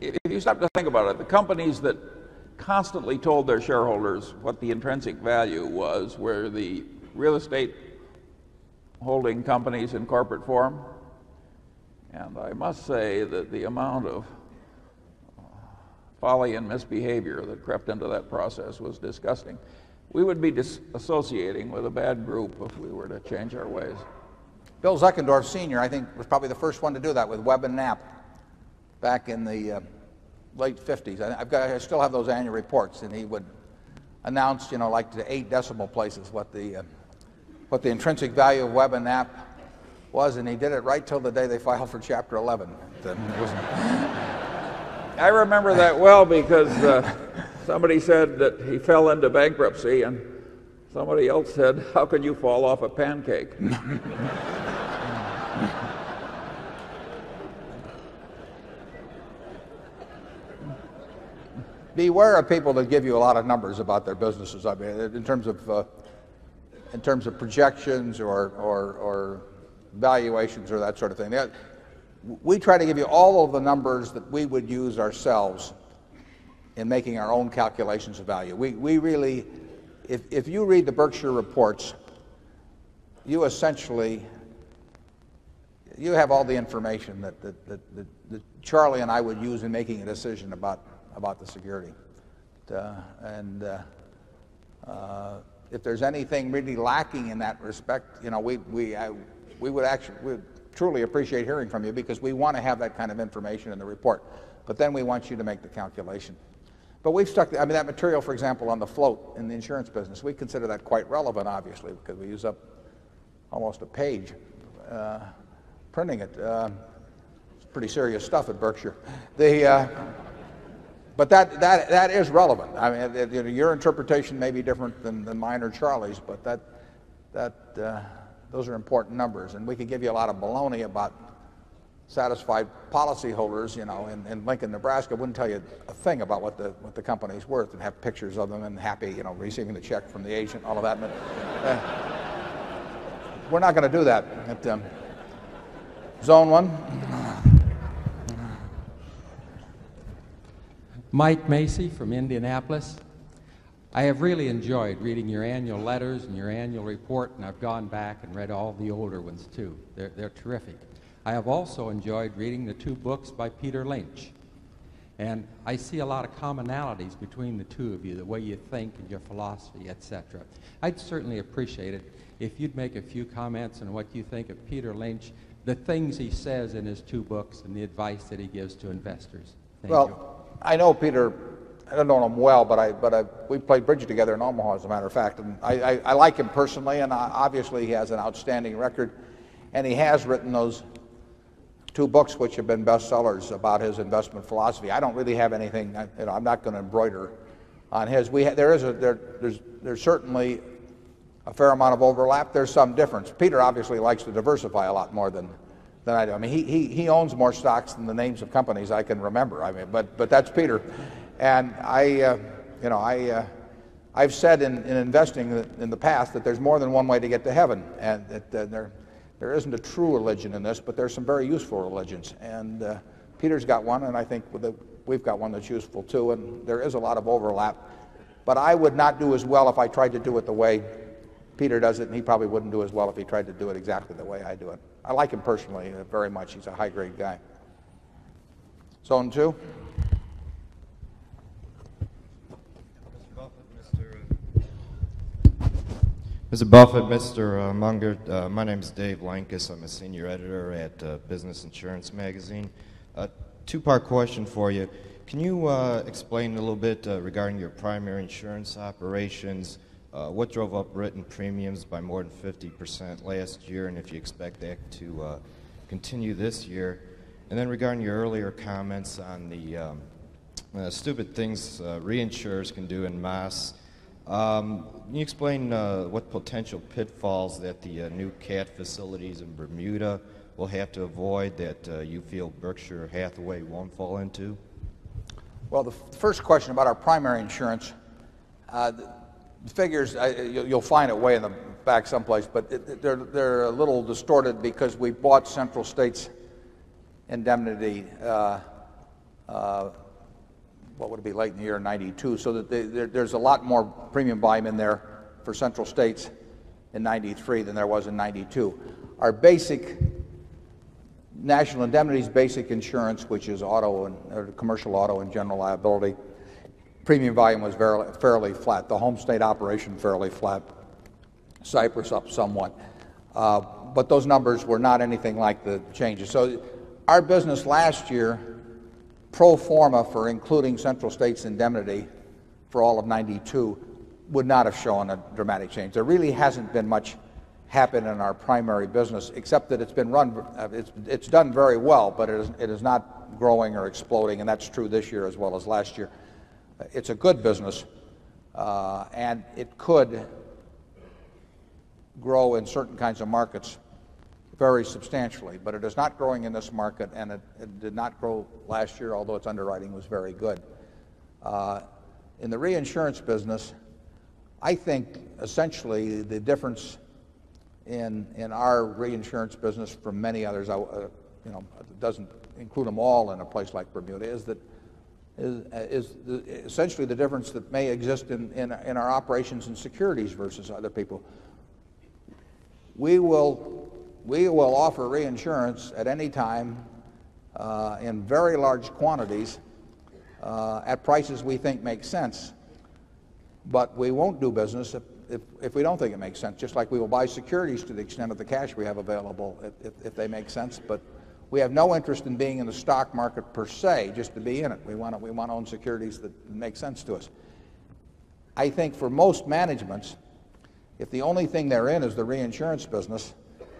If you stop to think about it, the companies that constantly told their shareholders what the intrinsic value was, where the real estate holding companies in corporate form and I must say that the amount of folly and misbehavior that crept into that process was disgusting. We would be associating with a bad group if we were to change our ways. Bill Zeckendorf Sr. I think was probably the first one to do that with Webb and Knapp back in the late 50s. I still have those annual reports and he would announce, you know, like to 8 decimal places what the intrinsic value of web and app was and he did it right till the day they filed for Chapter 11. I remember that well because somebody said that he fell into bankruptcy and somebody else said, how can you fall off a pancake? Beware of people that give you a lot of numbers about their businesses. I mean, in terms of projections or valuations or that sort of thing. We try to give you all of the numbers that we would use ourselves in making our own calculations of value. We really if you read the Berkshire reports, you essentially you have all the information that Charlie and I would use in making a decision about the security. And if there's anything really lacking in that respect, we would truly appreciate hearing from you because we want to have that kind of information in the report. But then we want you to make the calculation. But we've stuck I mean that material for example on the float in the insurance business, we consider that quite relevant obviously because we use up almost a page printing it. It's pretty serious stuff at Berkshire. But that is relevant. I mean, your interpretation may be different than the minor Charlie's, but that those are important numbers. And we could give you a lot of baloney about satisfied policyholders, you know. And Lincoln, Nebraska wouldn't tell you a thing about what the company is worth and have pictures of them and happy, you know, receiving the check from the agent, all of that. We're not going to do that. Zone 1. Mike Macey from Indianapolis. I have really enjoyed reading your annual letters and your annual report. And I have gone back and read all the older ones, too. They are terrific. I have also enjoyed reading the 2 books by Peter Lynch. And I see a lot of commonalities between the 2 of you, the way you think and your philosophy, etcetera. I'd certainly appreciate it if you'd make a few comments on what you think of Peter Lynch, the things he says in his two books and the advice that he gives to investors. Well, I know Peter. I don't know him well, but we play bridge together in Omaha as a matter fact. And I like him personally and obviously he has an outstanding record. And he has written those two books which have been bestsellers about his investment philosophy. I don't really have anything I'm not going to embroider on his. There's certainly a fair amount of overlap. There's some difference. Peter obviously likes to diversify a lot more than I do. I mean, he owns more stocks than the names of companies I can remember. I mean, but that's Peter. And I've said in investing in the past that there's more than one way to get to heaven and that there isn't a true religion in this, but there's some very useful religions. And Peter's got one and I think we've got one that's useful too and there is a lot of overlap. But I would not do as well if I tried to do it the way Peter does it and he probably wouldn't do as well if he tried to do it exactly the way I do it. I like him personally very much. He's a high grade guy. Zone 2? Mr. Buffet, Mr. Munger. My name is Dave. I'm a senior editor at a business insurance magazine. 2 part question for you. Can you, explain a little bit regarding your primary insurance operations, what drove up written premiums by more than 50% last year? And if you expect that to continue this year, and then regarding your earlier comments on the stupid things, reinsurers can do in mass, Can you explain what potential pitfalls that the new cat facilities in Bermuda will have to avoid that you feel Berkshire Hathaway they're they're a little distorted because we bought central states' indemnity. What would it be like in the year in 92. So there's a lot more premium volume in there for central states in 90 3 than there was in 92. Our basic National Indemnity's basic insurance, which is auto and commercial auto and general liability, Premium volume was fairly flat. The home state operation fairly flat. Cypress up somewhat. But those numbers were not anything like the changes. So our business last year, pro form a for including central states indemnity for all of 92 would not have shown a dramatic change. There really hasn't been much happened in our primary business except that it's been run it's done very well, but it is not growing or and it could grow in certain kinds of markets very substantially. But it is not growing in this market and it did not grow last year, although its underwriting was very good. In the reinsurance business, I think essentially the difference in our reinsurance business from many others doesn't include them all in a place like Bermuda is that is essentially the difference that may exist in our operations and securities versus other people. We will offer reinsurance at any time in very large quantities at prices we think make sense. But we won't do business if we don't think it makes sense, just like we will buy securities to the extent of the cash we have available make sense to make sense to us. I think for most managements, if the only thing they're in is the reinsurance business,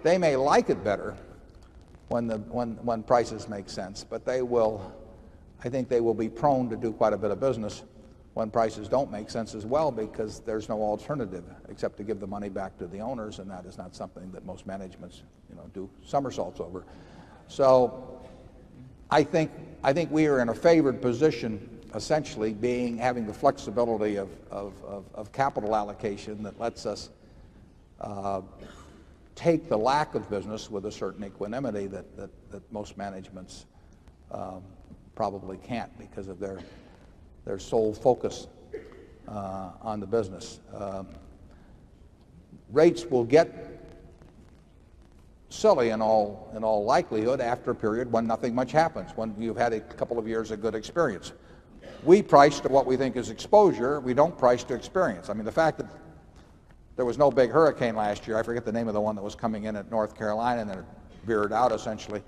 they may like it better when prices make sense, but they will I think they will be prone to do quite a bit of business when prices don't make sense as well because there's no alternative except to give the money back to the owners and that is not something that most managements you know, do somersaults over. So I think we are in a favored position essentially being having the flexibility of capital allocation that lets us take the lack of business with a certain equanimity that most managements probably can't because of their sole focus on the business. Rates will get silly in all likelihood after a period when nothing much happens, when you've had a couple of years of good experience. We price to what we think is exposure. We don't price to experience. I mean, the fact that there was no big hurricane last year, I forget the name of the one that was coming in at North Carolina and and veered out essentially.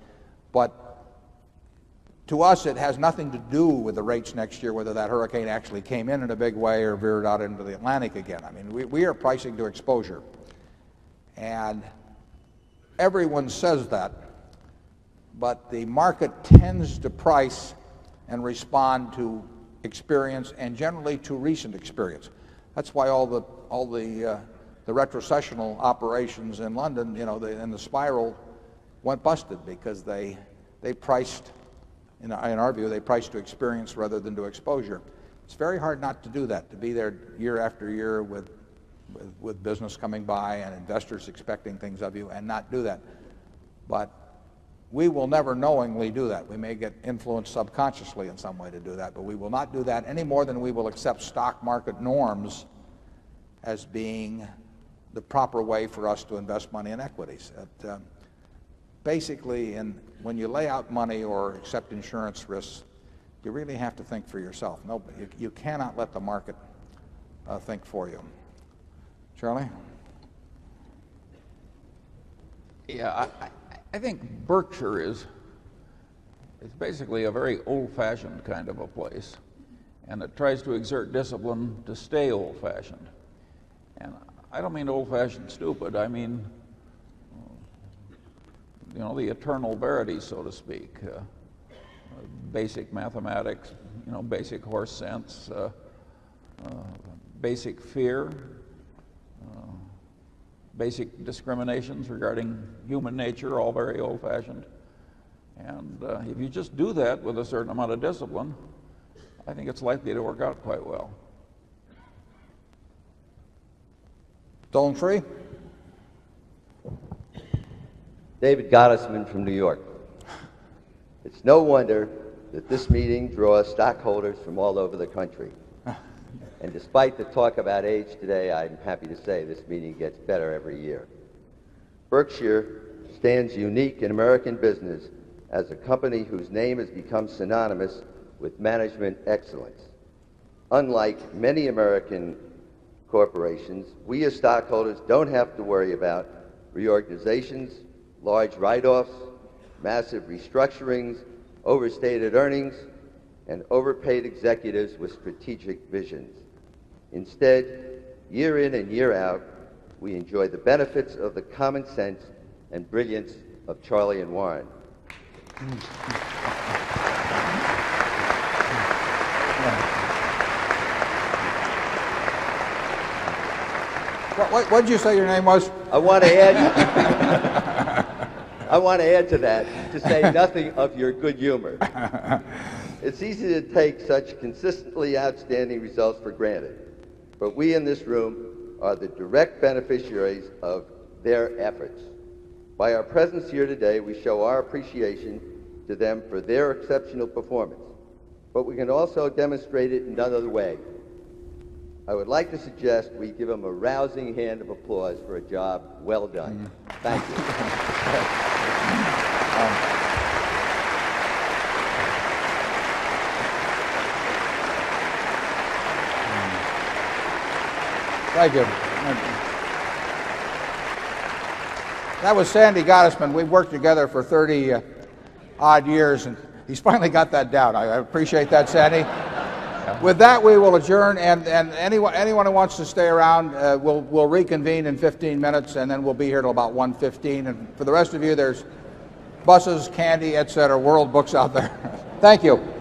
But to us, it has nothing to do with the rates next year, whether that hurricane actually came in in a big way or veered out into the Atlantic again. I mean, we are pricing to market tends but the market tends to price and respond to experience and generally to recent experience. That's why all the retrocessional operations in London, you know, and the spiral went busted because they priced, in our view, they priced to experience rather than to exposure. It's very hard not to do that, to be there year after year with business coming by and investors expecting things of you and not do that. But we will never knowingly do that. We may get influenced subconsciously in some way to do that but we will not do that any more than we will accept stock market norms as being the proper way for us to invest money in equities. Basically, when you lay out money or accept insurance risks, you really have to think for yourself. You cannot let the market think for you. Charlie? Yes. I think Berkshire it's basically a very old fashioned kind of a place and it tries to exert discipline to stay old fashioned. And I don't mean old fashioned stupid. I mean, you know, the eternal verity, so to speak, basic discriminations regarding human nature, all very old fashioned. And if you just do that with a certain amount of discipline, I think it's likely to work out quite well. David Gottesman from New York. It's no wonder that this meeting draws stockholders from all over the country. And despite the talk about age today, I'm happy to say this meeting gets better every year. Berkshire stands unique in American Business as a company whose name has become synonymous with management excellence. Unlike many American corporations, we as stockholders don't have to worry about reorganizations, large massive restructurings, overstated earnings and overpaid executives with strategic visions. Instead, year in and year out, we enjoy the benefits of the common sense and brilliance of Charlie and Warren. What did you say your name was? I want to add to that, to say nothing of your good humor. It's easy to take such consistently outstanding results for granted, but we in this room are the direct beneficiaries of their efforts. By our presence here today, we show our appreciation to them for their exceptional performance, but we can also demonstrate it in another way. I would like to suggest we give them a rousing hand of applause for a job well done. Thank you. That was Sandy Gottesman. We worked together for 30 odd years and he's finally got that down. I appreciate that, Sandy. With that, we will adjourn and anyone who wants to stay around, we'll reconvene in 15 minutes and then we'll be here till about 1:15. And for the rest of you, there's buses, candy, etcetera, world books out there. Thank you.